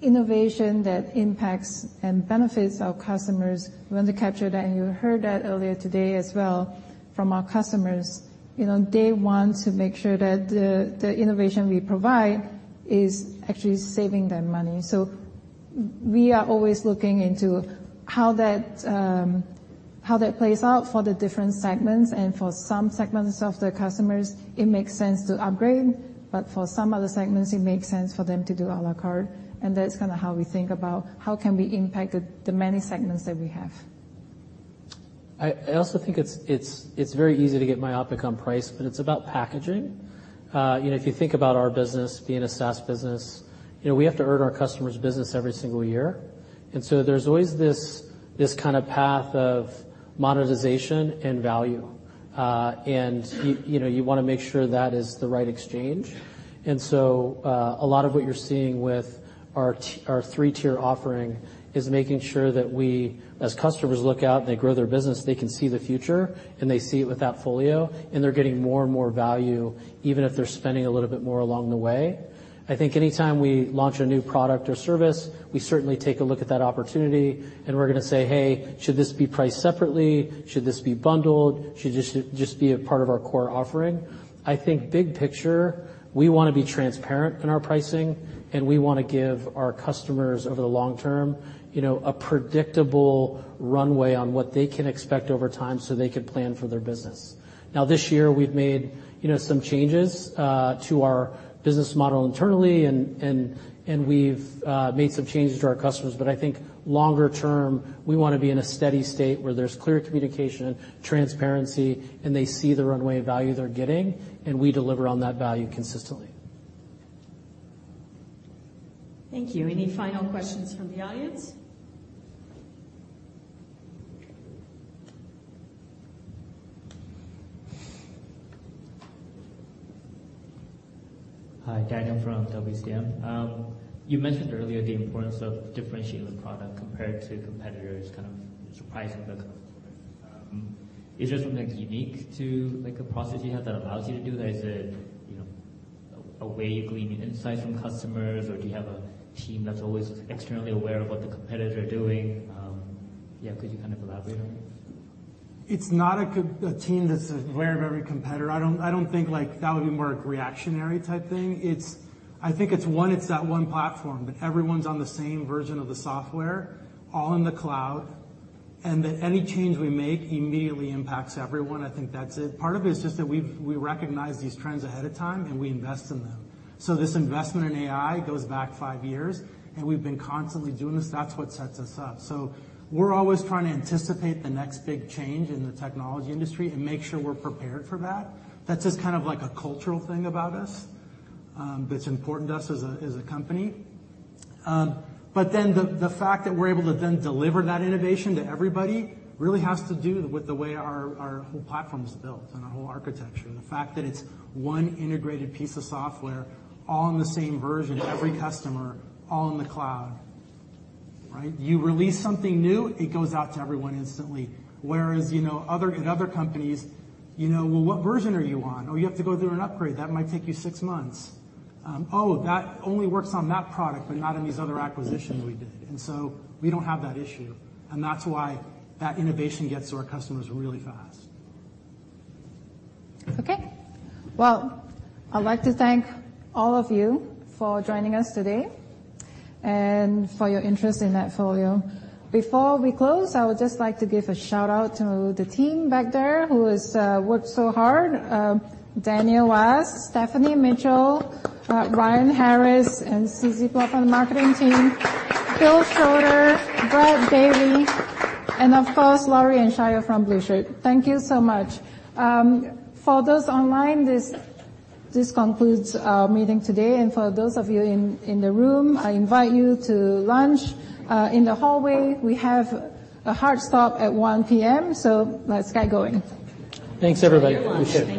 innovation that impacts and benefits our customers, we want to capture that, and you heard that earlier today as well from our customers. You know, they want to make sure that the innovation we provide is actually saving them money. So we are always looking into how that plays out for the different segments, and for some segments of the customers, it makes sense to upgrade, but for some other segments, it makes sense for them to do à la carte. And that's kinda how we think about how we can impact the many segments that we have. I also think it's very easy to get myopic on price, but it's about packaging. You know, if you think about our business being a SaaS business, you know, we have to earn our customers business every single year. And so there's always this, this kind of path of monetization and value. And you know, you wanna make sure that is the right exchange. And so, a lot of what you're seeing with our our three-tier offering is making sure that we, as customers look out and they grow their business, they can see the future, and they see it with AppFolio, and they're getting more and more value, even if they're spending a little bit more along the way. I think anytime we launch a new product or service, we certainly take a look at that opportunity, and we're gonna say, "Hey, should this be priced separately? Should this be bundled? Should this just be a part of our core offering?" I think big picture, we wanna be transparent in our pricing, and we wanna give our customers, over the long term, you know, a predictable runway on what they can expect over time, so they can plan for their business. Now, this year, we've made some changes to our business model internally, and we've made some changes to our customers. But I think longer term, we wanna be in a steady state where there's clear communication, transparency, and they see the runway value they're getting, and we deliver on that value consistently. Thank you. Any final questions from the audience? Hi, Daniel from WCM. You mentioned earlier the importance of differentiating the product compared to competitors, kind of surprising the customer. Is there something unique to, like, a process you have that allows you to do that? Is it, you know, a way you glean insight from customers, or do you have a team that's always externally aware of what the competitor are doing? Yeah, could you kind of elaborate on that? It's not a team that's aware of every competitor. I don't think like that would be more reactionary type thing. It's, I think it's one, it's that one platform that everyone's on the same version of the software, all in the cloud, and that any change we make immediately impacts everyone. I think that's it. Part of it is just that we recognize these trends ahead of time, and we invest in them. So this investment in AI goes back five years, and we've been constantly doing this. That's what sets us up. So we're always trying to anticipate the next big change in the technology industry and make sure we're prepared for that. That's just kind of like a cultural thing about us that's important to us as a company. But then the, the fact that we're able to then deliver that innovation to everybody really has to do with the way our, our whole platform is built and our whole architecture, and the fact that it's one integrated piece of software, all on the same version, every customer, all in the cloud, right? You release something new, it goes out to everyone instantly. Whereas in other companies, you know, well, what version are you on? Oh, you have to go through an upgrade. That might take you six months. Oh, that only works on that product, but not on these other acquisitions we did. And so we don't have that issue, and that's why that innovation gets to our customers really fast. Okay. Well, I'd like to thank all of you for joining us today and for your interest in AppFolio. Before we close, I would just like to give a shout-out to the team back there who has worked so hard. Daniel West, Stephanie Mitchell, Ryan Harris, and Susie Love from the marketing team, Bill Schroeder, Brad Bailey, and of course, Lori and Shia from Blueshirt. Thank you so much. For those online, this concludes our meeting today, and for those of you in the room, I invite you to lunch in the hallway. We have a hard stop at 1:00 P.M., so let's get going. Thanks, everybody. Appreciate it.